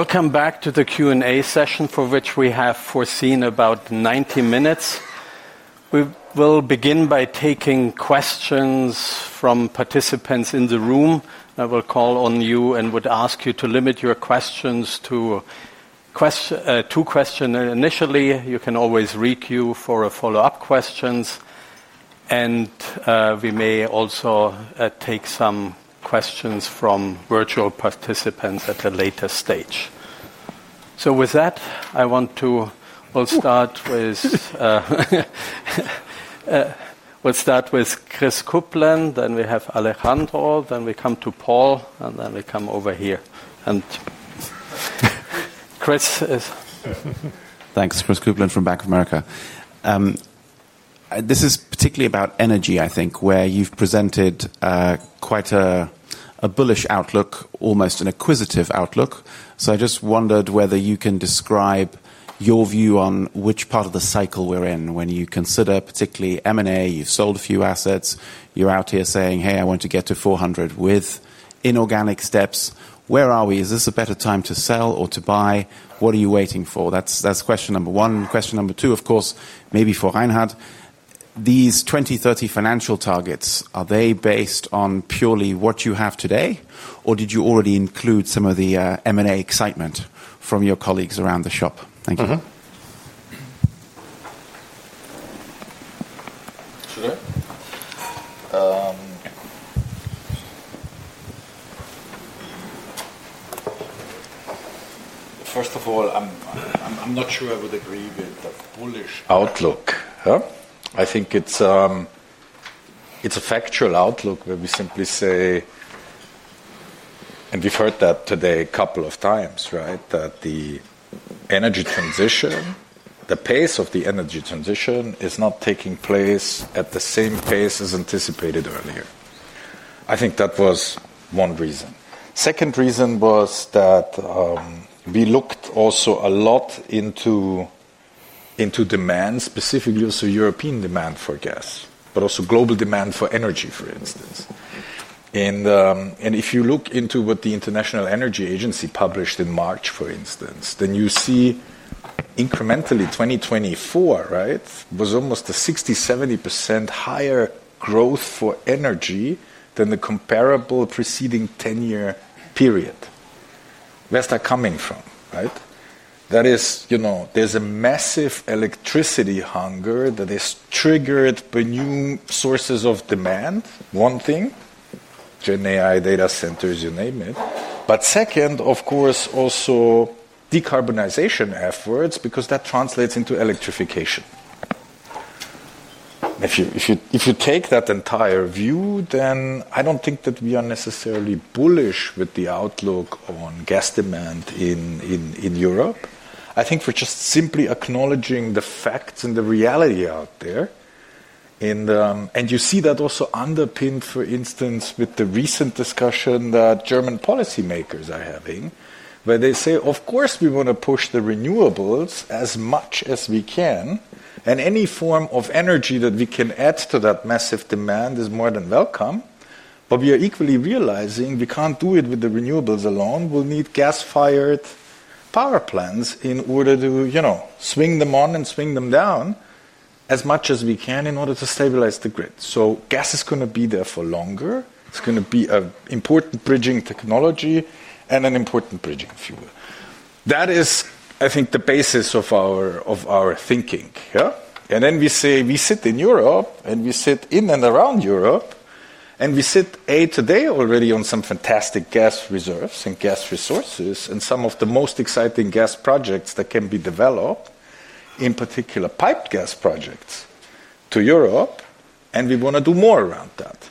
Speaker 1: Welcome back to the Q&A session, for which we have foreseen about 90 minutes. We will begin by taking questions from participants in the room. I will call on you and would ask you to limit your questions to two questions initially. You can always re-queue for follow-up questions. We may also take some questions from virtual participants at a later stage. With that, I want to start with Chris Kuplent. Then we have Alejandro. Then we come to Paul. Then we come over here. Chris is...
Speaker 7: Thanks, Chris Kuplent from Bank of America. This is particularly about energy, I think, where you've presented quite a bullish outlook, almost an acquisitive outlook. I just wondered whether you can describe your view on which part of the cycle we're in when you consider particularly M&A. You've sold a few assets. You're out here saying, "Hey, I want to get to 400 with inorganic steps." Where are we? Is this a better time to sell or to buy? What are you waiting for? That's question number one. Question number two, of course, maybe for Reinhard, these 2030 financial targets, are they based on purely what you have today? Or did you already include some of the M&A excitement from your colleagues around the shop?
Speaker 4: Sure. First of all, I'm not sure I would agree with the bullish outlook. I think it's a factual outlook where we simply say, and we've heard that today a couple of times, right, that the energy transition, the pace of the energy transition is not taking place at the same pace as anticipated earlier. I think that was one reason. The second reason was that we looked also a lot into demand, specifically also European demand for gas, but also global demand for energy, for instance. If you look into what the International Energy Agency published in March, for instance, then you see incrementally 2024, right, was almost a 60%-70% higher growth for energy than the comparable preceding 10-year period. Where's that coming from, right? That is, you know, there's a massive electricity hunger that has triggered new sources of demand. One thing, GenAI data centers, you name it. Second, of course, also decarbonization efforts because that translates into electrification. If you take that entire view, then I don't think that we are necessarily bullish with the outlook on gas demand in Europe. I think we're just simply acknowledging the facts and the reality out there. You see that also underpinned, for instance, with the recent discussion that German policymakers are having, where they say, of course, we want to push the renewables as much as we can. Any form of energy that we can add to that massive demand is more than welcome. We are equally realizing we can't do it with the renewables alone. We'll need gas-fired power plants in order to, you know, swing them on and swing them down as much as we can in order to stabilize the grid. Gas is going to be there for longer. It's going to be an important bridging technology and an important bridging fuel. That is, I think, the basis of our thinking. We sit in Europe and we sit in and around Europe. We sit today already on some fantastic gas reserves and gas resources and some of the most exciting gas projects that can be developed, in particular pipe gas projects to Europe. We want to do more around that.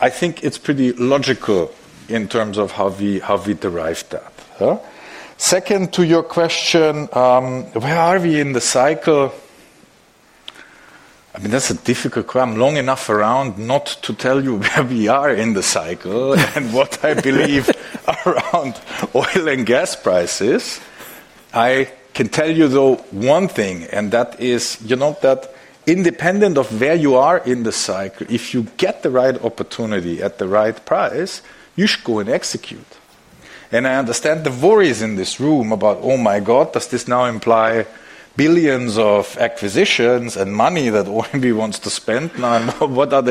Speaker 4: I think it's pretty logical in terms of how we derived that. Second, to your question, where are we in the cycle? I mean, that's a difficult question. I'm long enough around not to tell you where we are in the cycle and what I believe around oil and gas prices. I can tell you, though, one thing, and that is, you know, that independent of where you are in the cycle, if you get the right opportunity at the right price, you should go and execute. I understand the worries in this room about, oh my God, does this now imply billions of acquisitions and money that OMV wants to spend? Now, what are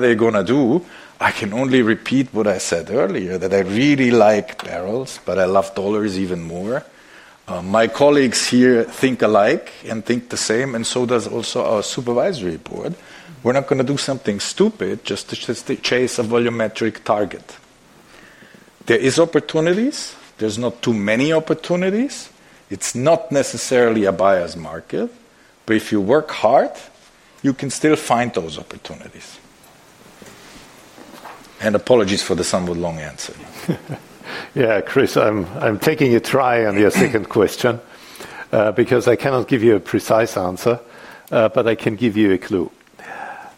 Speaker 4: they going to do? I can only repeat what I said earlier, that I really like barrels, but I love dollars even more. My colleagues here think alike and think the same. So does also our Supervisory Board. We're not going to do something stupid just to chase a volumetric target. There are opportunities. There's not too many opportunities. It's not necessarily a buyer's market. If you work hard, you can still find those opportunities. Apologies for the somewhat long answer.
Speaker 5: Chris, I'm taking a try on your second question because I cannot give you a precise answer, but I can give you a clue.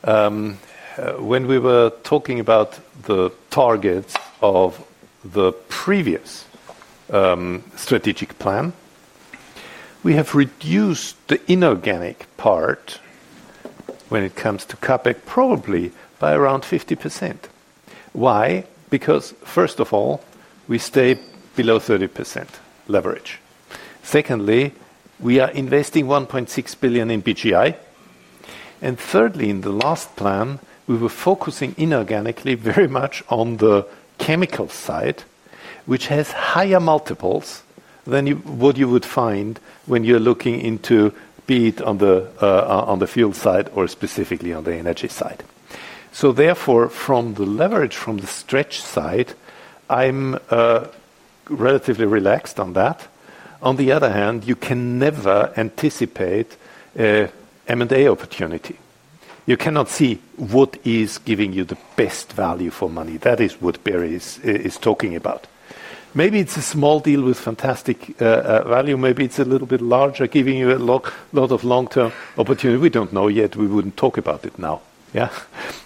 Speaker 5: When we were talking about the target of the previous strategic plan, we have reduced the inorganic part when it comes to CapEx probably by around 50%. Why? First of all, we stay below 30% leverage. Secondly, we are investing 1.6 billion in BGI. Thirdly, in the last plan, we were focusing inorganically very much on the chemical side, which has higher multiples than what you would find when you're looking into, be it on the fuel side or specifically on the energy side. Therefore, from the leverage, from the stretch side, I'm relatively relaxed on that. On the other hand, you can never anticipate an M&A opportunity. You cannot see what is giving you the best value for money. That is what Barry is talking about. Maybe it's a small deal with fantastic value. Maybe it's a little bit larger, giving you a lot of long-term opportunity. We don't know yet. We wouldn't talk about it now.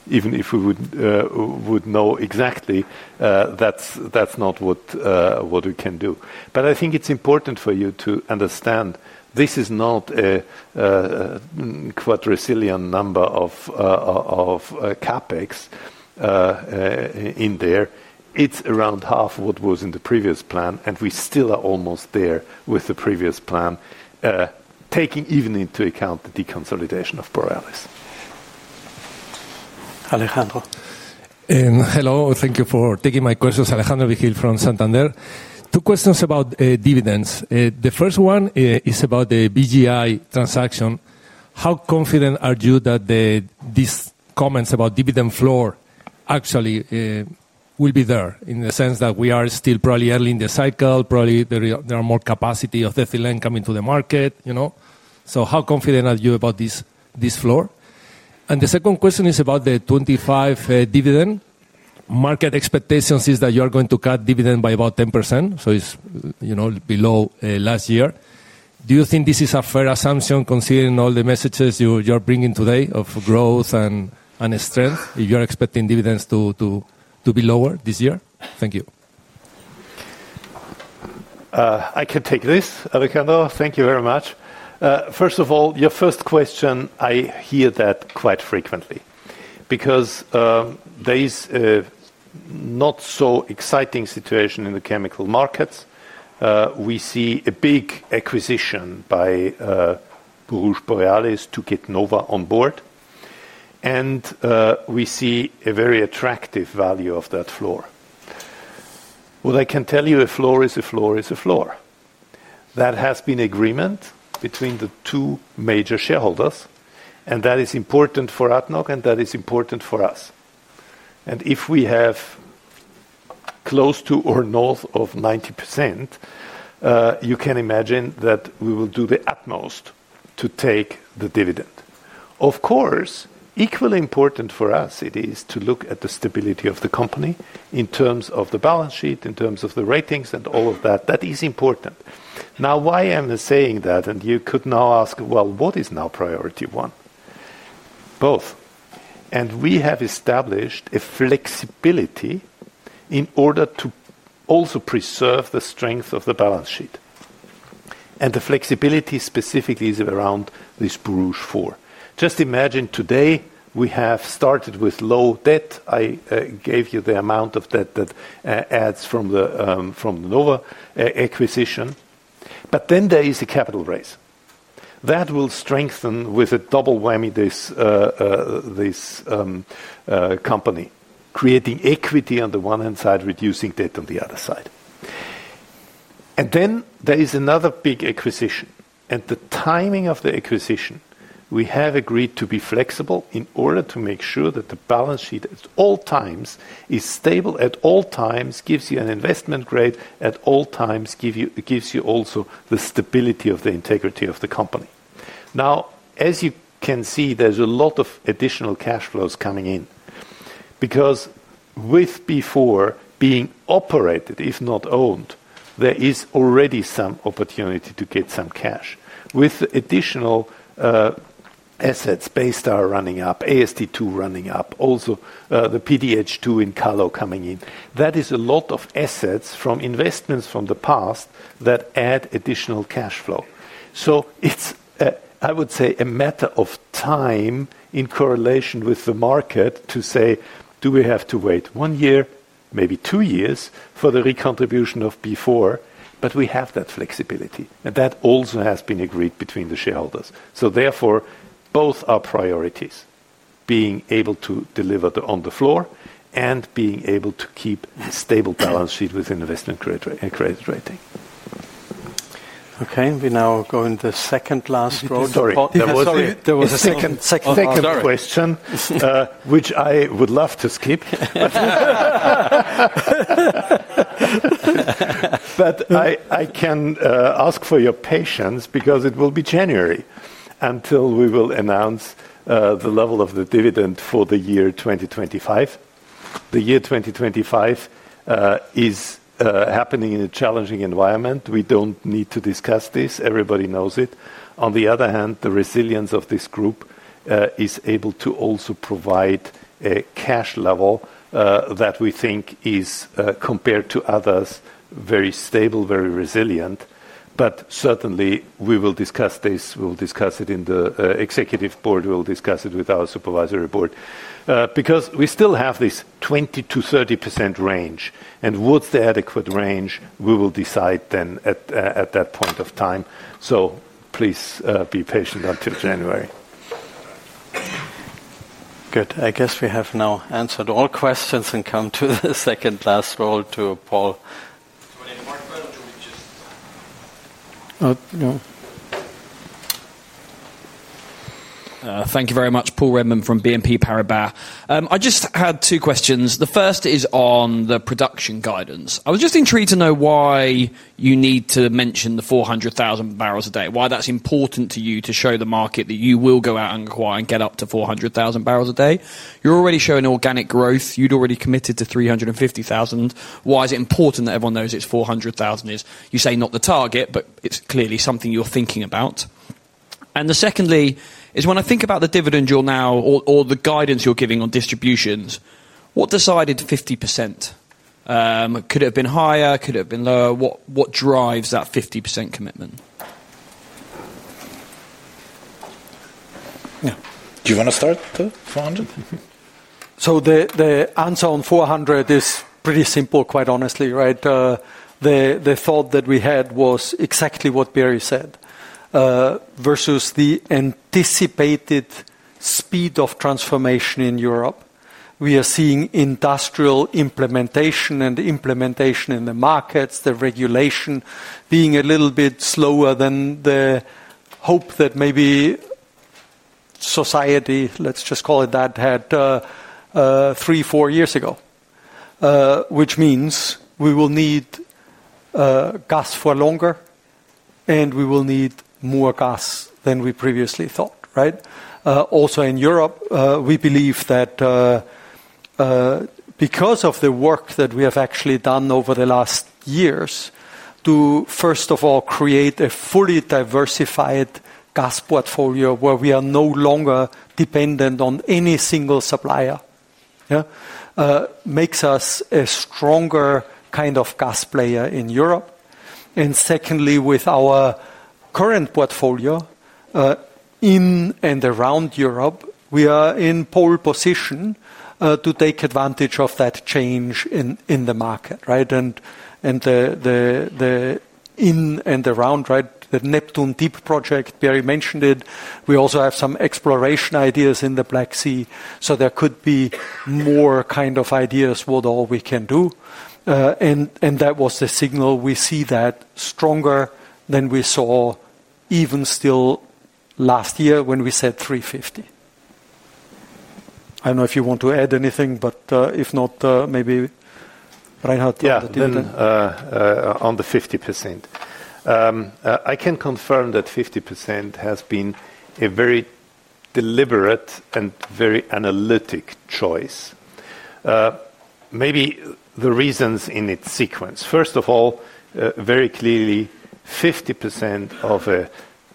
Speaker 5: Even if we would know exactly, that's not what we can do. I think it's important for you to understand this is not a quadrazillion number of CapEx in there. It's around half of what was in the previous plan. We still are almost there with the previous plan, taking even into account the deconsolidation of Borealis.
Speaker 8: Hello. Thank you for taking my questions. Alejandro Vigil from Santander. Two questions about dividends. The first one is about the BGI transaction. How confident are you that these comments about dividend floor actually will be there in the sense that we are still probably early in the cycle? Probably there is more capacity of ethylene coming to the market, you know. How confident are you about this floor? The second question is about the 2025 dividend. Market expectations are that you are going to cut dividend by about 10%. It's below last year. Do you think this is a fair assumption considering all the messages you're bringing today of growth and strength? You're expecting dividends to be lower this year. Thank you.
Speaker 3: I can take this, Alejandro. Thank you very much. First of all, your first question, I hear that quite frequently because there is a not so exciting situation in the chemical markets. We see a big acquisition by Borouge, Borealis to get Nova on board. We see a very attractive value of that floor. What I can tell you, a floor is a floor is a floor. That has been an agreement between the two major shareholders. That is important for Abu Dhabi National Oil Company (ADNOC) and that is important for us. If we have close to or north of 90%, you can imagine that we will do the utmost to take the dividend. Of course, equally important for us, it is to look at the stability of the company in terms of the balance sheet, in terms of the ratings, and all of that. That is important. Now, why am I saying that? You could now ask, what is now priority one? Both. We have established a flexibility in order to also preserve the strength of the balance sheet. The flexibility specifically is around this Borouge floor. Just imagine today, we have started with low debt. I gave you the amount of debt that adds from the Nova acquisition. Then there is a capital raise. That will strengthen with a double whammy this company, creating equity on the one hand side, reducing debt on the other side. There is another big acquisition. The timing of the acquisition, we have agreed to be flexible in order to make sure that the balance sheet at all times is stable, at all times gives you an investment grade, at all times gives you also the stability of the integrity of the company. As you can see, there's a lot of additional cash flows coming in because with Borouge being operated, if not owned, there is already some opportunity to get some cash. With additional assets, Baystar running up, AST2 running up, also the PDH2 in Kallo coming in, that is a lot of assets from investments from the past that add additional cash flow. It's, I would say, a matter of time in correlation with the market to say, do we have to wait one year, maybe two years for the recontribution of Borouge, but we have that flexibility. That also has been agreed between the shareholders. Therefore, both are priorities, being able to deliver on the floor and being able to keep a stable balance sheet with an investment credit rating.
Speaker 1: Okay, we now go in the second last row.
Speaker 3: Sorry, there was a second question, which I would love to skip. I can ask for your patience because it will be January until we will announce the level of the dividend for the year 2025. The year 2025 is happening in a challenging environment. We don't need to discuss this. Everybody knows it. On the other hand, the resilience of this group is able to also provide a cash level that we think is, compared to others, very stable, very resilient. We will discuss this. We will discuss it in the Executive Board. We will discuss it with our Supervisory Board because we still have this 20%-30% range. What's the adequate range? We will decide then at that point of time. Please be patient until January.
Speaker 1: Good. I guess we have now answered all questions and come to the second last role to Paul.
Speaker 9: Thank you very much, Paul Redman from BNP Paribas. I just had two questions. The first is on the production guidance. I was just intrigued to know why you need to mention the 400,000 bbl a day, why that's important to you to show the market that you will go out and acquire and get up to 400,000 bbl a day. You're already showing organic growth. You'd already committed to 350,000 bbl a day. Why is it important that everyone knows it's 400,000 bbl a day? You say not the target, but it's clearly something you're thinking about. Secondly, when I think about the dividend you're now or the guidance you're giving on distributions, what decided 50%? Could it have been higher? Could it have been lower? What drives that 50% commitment?
Speaker 4: Yeah, do you want to start, the 400?
Speaker 2: The answer on 400 is pretty simple, quite honestly, right? The thought that we had was exactly what Berislav said versus the anticipated speed of transformation in Europe. We are seeing industrial implementation and implementation in the markets, the regulation being a little bit slower than the hope that maybe society, let's just call it that, had three, four years ago, which means we will need gas for longer and we will need more gas than we previously thought, right? Also, in Europe, we believe that because of the work that we have actually done over the last years to, first of all, create a fully diversified gas portfolio where we are no longer dependent on any single supplier, yeah, makes us a stronger kind of gas player in Europe. Secondly, with our current portfolio in and around Europe, we are in a pole position to take advantage of that change in the market, right? The in and around, right, the Neptune Deep project, Berislav mentioned it. We also have some exploration ideas in the Black Sea. There could be more kind of ideas with all we can do. That was the signal we see that is stronger than we saw even still last year when we said 350. I don't know if you want to add anything, but if not, maybe Reinhard.
Speaker 3: Yeah, on the 50%. I can confirm that 50% has been a very deliberate and very analytic choice. Maybe the reasons in its sequence. First of all, very clearly, 50% of a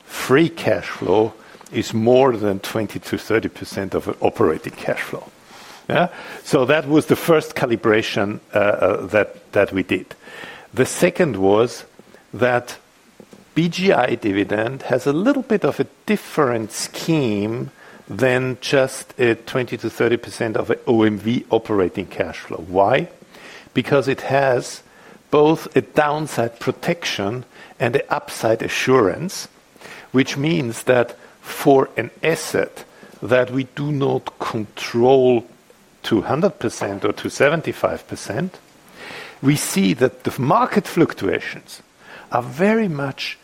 Speaker 3: free cash flow is more than 20%-30% of an operating cash flow. Yeah, so that was the first calibration that we did. The second was that BGI dividend has a little bit of a different scheme than just a 20%-30% of an OMV operating cash flow. Why? Because it has both a downside protection and an upside assurance, which means that for an asset that we do not control 100% or 75%, we see that the market fluctuations are very much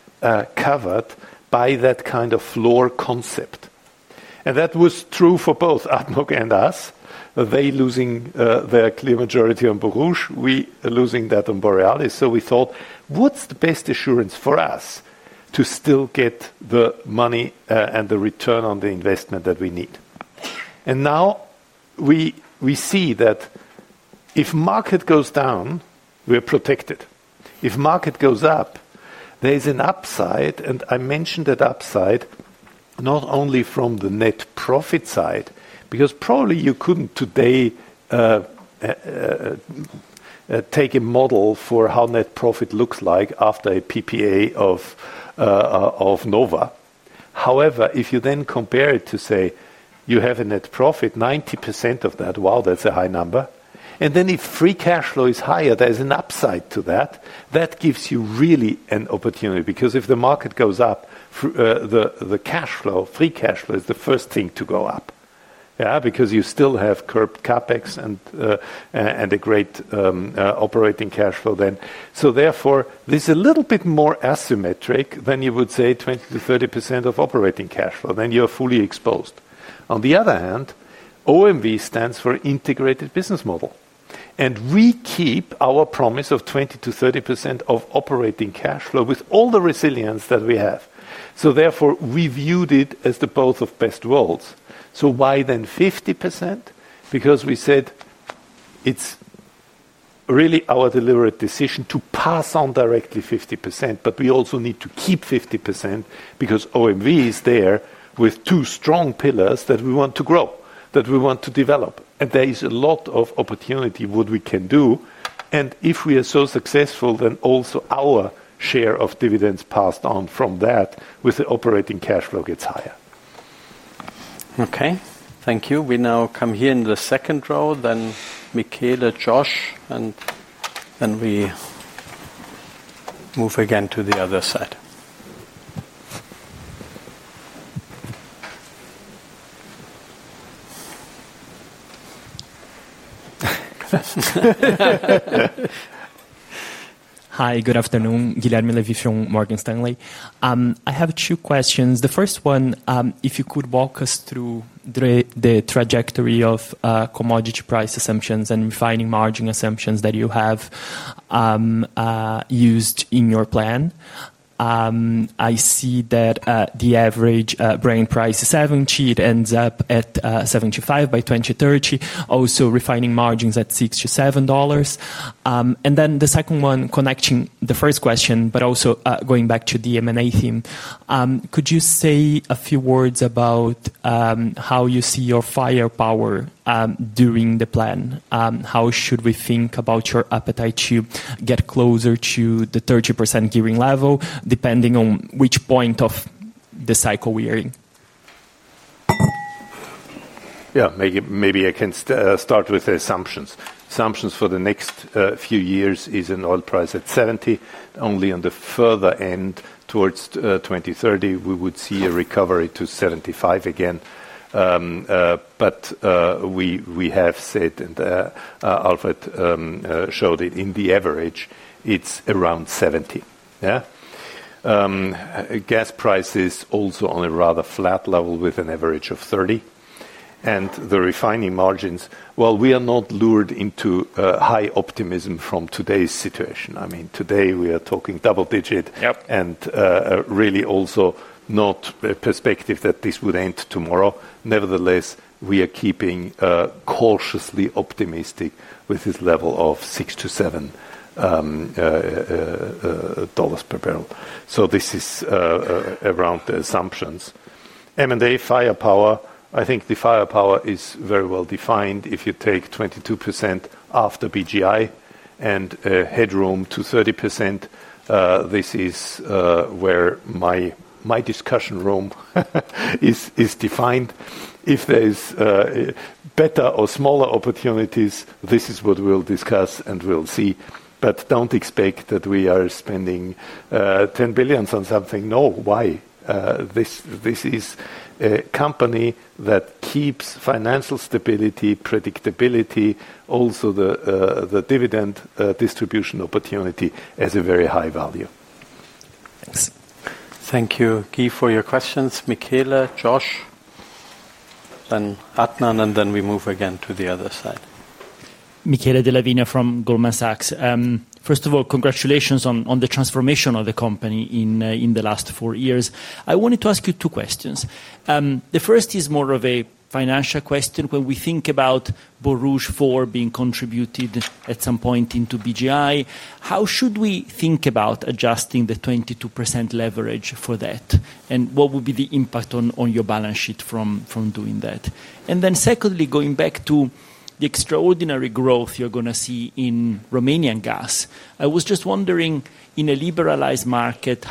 Speaker 3: covered by that kind of floor concept. That was true for both ADNOC and us. They are losing their clear majority on Borouge, we are losing that on Borealis. We thought, what's the best assurance for us to still get the money and the return on the investment that we need? Now we see that if the market goes down, we're protected. If the market goes up, there is an upside. I mentioned that upside not only from the net profit side, because probably you couldn't today take a model for how net profit looks like after a PPA of Nova Chemicals. However, if you then compare it to say you have a net profit, 90% of that, wow, that's a high number. If free cash flow is higher, there's an upside to that. That gives you really an opportunity because if the market goes up, the free cash flow is the first thing to go up, because you still have curbed CapEx and a great operating cash flow then. Therefore, this is a little bit more asymmetric than you would say 20%-30% of operating cash flow. Then you're fully exposed. On the other hand, OMV stands for Integrated Business Model. We keep our promise of 20%-30% of operating cash flow with all the resilience that we have. Therefore, we viewed it as the best of both worlds. Why then 50%? Because we said it's really our deliberate decision to pass on directly 50%. We also need to keep 50% because OMV is there with two strong pillars that we want to grow, that we want to develop. There is a lot of opportunity what we can do. If we are so successful, then also our share of dividends passed on from that with the operating cash flow gets higher.
Speaker 1: Okay, thank you. We now come here in the second row. Michaela, Josh, and then we move again to the other side.
Speaker 10: Hi, good afternoon. Guilherme Levi from Morgan Stanley. I have two questions. The first one, if you could walk us through the trajectory of commodity price assumptions and refining margin assumptions that you have used in your plan. I see that the average Brent price is 70. It ends up at 75 by 2030. Also, refining margins at $6-$7. Then the second one, connecting the first question, but also going back to the M&A theme, could you say a few words about how you see your firepower during the plan? How should we think about your appetite to get closer to the 30% gearing level, depending on which point of the cycle we are in?
Speaker 3: Yeah, maybe I can start with the assumptions. Assumptions for the next few years is an oil price at 70. Only on the further end towards 2030, we would see a recovery to 75 again. We have said, and Alfred showed it in the average, it's around 70. Gas prices also on a rather flat level with an average of 30. The refining margins, we are not lured into high optimism from today's situation. I mean, today we are talking double digit and really also not a perspective that this would end tomorrow. Nevertheless, we are keeping cautiously optimistic with this level of $6-$7 per barrel. This is around the assumptions. M&A firepower, I think the firepower is very well defined. If you take 22% after BGI and headroom to 30%, this is where my discussion room is defined. If there are better or smaller opportunities, this is what we'll discuss and we'll see. Don't expect that we are spending 10 billion on something. No, why? This is a company that keeps financial stability, predictability, also the dividend distribution opportunity as a very high value.
Speaker 1: Thank you, Guy, for your questions. Michele, Josh, then Adnan, and then we move again to the other side.
Speaker 11: Michele Della Vigna from Goldman Sachs. First of all, congratulations on the transformation of the company in the last four years. I wanted to ask you two questions. The first is more of a financial question. When we think about Borouge 4 being contributed at some point into BGI, how should we think about adjusting the 22% leverage for that? What would be the impact on your balance sheet from doing that? Secondly, going back to the extraordinary growth you're going to see in Romanian gas, I was just wondering, in a liberalized market,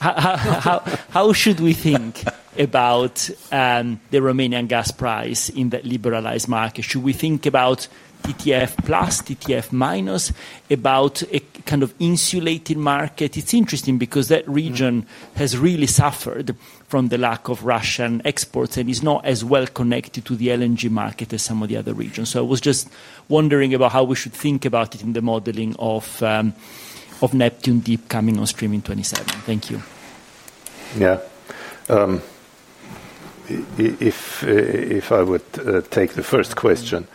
Speaker 11: how should we think about the Romanian gas price in that liberalized market? Should we think about TTF plus, TTF minus, about a kind of insulated market? It's interesting because that region has really suffered from the lack of Russian exports and is not as well connected to the LNG market as some of the other regions. I was just wondering about how we should think about it in the modeling of Neptune Deep coming on stream in 2027. Thank you.
Speaker 4: Yeah. If I would take the first question,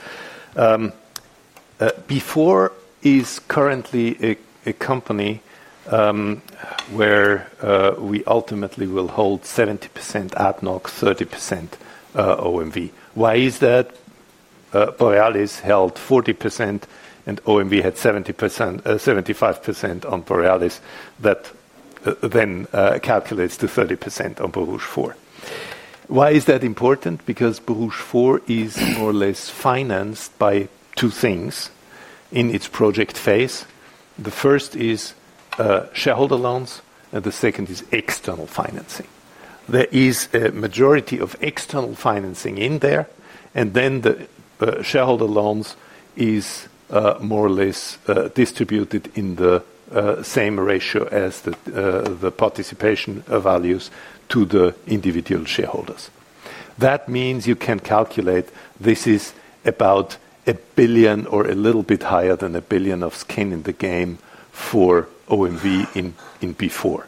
Speaker 4: Borouge is currently a company where we ultimately will hold 70% ADNOC, 30% OMV. Why is that? Borealis held 40% and OMV had 75% on Borealis that then calculates to 30% on Borouge 4. Why is that important? Because Borouge 4 is more or less financed by two things in its project phase. The first is shareholder loans and the second is external financing. There is a majority of external financing in there. The shareholder loans are more or less distributed in the same ratio as the participation values to the individual shareholders. That means you can calculate this is about 1 billion or a little bit higher than 1 billion of skin in the game for OMV in Borouge 4.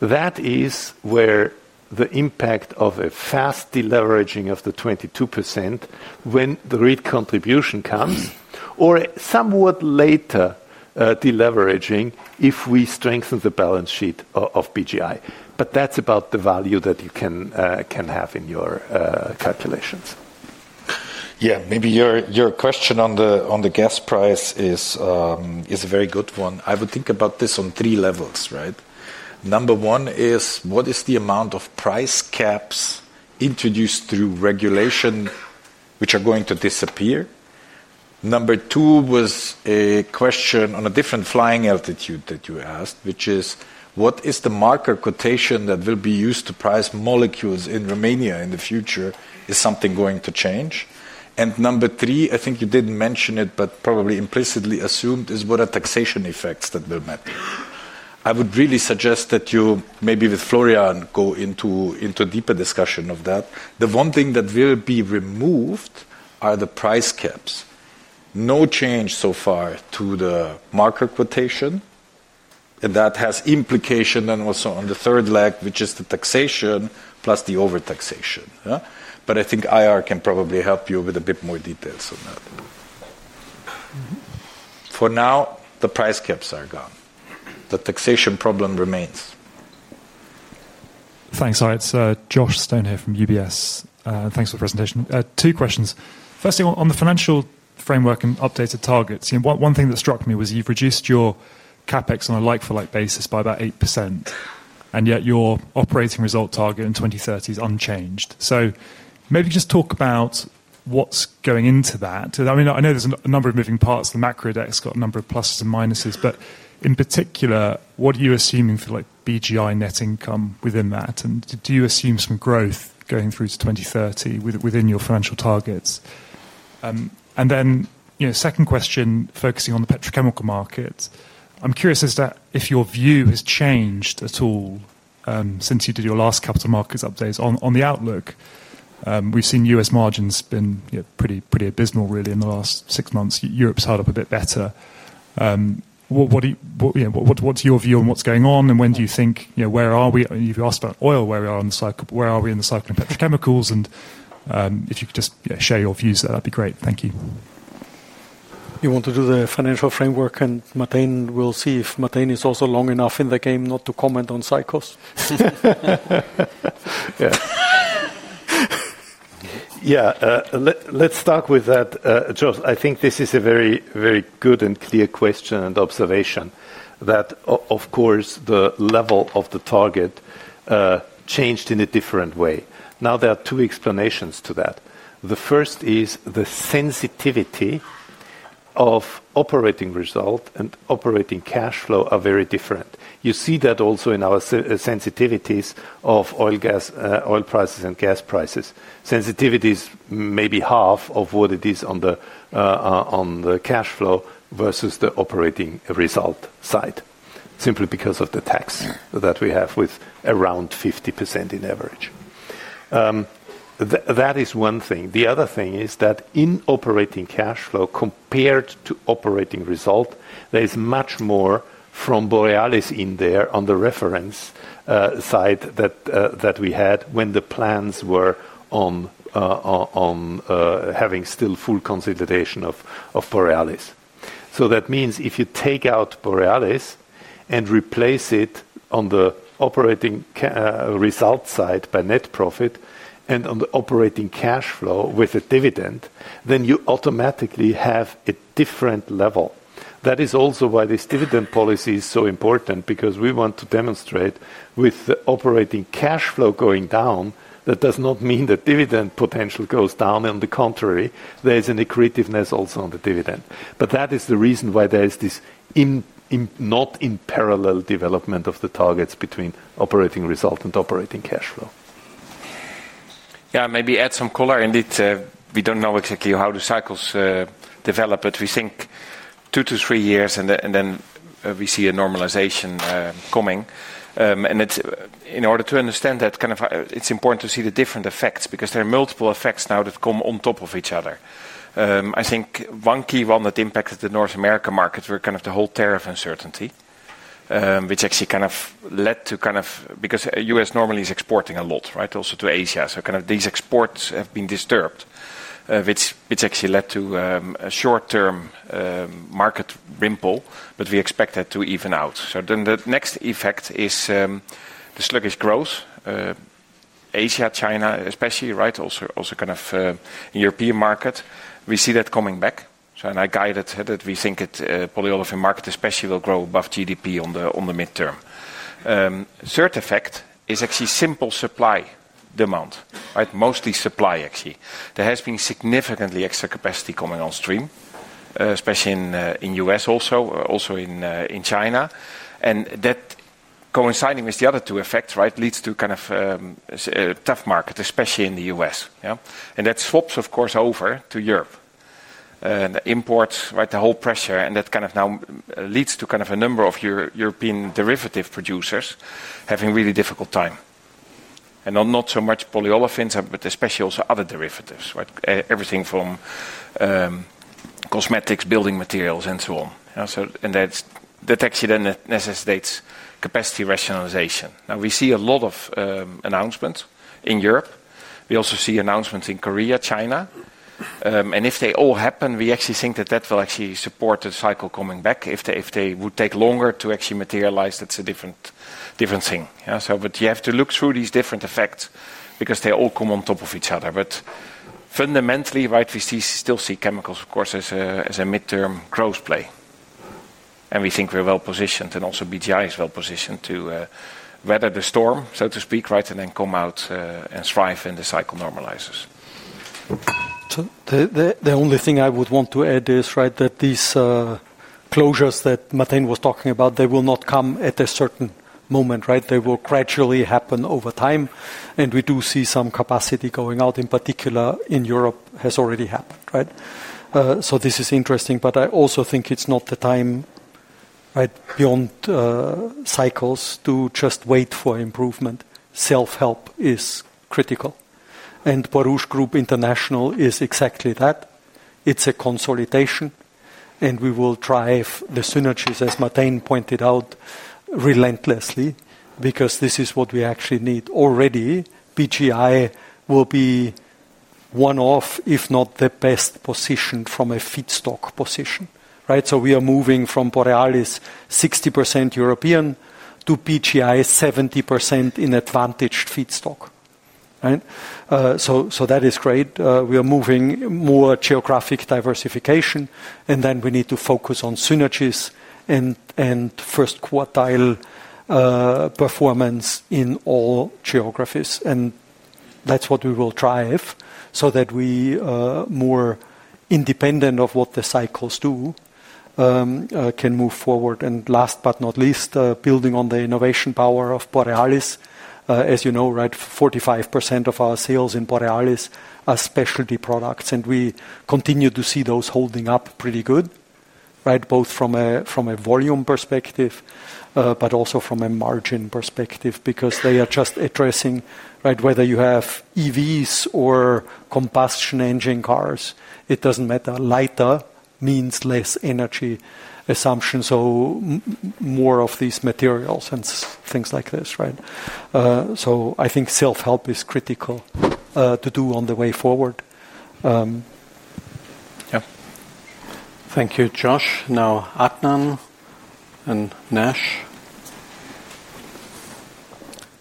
Speaker 4: That is where the impact of a fast deleveraging of the 22% when the recontribution comes or somewhat later deleveraging if we strengthen the balance sheet of BGI. That's about the value that you can have in your calculations. Yeah. Maybe your question on the gas price is a very good one. I would think about this on three levels, right? Number one is what is the amount of price caps introduced through regulation which are going to disappear? Number two was a question on a different flying altitude that you asked, which is what is the market quotation that will be used to price molecules in Romania in the future? Is something going to change? Number three, I think you didn't mention it, but probably implicitly assumed is what are taxation effects that will not be? I would really suggest that you maybe with Florian go into a deeper discussion of that. The one thing that will be removed are the price caps. No change so far to the market quotation. That has implication on the third leg, which is the taxation plus the overtaxation. I think IR can probably help you with a bit more details on that. For now, the price caps are gone. The taxation problem remains.
Speaker 12: Thanks, Alex. Josh Stone here from UBS. Thanks for the presentation. Two questions. Firstly, on the financial framework and updated targets, one thing that struck me was you've reduced your CapEx on a like-for-like basis by about 8%. Yet your operating result target in 2030 is unchanged. Maybe just talk about what's going into that. I know there's a number of moving parts. The macro index has got a number of pluses and minuses. In particular, what are you assuming for like BGI net income within that? Do you assume some growth going through to 2030 within your financial targets? Second question, focusing on the petrochemical markets. I'm curious as to if your view has changed at all since you did your last capital markets updates on the outlook. We've seen U.S. margins have been pretty abysmal, really, in the last six months. Europe's held up a bit better. What's your view on what's going on? When do you think, you know, where are we? You've asked about oil, where are we in the cycle? Petrochemicals? If you could just share your views there, that'd be great. Thank you.
Speaker 2: You want to do the financial framework and Martijn? We'll see if Martijn is also long enough in the game not to comment on cycles.
Speaker 3: Yeah. Yeah, let's start with that, Josh. I think this is a very, very good and clear question and observation that, of course, the level of the target changed in a different way. There are two explanations to that. The first is the sensitivity of operating result and operating cash flow are very different. You see that also in our sensitivities of oil prices and gas prices. Sensitivity is maybe half of what it is on the cash flow versus the operating result side, simply because of the tax that we have with around 50% in average. That is one thing. The other thing is that in operating cash flow compared to operating result, there is much more from Borealis in there on the reference side that we had when the plans were on having still full consideration of Borealis. That means if you take out Borealis and replace it on the operating result side by net profit and on the operating cash flow with a dividend, then you automatically have a different level. That is also why this dividend policy is so important because we want to demonstrate with the operating cash flow going down that does not mean the dividend potential goes down. On the contrary, there is an accretiveness also on the dividend. That is the reason why there is this not in parallel development of the targets between operating result and operating cash flow.
Speaker 5: Yeah, maybe add some color in it. We don't know exactly how the cycles develop, but we think two to three years, and then we see a normalization coming. In order to understand that, it's important to see the different effects because there are multiple effects now that come on top of each other. I think one key one that impacted the North American markets was the whole tariff uncertainty, which actually led to, because the U.S. normally is exporting a lot, right, also to Asia, these exports have been disturbed, which actually led to a short-term market ripple, but we expect that to even out. The next effect is the sluggish growth. Asia, China especially, right, also in the European market, we see that coming back. I guide that we think that the polyolefin market especially will grow above GDP in the midterm. The third effect is actually simple supply and demand, mostly supply actually. There has been significantly extra capacity coming on stream, especially in the U.S., also in China. That coinciding with the other two effects leads to a tough market, especially in the U.S. That swaps, of course, over to Europe. Imports, the whole pressure, and that now leads to a number of European derivative producers having a really difficult time. Not so much polyolefins, but especially also other derivatives, everything from cosmetics, building materials, and so on. That actually then necessitates capacity rationalization. Now, we see a lot of announcements in Europe. We also see announcements in Korea, China. If they all happen, we actually think that will support the cycle coming back. If they would take longer to actually materialize, that's a different thing. You have to look through these different effects because they all come on top of each other. Fundamentally, we still see chemicals, of course, as a midterm growth play. We think we're well positioned and also BGI is well positioned to weather the storm, so to speak, and then come out and strive when the cycle normalizes.
Speaker 2: The only thing I would want to add is that these closures that Martijn was talking about, they will not come at a certain moment. They will gradually happen over time. We do see some capacity going out, in particular in Europe, has already happened. This is interesting, but I also think it's not the time beyond cycles to just wait for improvement. Self-help is critical. Baruch Group International is exactly that. It's a consolidation. We will drive the synergies, as Martijn pointed out, relentlessly because this is what we actually need. Already, BGI will be one of, if not the best, positioned from a feedstock position. We are moving from Borealis 60% European to BGI 70% in advantaged feedstock. That is great. We are moving more geographic diversification. We need to focus on synergies and first quartile performance in all geographies. That's what we will drive so that we are more independent of what the cycles do, can move forward. Last but not least, building on the innovation power of Borealis. As you know, 45% of our sales in Borealis are specialty products. We continue to see those holding up pretty good, both from a volume perspective, but also from a margin perspective because they are just addressing whether you have EVs or combustion engine cars. It doesn't matter. Lighter means less energy consumption. More of these materials and things like this. I think self-help is critical to do on the way forward.
Speaker 1: Yeah. Thank you, Josh. Now, Adnan and Nash.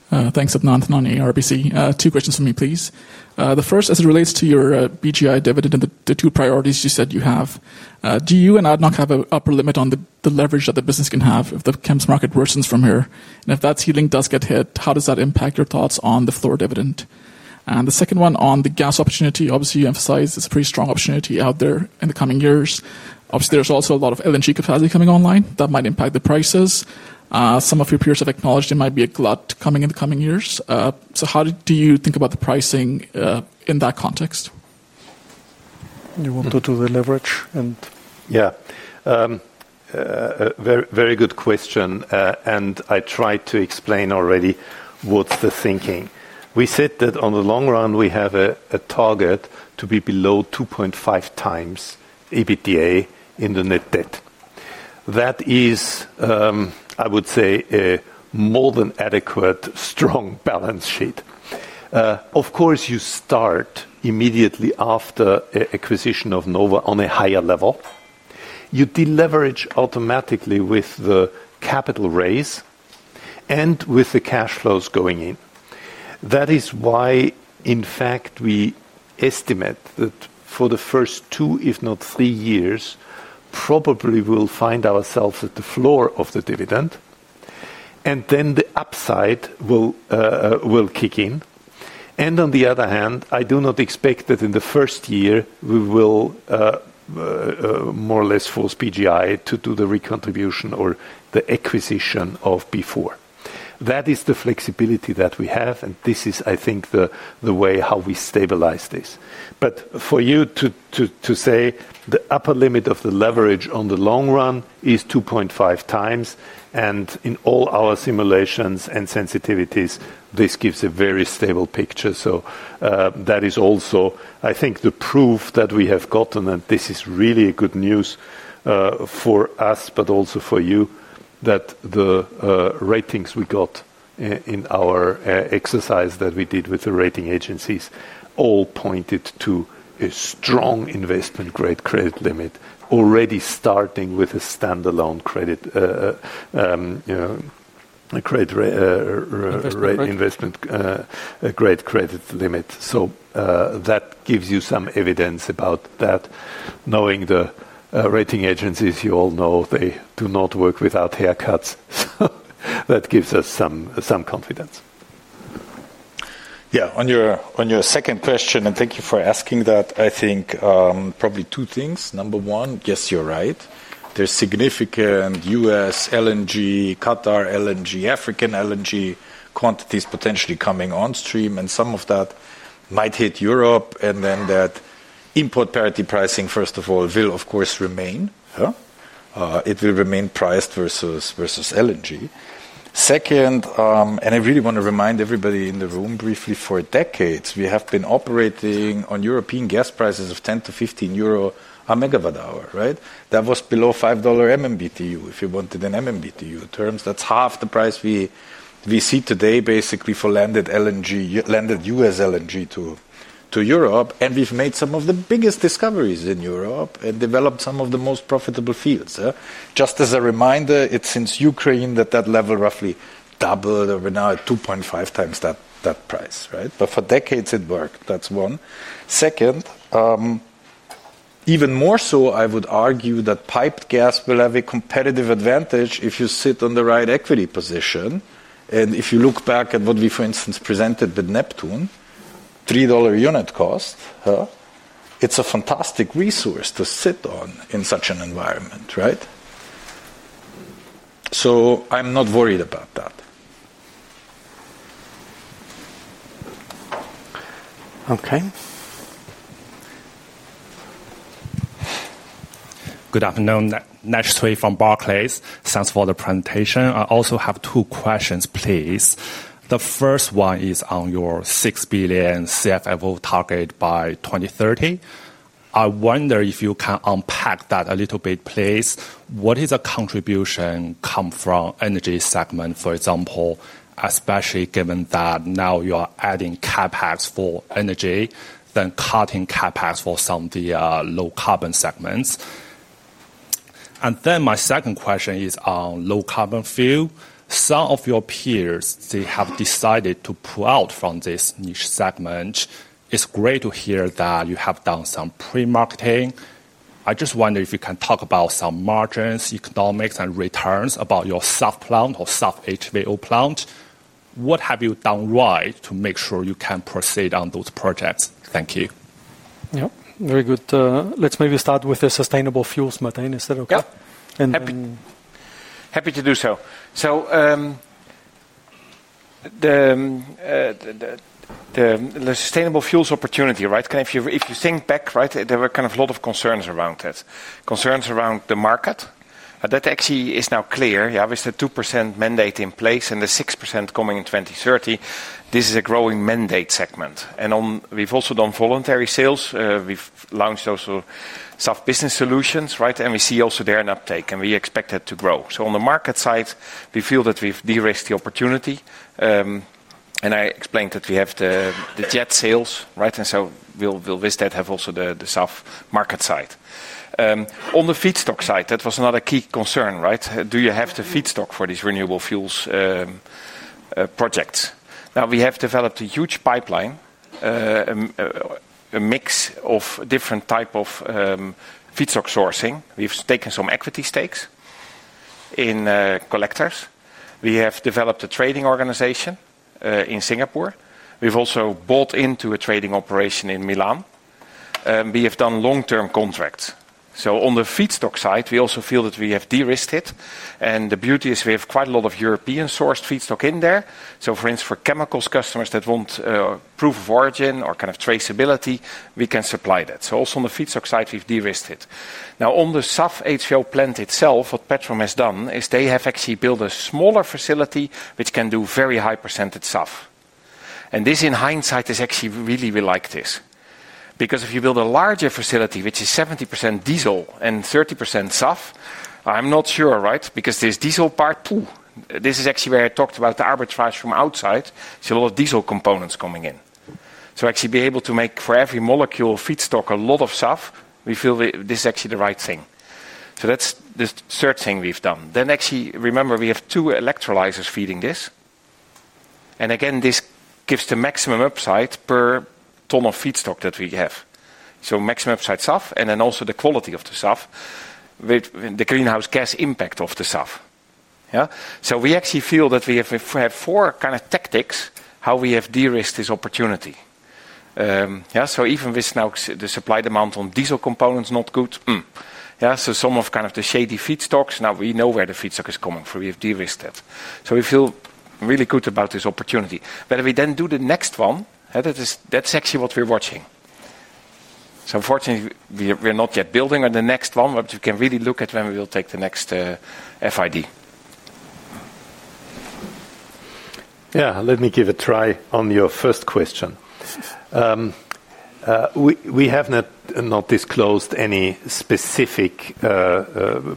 Speaker 13: Thanks, Adnan, ARBC. Two questions from me, please. The first, as it relates to your BGI dividend and the two priorities you said you have, do you and Abu Dhabi National Oil Company (ADNOC) have an upper limit on the leverage that the business can have if the chemicals market worsens from here? If that ceiling does get hit, how does that impact your thoughts on the floor dividend? The second one on the gas opportunity, obviously, you emphasize it's a pretty strong opportunity out there in the coming years. There's also a lot of LNG capacity coming online. That might impact the prices. Some of your peers have acknowledged it might be a glut coming in the coming years. How do you think about the pricing in that context?
Speaker 1: You want to talk to the leverage and..
Speaker 4: Yeah, very good question. I tried to explain already what's the thinking. We said that in the long run, we have a target to be below 2.5 times EBITDA in the net debt. That is, I would say, a more than adequate strong balance sheet. Of course, you start immediately after acquisition of Nova Chemicals on a higher level. You deleverage automatically with the capital raise and with the cash flows going in. That is why, in fact, we estimate that for the first two, if not three years, probably we'll find ourselves at the floor of the dividend, and then the upside will kick in. On the other hand, I do not expect that in the first year, we will more or less force BGI to do the recontribution or the acquisition of Borouge 4. That is the flexibility that we have. This is, I think, the way how we stabilize this. For you to say, the upper limit of the leverage in the long run is 2.5 times. In all our simulations and sensitivities, this gives a very stable picture. That is also, I think, the proof that we have gotten that this is really good news for us, but also for you, that the ratings we got in our exercise that we did with the rating agencies all pointed to a strong investment-grade credit limit, already starting with a standalone investment-grade credit limit. That gives you some evidence about that. Knowing the rating agencies, you all know they do not work without haircuts. That gives us some confidence. On your second question, and thank you for asking that, I think probably two things. Number one, yes, you're right. There's significant U.S. LNG, Qatar LNG, African LNG quantities potentially coming on stream, and some of that might hit Europe. That import parity pricing, first of all, will, of course, remain. It will remain priced versus LNG. Second, and I really want to remind everybody in the room briefly, for decades, we have been operating on European gas prices of 10-15 euro MWh, right? That was below $5 MMBTU. If you wanted an MMBTU in terms, that's half the price we see today, basically, for landed U.S. LNG to Europe. We've made some of the biggest discoveries in Europe and developed some of the most profitable fields. Just as a reminder, it's since Ukraine that that level roughly doubled or we're now at 2.5 times that price, right? For decades, it worked. That's one. Even more so, I would argue that piped gas will have a competitive advantage if you sit on the right equity position. If you look back at what we, for instance, presented the Neptune, $3 unit cost, it's a fantastic resource to sit on in such an environment, right? I'm not worried about that.
Speaker 1: Okay.
Speaker 14: Good afternoon. Nash Swee from Barclays stands for the presentation. I also have two questions, please. The first one is on your 6 billion CFO target by 2030. I wonder if you can unpack that a little bit, please. What is the contribution coming from the energy segment, for example, especially given that now you are adding CapEx for energy, then cutting CapEx for some of the low carbon segments? My second question is on low carbon fuel. Some of your peers, they have decided to pull out from this niche segment. It's great to hear that you have done some pre-marketing. I just wonder if you can talk about some margins, economics, and returns about your SAF plant or SAF HVO plant. What have you done right to make sure you can proceed on those projects? Thank you.
Speaker 2: Yeah, very good. Let's maybe start with the sustainable fuels, Martijn. Is that okay?
Speaker 5: Happy to do so. The sustainable fuels opportunity, right? If you think back, there were kind of a lot of concerns around this, concerns around the market. That actually is now clear. With the 2% mandate in place and the 6% coming in 2030, this is a growing mandate segment. We've also done voluntary sales. We've launched also SAF business solutions, right? We see also there an uptake, and we expect that to grow. On the market side, we feel that we've de-risked the opportunity. I explained that we have the jet sales, right? With that, we have also the SAF market side. On the feedstock side, that was another key concern, right? Do you have the feedstock for these renewable fuels projects? Now, we have developed a huge pipeline, a mix of different types of feedstock sourcing. We've taken some equity stakes in collectors. We have developed a trading organization in Singapore. We've also bought into a trading operation in Milan. We have done long-term contracts. On the feedstock side, we also feel that we have de-risked it. The beauty is we have quite a lot of European-sourced feedstock in there. For instance, for chemicals customers that want proof of origin or kind of traceability, we can supply that. Also on the feedstock side, we've de-risked it. On the SAF HVO plant itself, what OMV Petrom has done is they have actually built a smaller facility which can do very high percentage SAF. This, in hindsight, is actually really, we like this. Because if you build a larger facility, which is 70% diesel and 30% SAF, I'm not sure, right? This diesel part, this is actually where I talked about the arbitrage from outside. A lot of diesel components coming in. To actually be able to make for every molecule feedstock a lot of SAF, we feel this is actually the right thing. That's the third thing we've done. Actually, remember, we have two electrolysers feeding this. Again, this gives the maximum upside per ton of feedstock that we have. Maximum upside SAF, and then also the quality of the SAF, the greenhouse gas impact of the SAF. We actually feel that we have four kind of tactics how we have de-risked this opportunity. Even with now the supply demand on diesel components not good, some of kind of the shady feedstocks, now we know where the feedstock is coming from. We have de-risked that. We feel really good about this opportunity. When we then do the next one, that is actually what we're watching. Unfortunately, we're not yet building on the next one, but we can really look at when we will take the next FID.
Speaker 2: Yeah. Let me give a try on your first question. We have not disclosed any specific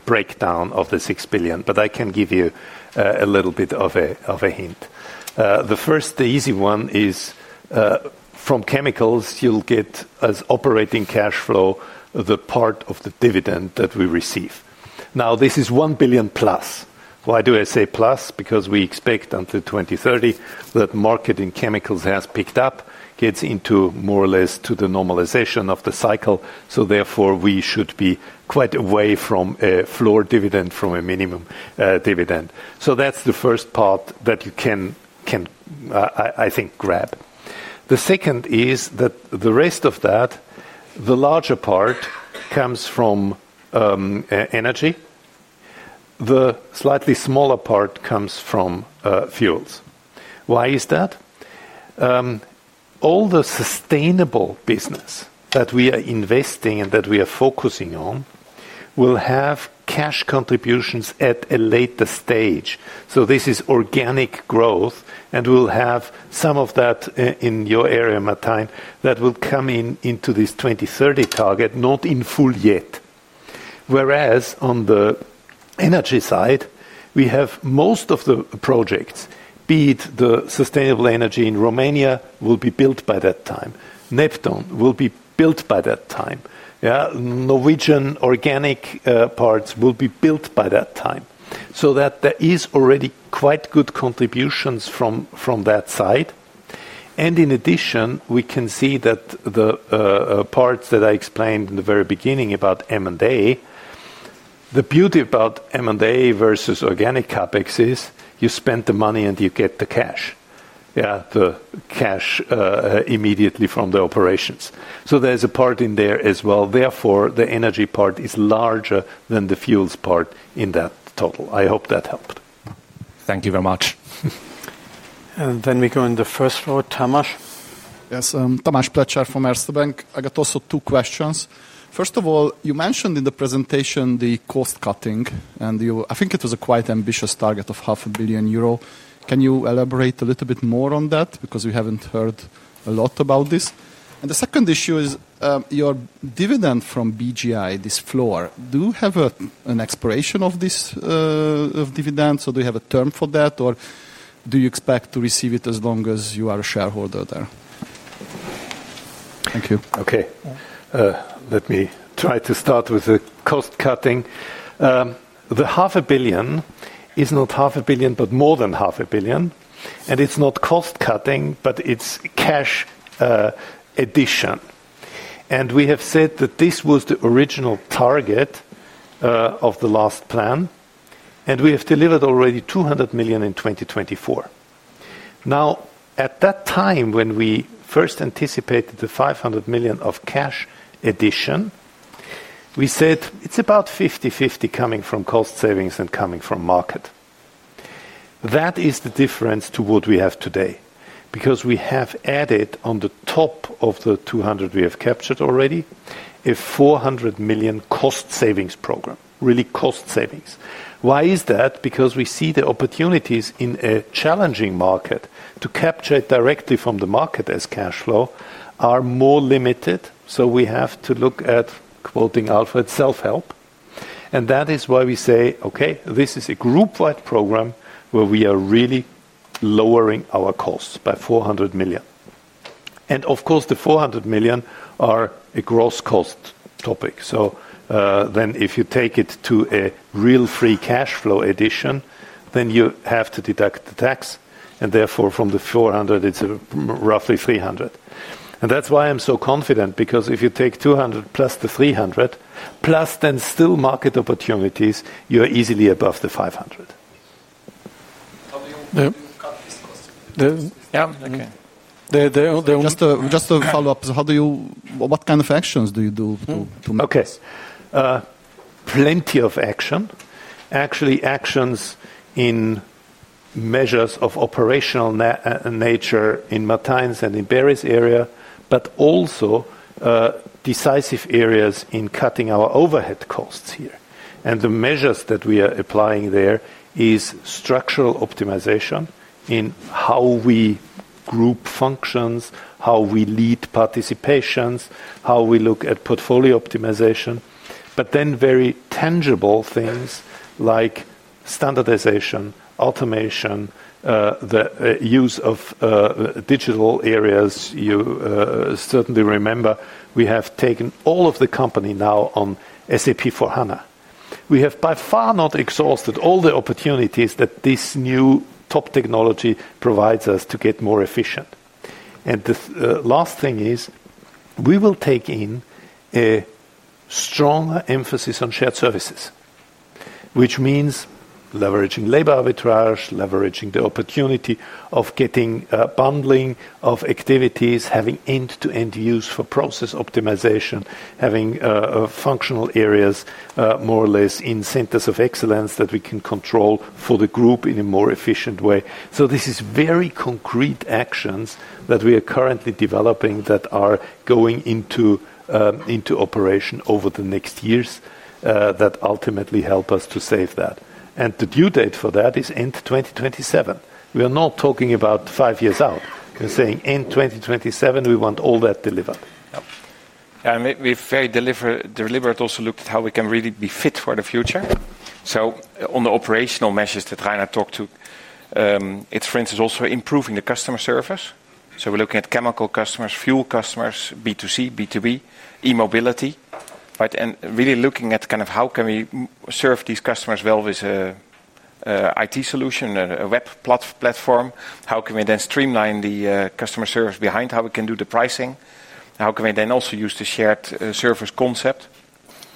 Speaker 2: breakdown of the 6 billion, but I can give you a little bit of a hint. The first, the easy one is from chemicals, you'll get as operating cash flow, the part of the dividend that we receive. Now, this is 1+ billion. Why do I say plus? Because we expect until 2030 that marketing chemicals has picked up, gets into more or less to the normalization of the cycle. Therefore, we should be quite away from a floor dividend, from a minimum dividend. That's the first part that you can, I think, grab. The second is that the rest of that, the larger part comes from energy. The slightly smaller part comes from fuels. Why is that? All the sustainable business that we are investing in, that we are focusing on, will have cash contributions at a later stage. This is organic growth. We'll have some of that in your area, Martijn, that will come into this 2030 target, not in full yet. Whereas on the energy side, we have most of the projects, be it the sustainable energy in Romania, will be built by that time. Neptune will be built by that time. Norwegian organic parts will be built by that time. There are already quite good contributions from that side. In addition, we can see that the parts that I explained in the very beginning about M&A, the beauty about M&A versus organic CapEx is you spend the money and you get the cash. Yeah, the cash immediately from the operations. There's a part in there as well. Therefore, the energy part is larger than the fuels part in that total. I hope that helped.
Speaker 14: Thank you very much.
Speaker 1: We go in the first row, Tomas.
Speaker 15: Yes, Tomas Pletser from Erste Bank. I got also two questions. First of all, you mentioned in the presentation the cost cutting. I think it was a quite ambitious target of 0.5 billion euro. Can you elaborate a little bit more on that? Because we haven't heard a lot about this. The second issue is your dividend from BGI, this floor. Do you have an expiration of this dividend? Do you have a term for that? Or do you expect to receive it as long as you are a shareholder there?
Speaker 2: Thank you. Okay. Let me try to start with the cost cutting. The 0.5 billion is not 0.5 billion, but more than half a billion. It's not cost cutting, but it's cash addition. We have said that this was the original target of the last plan. We have delivered already 200 million in 2024. At that time, when we first anticipated the 500 million of cash addition, we said it's about 50/50 coming from cost savings and coming from market. That is the difference to what we have today because we have added on the top of the 200 million we have captured already a 400 million cost savings program, really cost savings. Why is that? We see the opportunities in a challenging market to capture it directly from the market as cash flow are more limited. We have to look at quoting Alpha at self-help. That is why we say, okay, this is a group-wide program where we are really lowering our costs by 400 million. Of course, the 400 million are a gross cost topic. If you take it to a real free cash flow addition, then you have to deduct the tax. Therefore, from the 400 million, it's roughly 300 million. That's why I'm so confident because if you take 200 million plus the 300 million, plus then still market opportunities, you are easily above the 500 million.
Speaker 15: Yeah. Just to follow up, how do you, what kind of actions do you do to make this?
Speaker 3: Okay. Plenty of action. Actually, actions in measures of operational nature in Martijn's and in Berislav's area, but also decisive areas in cutting our overhead costs here. The measures that we are applying there are structural optimization in how we group functions, how we lead participations, how we look at portfolio optimization, but then very tangible things like standardization, automation, the use of digital areas. You certainly remember we have taken all of the company now on SAP for HANA. We have by far not exhausted all the opportunities that this new top technology provides us to get more efficient. The last thing is we will take in a strong emphasis on shared services, which means leveraging labor arbitrage, leveraging the opportunity of getting bundling of activities, having end-to-end use for process optimization, having functional areas more or less in centers of excellence that we can control for the group in a more efficient way. This is very concrete actions that we are currently developing that are going into operation over the next years that ultimately help us to save that. The due date for that is end 2027. We are not talking about five years out. We're saying end 2027, we want all that delivered. Yeah, and we've very deliberately also looked at how we can really be fit for the future. On the operational measures that Reinhard talked to, it's, for instance, also improving the customer service. We're looking at chemical customers, fuel customers, B2C, B2B, e-mobility, right? Really looking at kind of how can we serve these customers well with an IT solution, a web platform. How can we then streamline the customer service behind how we can do the pricing? How can we then also use the shared service concept?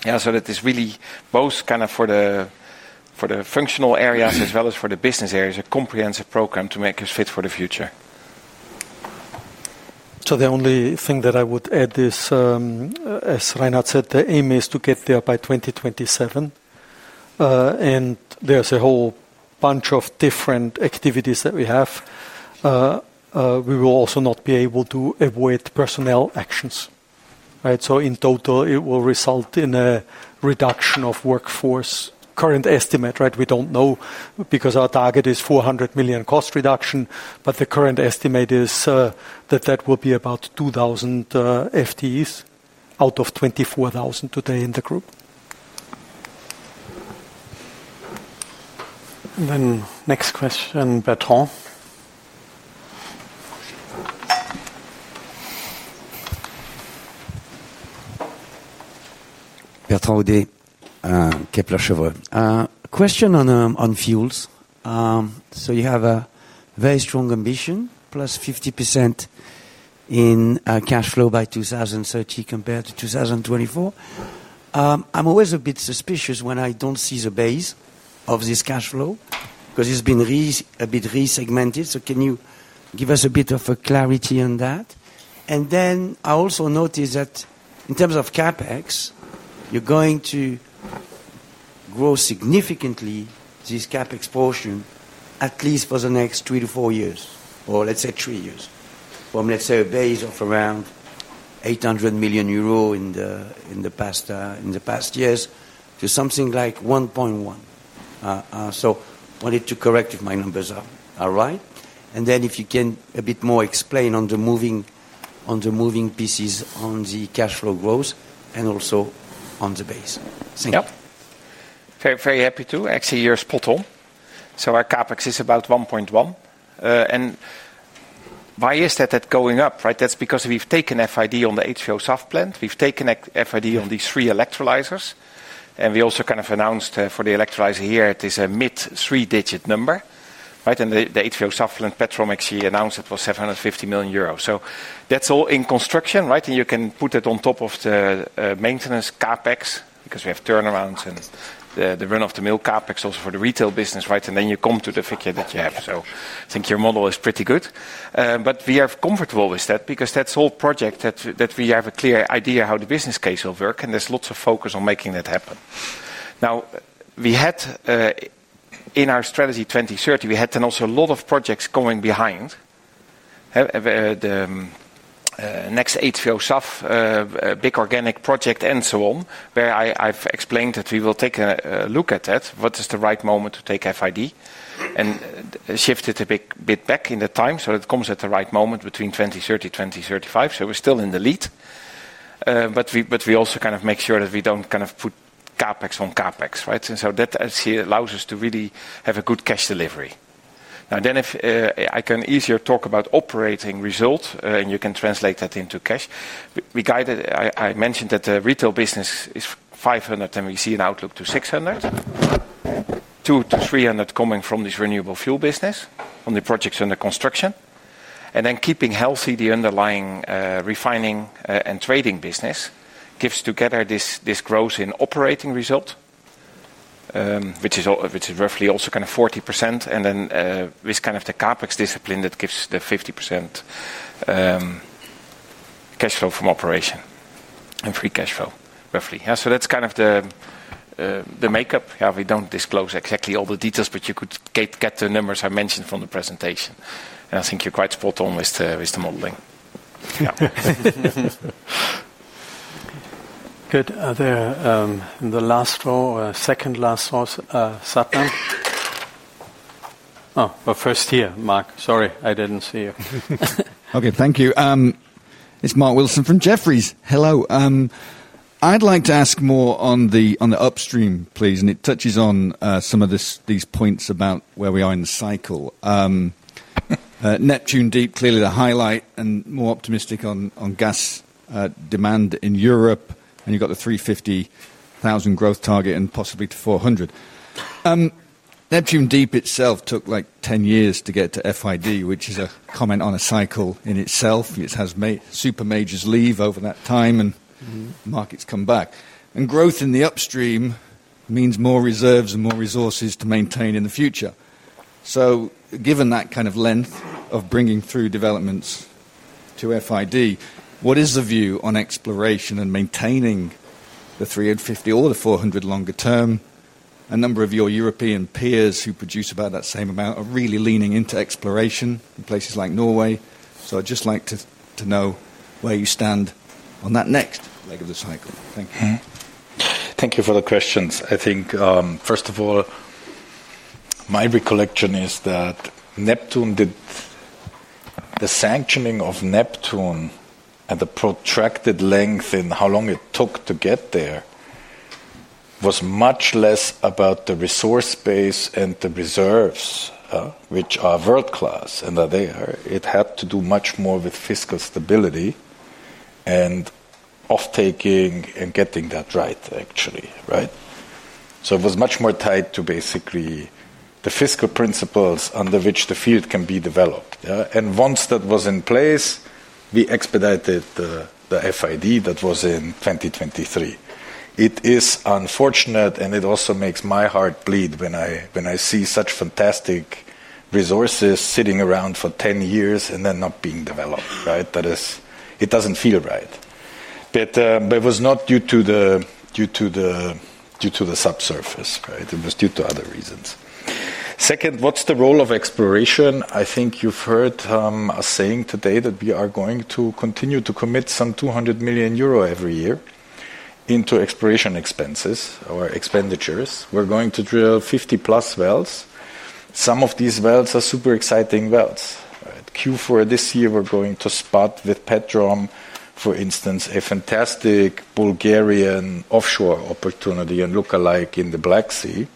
Speaker 3: That is really both kind of for the functional areas as well as for the business areas, a comprehensive program to make us fit for the future.
Speaker 5: The only thing that I would add is, as Reinhard said, the aim is to get there by 2027. There's a whole bunch of different activities that we have. We will also not be able to avoid personnel actions, right? In total, it will result in a reduction of workforce. Current estimate, right, we don't know because our target is 400 million cost reduction, but the current estimate is that that will be about 2,000 FTEs out of 24,000 today in the group.
Speaker 1: Next question, Bertrand.
Speaker 16: Question on fuels. You have a very strong ambition, +50% in cash flow by 2030 compared to 2024. I'm always a bit suspicious when I don't see the base of this cash flow because it's been a bit resegmented. Can you give us a bit of clarity on that? I also notice that in terms of CapEx, you're going to grow significantly. This CapEx exposure, at least for the next three to four years, or let's say three years, from a base of around 800 million euro in the past years to something like 1.1 billion. I wanted to check if my numbers are right. If you can, a bit more, explain on the moving pieces on the cash flow growth and also on the base. Thank you.
Speaker 2: Yeah, very happy to. Actually, you're spot on. Our CapEx is about 1.1 billion. Why is that going up? That's because we've taken FID on the HVO SAF plant. We've taken FID on these three electrolyzers. We also kind of announced for the electrolyzer here, it is a mid-three-digit million number. The HVO SAF plant, Petrom actually announced it was 750 million euros. That's all in construction, and you can put it on top of the maintenance CapEx because we have turnarounds and the run-of-the-mill CapEx also for the retail business. Then you come to the figure that you have. I think your model is pretty good. We are comfortable with that because that's all projects that we have a clear idea how the business case will work. There's lots of focus on making that happen. In our Strategy 2030, we had then also a lot of projects going behind, the next HVO SAF, big organic project, and so on, where I've explained that we will take a look at that. What is the right moment to take FID? We shift it a bit back in the time so that it comes at the right moment between 2030 and 2035. We're still in the lead, but we also kind of make sure that we don't kind of put CapEx on CapEx. That actually allows us to really have a good cash delivery. If I can easier talk about operating result and you can translate that into cash. We guided, I mentioned that the retail business is 500 million and we see an outlook to 600 million. Two to 300 million coming from this renewable fuel business on the projects under construction. Keeping healthy, the underlying refining and trading business gives together this growth in operating result, which is roughly also kind of 40%. This kind of CapEx discipline gives the 50% cash flow from operation and free cash flow, roughly. That's kind of the makeup. We don't disclose exactly all the details, but you could get the numbers I mentioned from the presentation. I think you're quite spot on with the modeling.
Speaker 1: Yeah, good. Are there the last or second last thoughts, Satnam? Oh, first here, Mark. Sorry, I didn't see you.
Speaker 17: Okay, thank you. It's Mark Wilson from Jefferies. Hello. I'd like to ask more on the upstream, please. It touches on some of these points about where we are in the cycle. Neptune Deep, clearly the highlight and more optimistic on gas demand in Europe. You've got the 350,000 growth target and possibly to 400. Neptune Deep itself took like 10 years to get to FID, which is a comment on a cycle in itself. It has made super majors leave over that time and markets come back. Growth in the upstream means more reserves and more resources to maintain in the future. Given that kind of length of bringing through developments to FID, what is the view on exploration and maintaining the 350 or the 400 longer term? A number of your European peers who produce about that same amount are really leaning into exploration in places like Norway. I'd just like to know where you stand on that next leg of the cycle. Thank you.
Speaker 4: Thank you for the questions. I think, first of all, my recollection is that Neptune, the sanctioning of Neptune and the protracted length and how long it took to get there was much less about the resource base and the reserves, which are world-class and are there. It had to do much more with fiscal stability and off-taking and getting that right, actually. It was much more tied to basically the fiscal principles under which the field can be developed. Once that was in place, we expedited the FID that was in 2023. It is unfortunate, and it also makes my heart bleed when I see such fantastic resources sitting around for 10 years and then not being developed. That is, it doesn't feel right. It was not due to the subsurface. It was due to other reasons. Second, what's the role of exploration? I think you've heard us saying today that we are going to continue to commit some 200 million euro every year into exploration expenses or expenditures. We're going to drill 50+ wells. Some of these wells are super exciting wells. Q4 this year, we're going to spot with OMV Petrom, for instance, a fantastic Bulgarian offshore opportunity and look-alike in the Black Sea,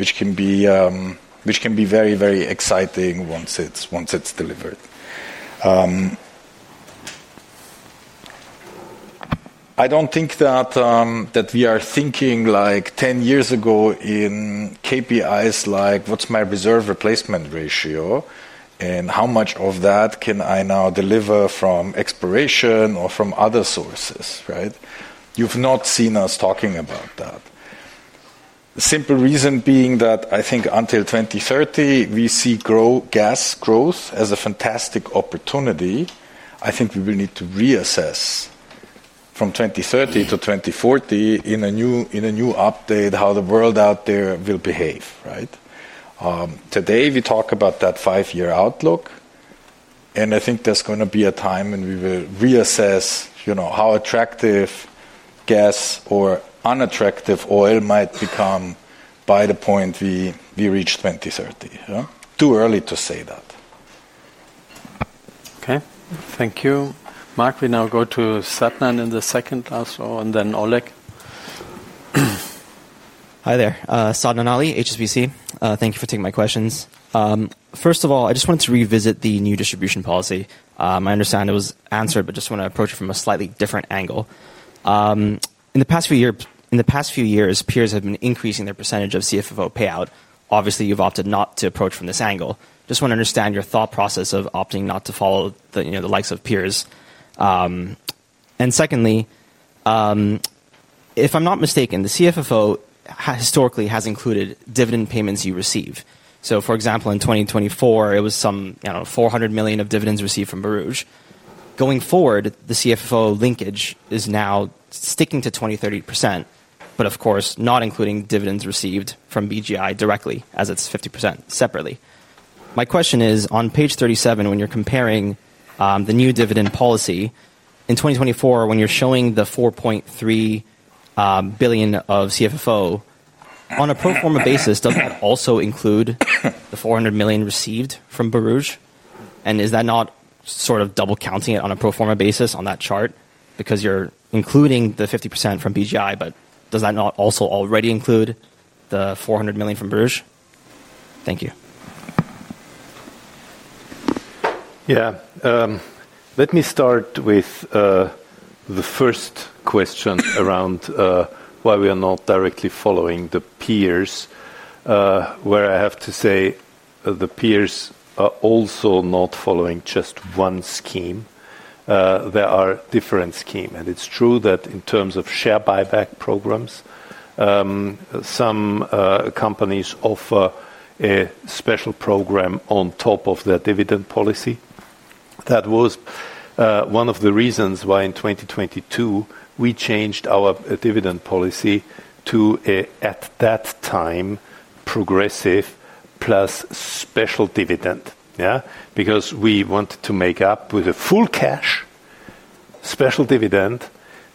Speaker 4: which can be very, very exciting once it's delivered. I don't think that we are thinking like 10 years ago in KPIs like what's my reserve replacement ratio and how much of that can I now deliver from exploration or from other sources. You've not seen us talking about that. The simple reason being that I think until 2030, we see growth, gas growth as a fantastic opportunity. I think we will need to reassess from 2030 to 2040 in a new update how the world out there will behave. Today, we talk about that five-year outlook. I think there's going to be a time when we will reassess, you know, how attractive gas or unattractive oil might become by the point we reach 2030. Too early to say that.
Speaker 1: Okay, thank you. Mark, we now go to Sadnam in the second last row, and then Oleg.
Speaker 18: Hi there. Sadnam Ali, HSBC. Thank you for taking my questions. First of all, I just wanted to revisit the new distribution policy. I understand it was answered, but I just want to approach it from a slightly different angle. In the past few years, peers have been increasing their percentage of CFFO payout. Obviously, you've opted not to approach it from this angle. I just want to understand your thought process of opting not to follow the likes of peers. Secondly, if I'm not mistaken, the CFFO historically has included dividend payments you receive. For example, in 2024, it was some 400 million of dividends received from BGI. Going forward, the CFFO linkage is now sticking to 20-30%, but of course, not including dividends received from BGI directly as it's 50% separately. My question is, on page 37, when you're comparing the new dividend policy, in 2024, when you're showing the 4.3 billion of CFFO, on a pro forma basis, does that also include the 400 million received from BGI? Is that not sort of double counting it on a pro forma basis on that chart because you're including the 50% from BGI, but does that not also already include the 400 million from BGI? Thank you.
Speaker 3: Let me start with the first question around why we are not directly following the peers, where I have to say the peers are also not following just one scheme. There are different schemes. It's true that in terms of share buyback programs, some companies offer a special program on top of their dividend policy. That was one of the reasons why in 2022 we changed our dividend policy to, at that time, progressive plus special dividend, because we wanted to make up with a full cash special dividend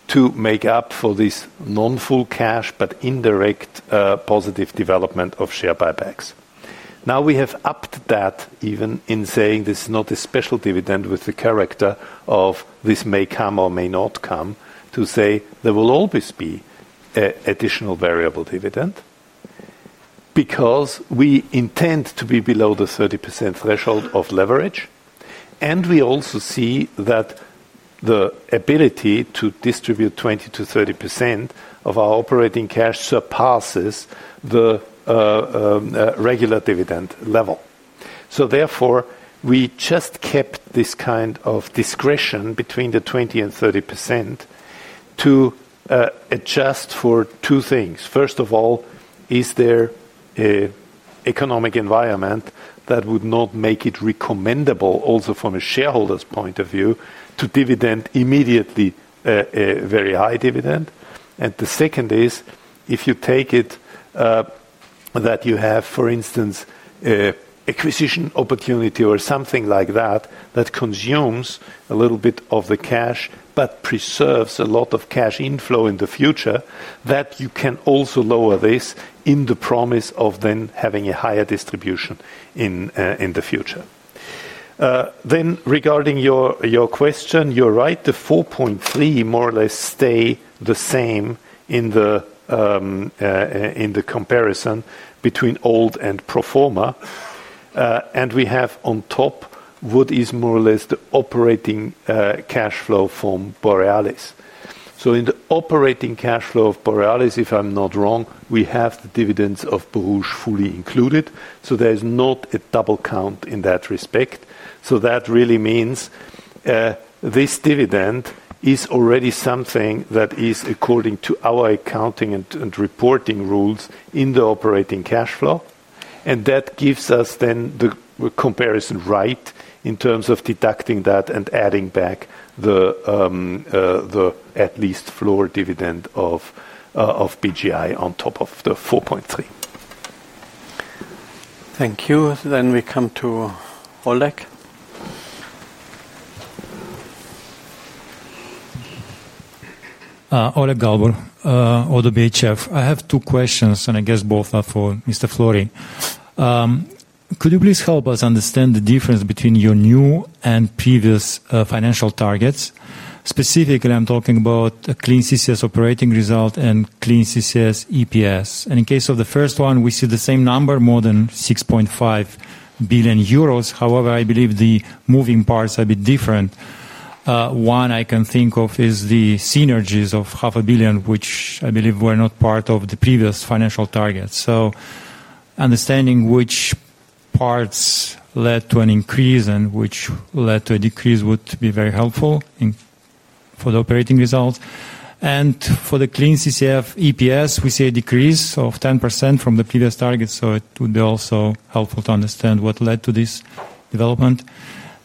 Speaker 3: to make up for this non-full cash but indirect positive development of share buybacks. Now we have upped that even in saying this is not a special dividend with the character of this may come or may not come to say there will always be an additional variable dividend because we intend to be below the 30% threshold of leverage. We also see that the ability to distribute 20%-30% of our operating cash surpasses the regular dividend level. Therefore, we just kept this kind of discretion between the 20% and 30% to adjust for two things. First of all, is there an economic environment that would not make it recommendable also from a shareholder's point of view to dividend immediately a very high dividend? The second is if you take it that you have, for instance, an acquisition opportunity or something like that that consumes a little bit of the cash but preserves a lot of cash inflow in the future, you can also lower this in the promise of then having a higher distribution in the future. Regarding your question, you're right, the 4.3 more or less stays the same in the comparison between old and pro forma. We have on top what is more or less the operating cash flow from Borealis. In the operating cash flow of Borealis, if I'm not wrong, we have the dividends of BGI fully included. There's not a double count in that respect. That really means this dividend is already something that is according to our accounting and reporting rules in the operating cash flow. That gives us then the comparison right in terms of deducting that and adding back the at least floor dividend of BGI on top of the 4.3.
Speaker 1: Thank you. We come to Oleg.
Speaker 19: I have two questions, and I guess both are for Mr. Florey. Could you please help us understand the difference between your new and previous financial targets? Specifically, I'm talking about clean CCS operating result and clean CCS EPS. In case of the first one, we see the same number, more than 6.5 billion euros. However, I believe the moving parts are a bit different. One I can think of is the synergies of half a billion, which I believe were not part of the previous financial targets. Understanding which parts led to an increase and which led to a decrease would be very helpful for the operating results. For the clean CCS EPS, we see a decrease of 10% from the previous targets. It would also be helpful to understand what led to this development.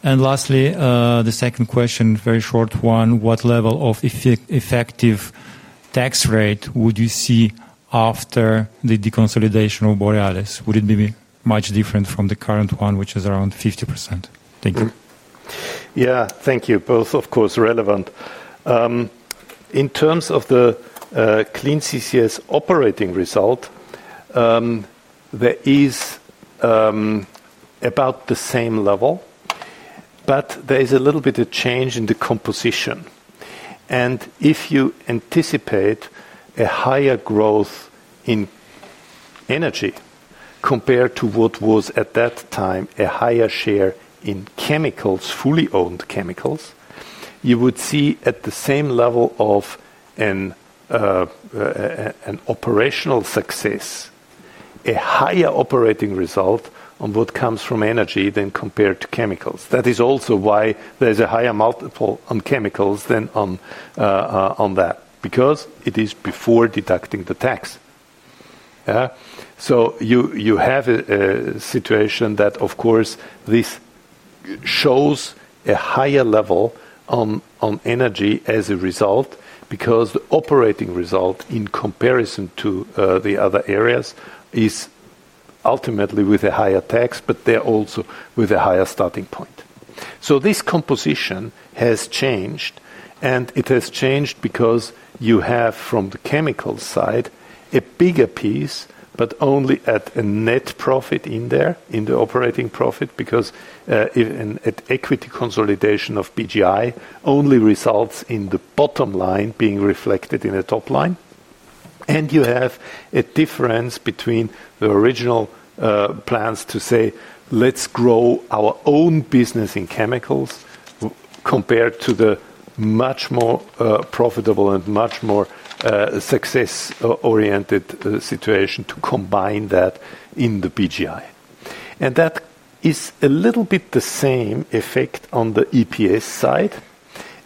Speaker 19: Lastly, the second question, a very short one, what level of effective tax rate would you see after the deconsolidation of Borealis? Would it be much different from the current one, which is around 50%? Thank you.
Speaker 3: Yeah, thank you. Both, of course, relevant. In terms of the clean CCS operating result, there is about the same level, but there is a little bit of change in the composition. If you anticipate a higher growth in energy compared to what was at that time, a higher share in chemicals, fully owned chemicals, you would see at the same level of an operational success, a higher operating result on what comes from energy than compared to chemicals. That is also why there's a higher multiple on chemicals than on that, because it is before deducting the tax. You have a situation that, of course, this shows a higher level on energy as a result because the operating result in comparison to the other areas is ultimately with a higher tax, but they're also with a higher starting point. This composition has changed, and it has changed because you have from the chemical side a bigger piece, but only at a net profit in there, in the operating profit, because an equity consolidation of BGI only results in the bottom line being reflected in the top line. You have a difference between the original plans to say, let's grow our own business in chemicals compared to the much more profitable and much more success-oriented situation to combine that in the BGI. That is a little bit the same effect on the EPS side.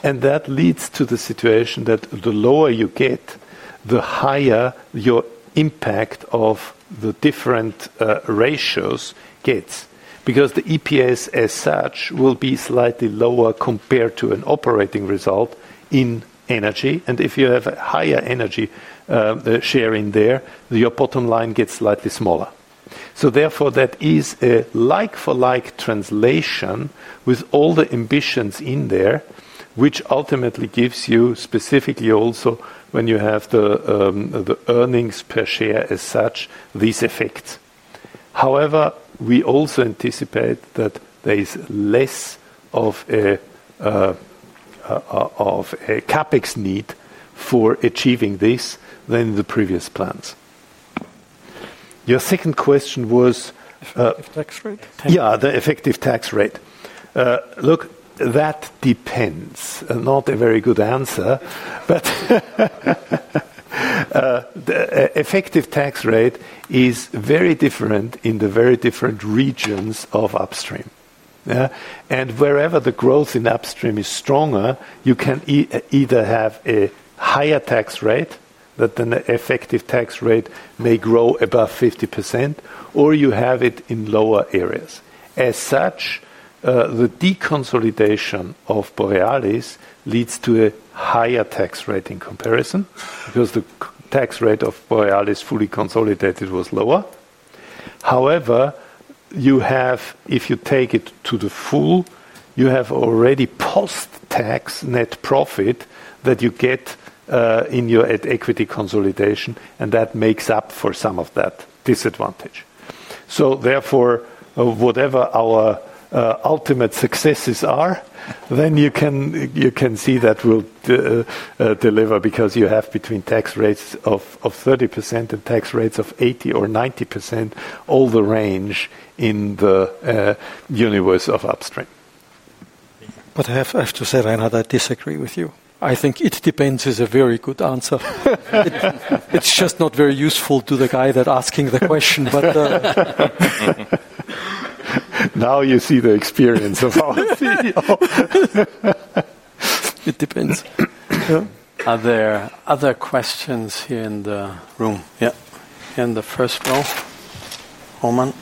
Speaker 3: That leads to the situation that the lower you get, the higher your impact of the different ratios gets, because the EPS as such will be slightly lower compared to an operating result in energy. If you have a higher energy share in there, your bottom line gets slightly smaller. Therefore, that is a like-for-like translation with all the ambitions in there, which ultimately gives you specifically also when you have the earnings per share as such, these effects. However, we also anticipate that there is less of a capex need for achieving this than the previous plans. Your second question was...
Speaker 19: Effective tax rate?
Speaker 3: Yeah, the effective tax rate. Look, that depends. Not a very good answer, but the effective tax rate is very different in the very different regions of upstream. Wherever the growth in upstream is stronger, you can either have a higher tax rate that the effective tax rate may grow above 50%, or you have it in lower areas. As such, the deconsolidation of Borealis leads to a higher tax rate in comparison because the tax rate of Borealis fully consolidated was lower. However, if you take it to the full, you have already post-tax net profit that you get in your equity consolidation, and that makes up for some of that disadvantage. Therefore, whatever our ultimate successes are, then you can see that will deliver because you have between tax rates of 30% and tax rates of 80% or 90%, all the range in the universe of upstream.
Speaker 2: I have to say, Reinhard, I disagree with you. I think it depends is a very good answer. It's just not very useful to the guy that's asking the question, but...
Speaker 3: Now you see the experience of our CEO.
Speaker 2: It depends.
Speaker 1: Are there other questions here in the room? Here in the first row, Roman.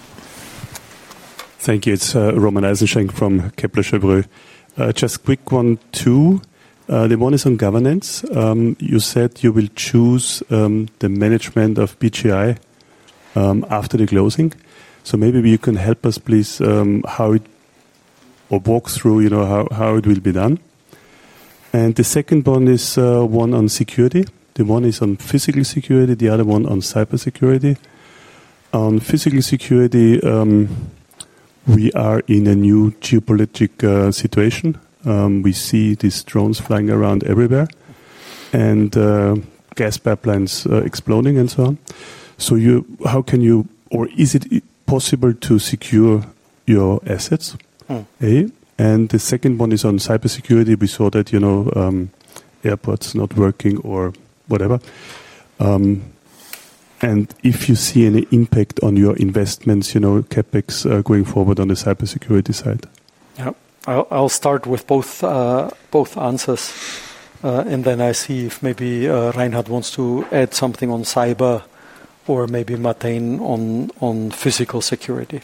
Speaker 20: Thank you. It's Roman Eisenschenk from Kepler Cheuvreux. Just a quick one too. The one is on governance. You said you will choose the management of BGI after the closing. Maybe you can help us, please, how it or walk through, you know, how it will be done. The second one is one on security. The one is on physical security, the other one on cybersecurity. On physical security, we are in a new geopolitical situation. We see these drones flying around everywhere and gas pipelines exploding and so on. How can you, or is it possible to secure your assets? The second one is on cybersecurity. We saw that, you know, airports not working or whatever. If you see any impact on your investments, you know, CapEx going forward on the cybersecurity side.
Speaker 2: Yeah, I'll start with both answers. I see if maybe Reinhard wants to add something on cyber or maybe Martijn on physical security.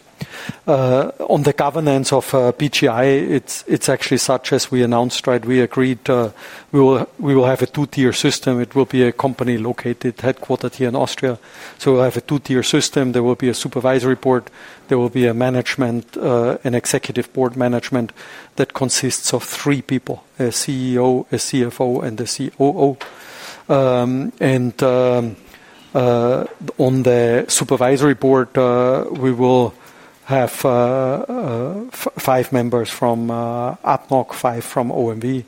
Speaker 2: On the governance of BGI, it's actually such as we announced, right? We agreed we will have a two-tier system. It will be a company located headquartered here in Austria. We'll have a two-tier system. There will be a Supervisory Board. There will be a Management, an Executive Board Management that consists of three people: a CEO, a CFO, and a COO. On the Supervisory Board, we will have five members from Abu Dhabi National Oil Company (ADNOC), five from OMV,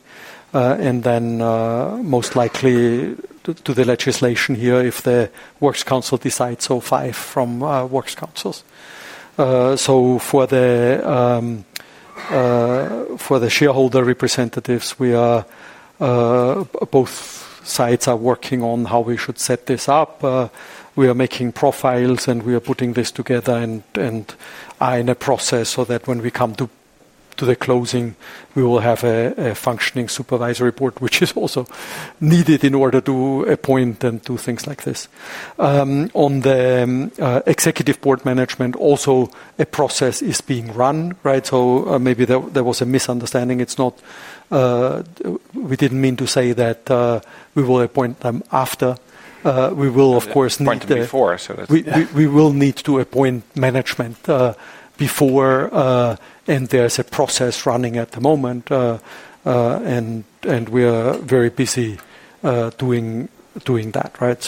Speaker 2: and then most likely due to the legislation here if the Works Council decides, five from Works Councils. For the shareholder representatives, both sides are working on how we should set this up. We are making profiles and we are putting this together and are in a process so that when we come to the closing, we will have a functioning Supervisory Board, which is also needed in order to appoint and do things like this. On the Executive Board Management, also a process is being run, right? Maybe there was a misunderstanding. It's not, we didn't mean to say that we will appoint them after. We will, of course, need the... We're appointing before, so that's... We will need to appoint management before. There is a process running at the moment, and we are very busy doing that, right?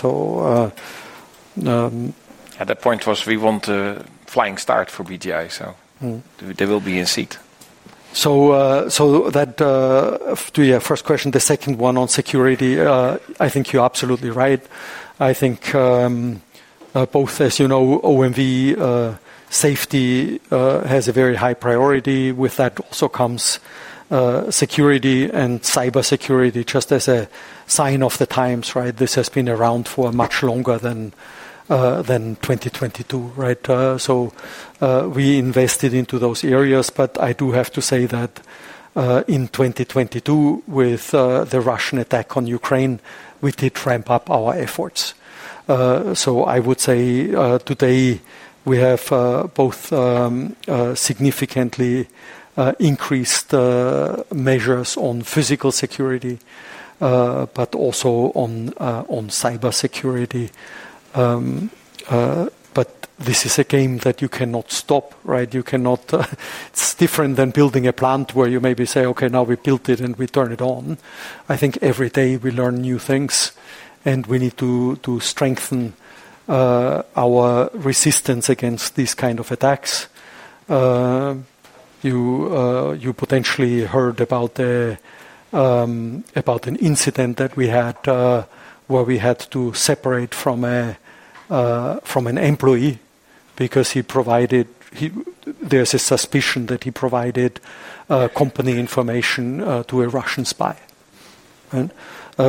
Speaker 20: The point was we want a flying start for BGI, so there will be a seat.
Speaker 2: To your first question, the second one on security, I think you're absolutely right. I think both, as you know, OMV safety has a very high priority. With that also comes security and cybersecurity, just as a sign of the times, right? This has been around for much longer than 2022, right? We invested into those areas, but I do have to say that in 2022, with the Russian attack on Ukraine, we did ramp up our efforts. I would say today we have both significantly increased measures on physical security and on cybersecurity. This is a game that you cannot stop, right? You cannot. It's different than building a plant where you maybe say, okay, now we built it and we turn it on. I think every day we learn new things and we need to strengthen our resistance against these kinds of attacks. You potentially heard about an incident that we had where we had to separate from an employee because he provided, there's a suspicion that he provided company information to a Russian spy. We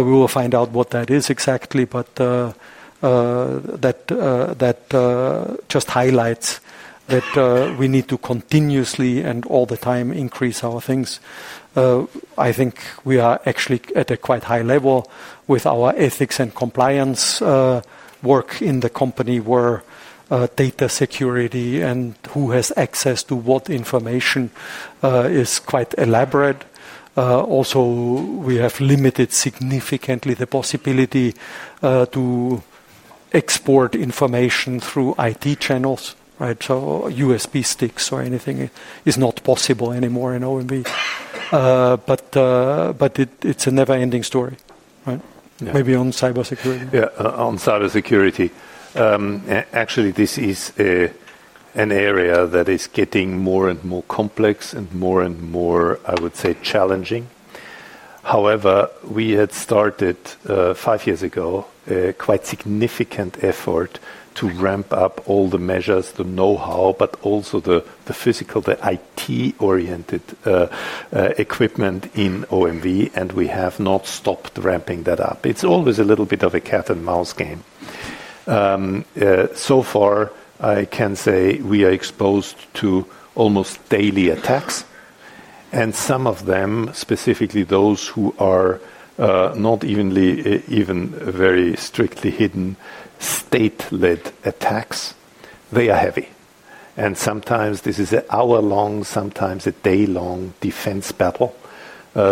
Speaker 2: will find out what that is exactly, but that just highlights that we need to continuously and all the time increase our things. I think we are actually at a quite high level with our ethics and compliance work in the company where data security and who has access to what information is quite elaborate. Also, we have limited significantly the possibility to export information through IT channels, right? USB sticks or anything is not possible anymore in OMV. It's a never-ending story, right? Maybe on cybersecurity.
Speaker 5: Yeah, on cybersecurity. Actually, this is an area that is getting more and more complex and more and more, I would say, challenging. However, we had started five years ago a quite significant effort to ramp up all the measures, the know-how, but also the physical, the IT-oriented equipment in OMV. We have not stopped ramping that up. It's always a little bit of a cat-and-mouse game. So far, I can say we are exposed to almost daily attacks. Some of them, specifically those who are not even very strictly hidden state-led attacks, they are heavy. Sometimes this is an hour-long, sometimes a day-long defense battle.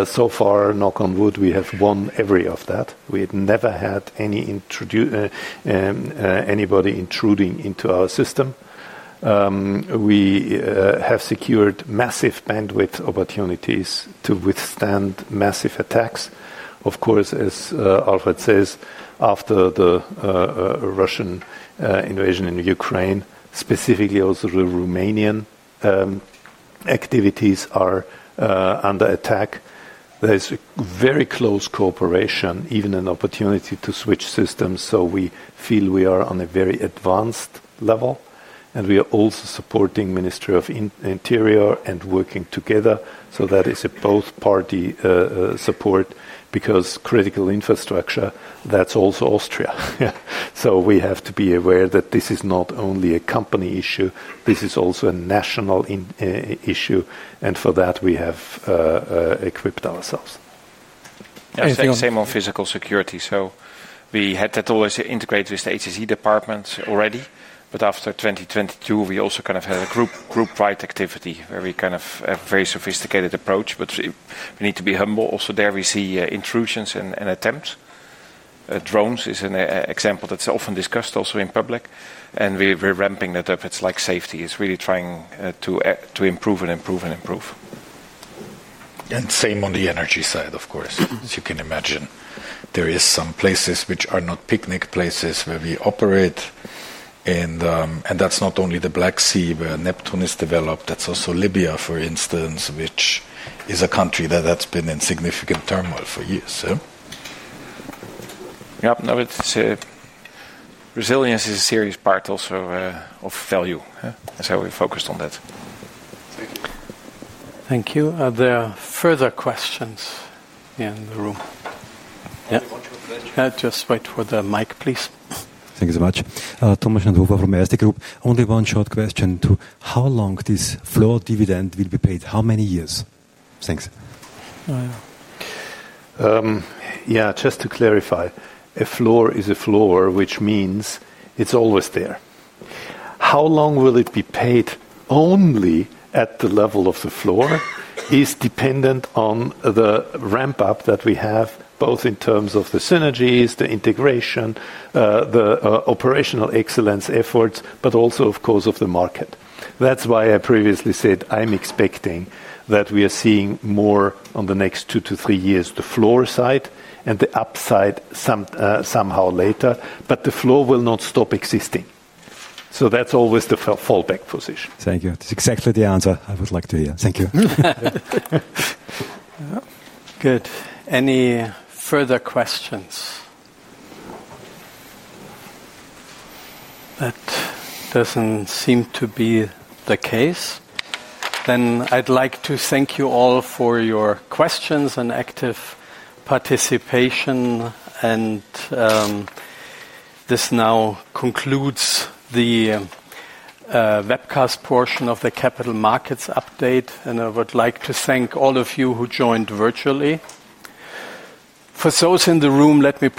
Speaker 5: So far, knock on wood, we have won every of that. We had never had anybody intruding into our system. We have secured massive bandwidth opportunities to withstand massive attacks. Of course, as Alfred says, after the Russian invasion in Ukraine, specifically also the Romanian activities are under attack. There's very close cooperation, even an opportunity to switch systems. We feel we are on a very advanced level. We are also supporting the Ministry of Interior and working together. That is a both-party support because critical infrastructure, that's also Austria. We have to be aware that this is not only a company issue. This is also a national issue. For that, we have equipped ourselves.
Speaker 3: I think the same on physical security. We had that always integrated with the HSE departments already. After 2022, we also kind of had a group-wide activity where we kind of have a very sophisticated approach. We need to be humble also there. We see intrusions and attempts. Drones is an example that's often discussed also in public. We're ramping that up. It's like safety. It's really trying to improve and improve and improve.
Speaker 5: On the energy side, of course, as you can imagine, there are some places which are not picnic places where we operate. That's not only the Black Sea where Neptune is developed. That's also Libya, for instance, which is a country that has been in significant turmoil for years.
Speaker 3: Yeah, I would say resilience is a serious part also of value, and so we focused on that.
Speaker 1: Thank you. Are there further questions in the room? Yeah, just wait for the mic, please.
Speaker 21: Thank you so much. Thomas from the SD Group. Only one short question: how long will this floor dividend be paid? How many years? Thanks.
Speaker 2: Yeah, just to clarify, a floor is a floor, which means it's always there. How long it will be paid only at the level of the floor is dependent on the ramp-up that we have, both in terms of the synergies, the integration, the operational excellence efforts, but also, of course, of the market. That's why I previously said I'm expecting that we are seeing more on the next two to three years, the floor side and the upside somehow later. The floor will not stop existing. That's always the fallback position.
Speaker 21: Thank you. That's exactly the answer I would like to hear.
Speaker 1: Thank you. Good. Any further questions? That doesn't seem to be the case. I would like to thank you all for your questions and active participation. This now concludes the webcast portion of the Capital Markets Update. I would like to thank all of you who joined virtually. For those in the room, let me.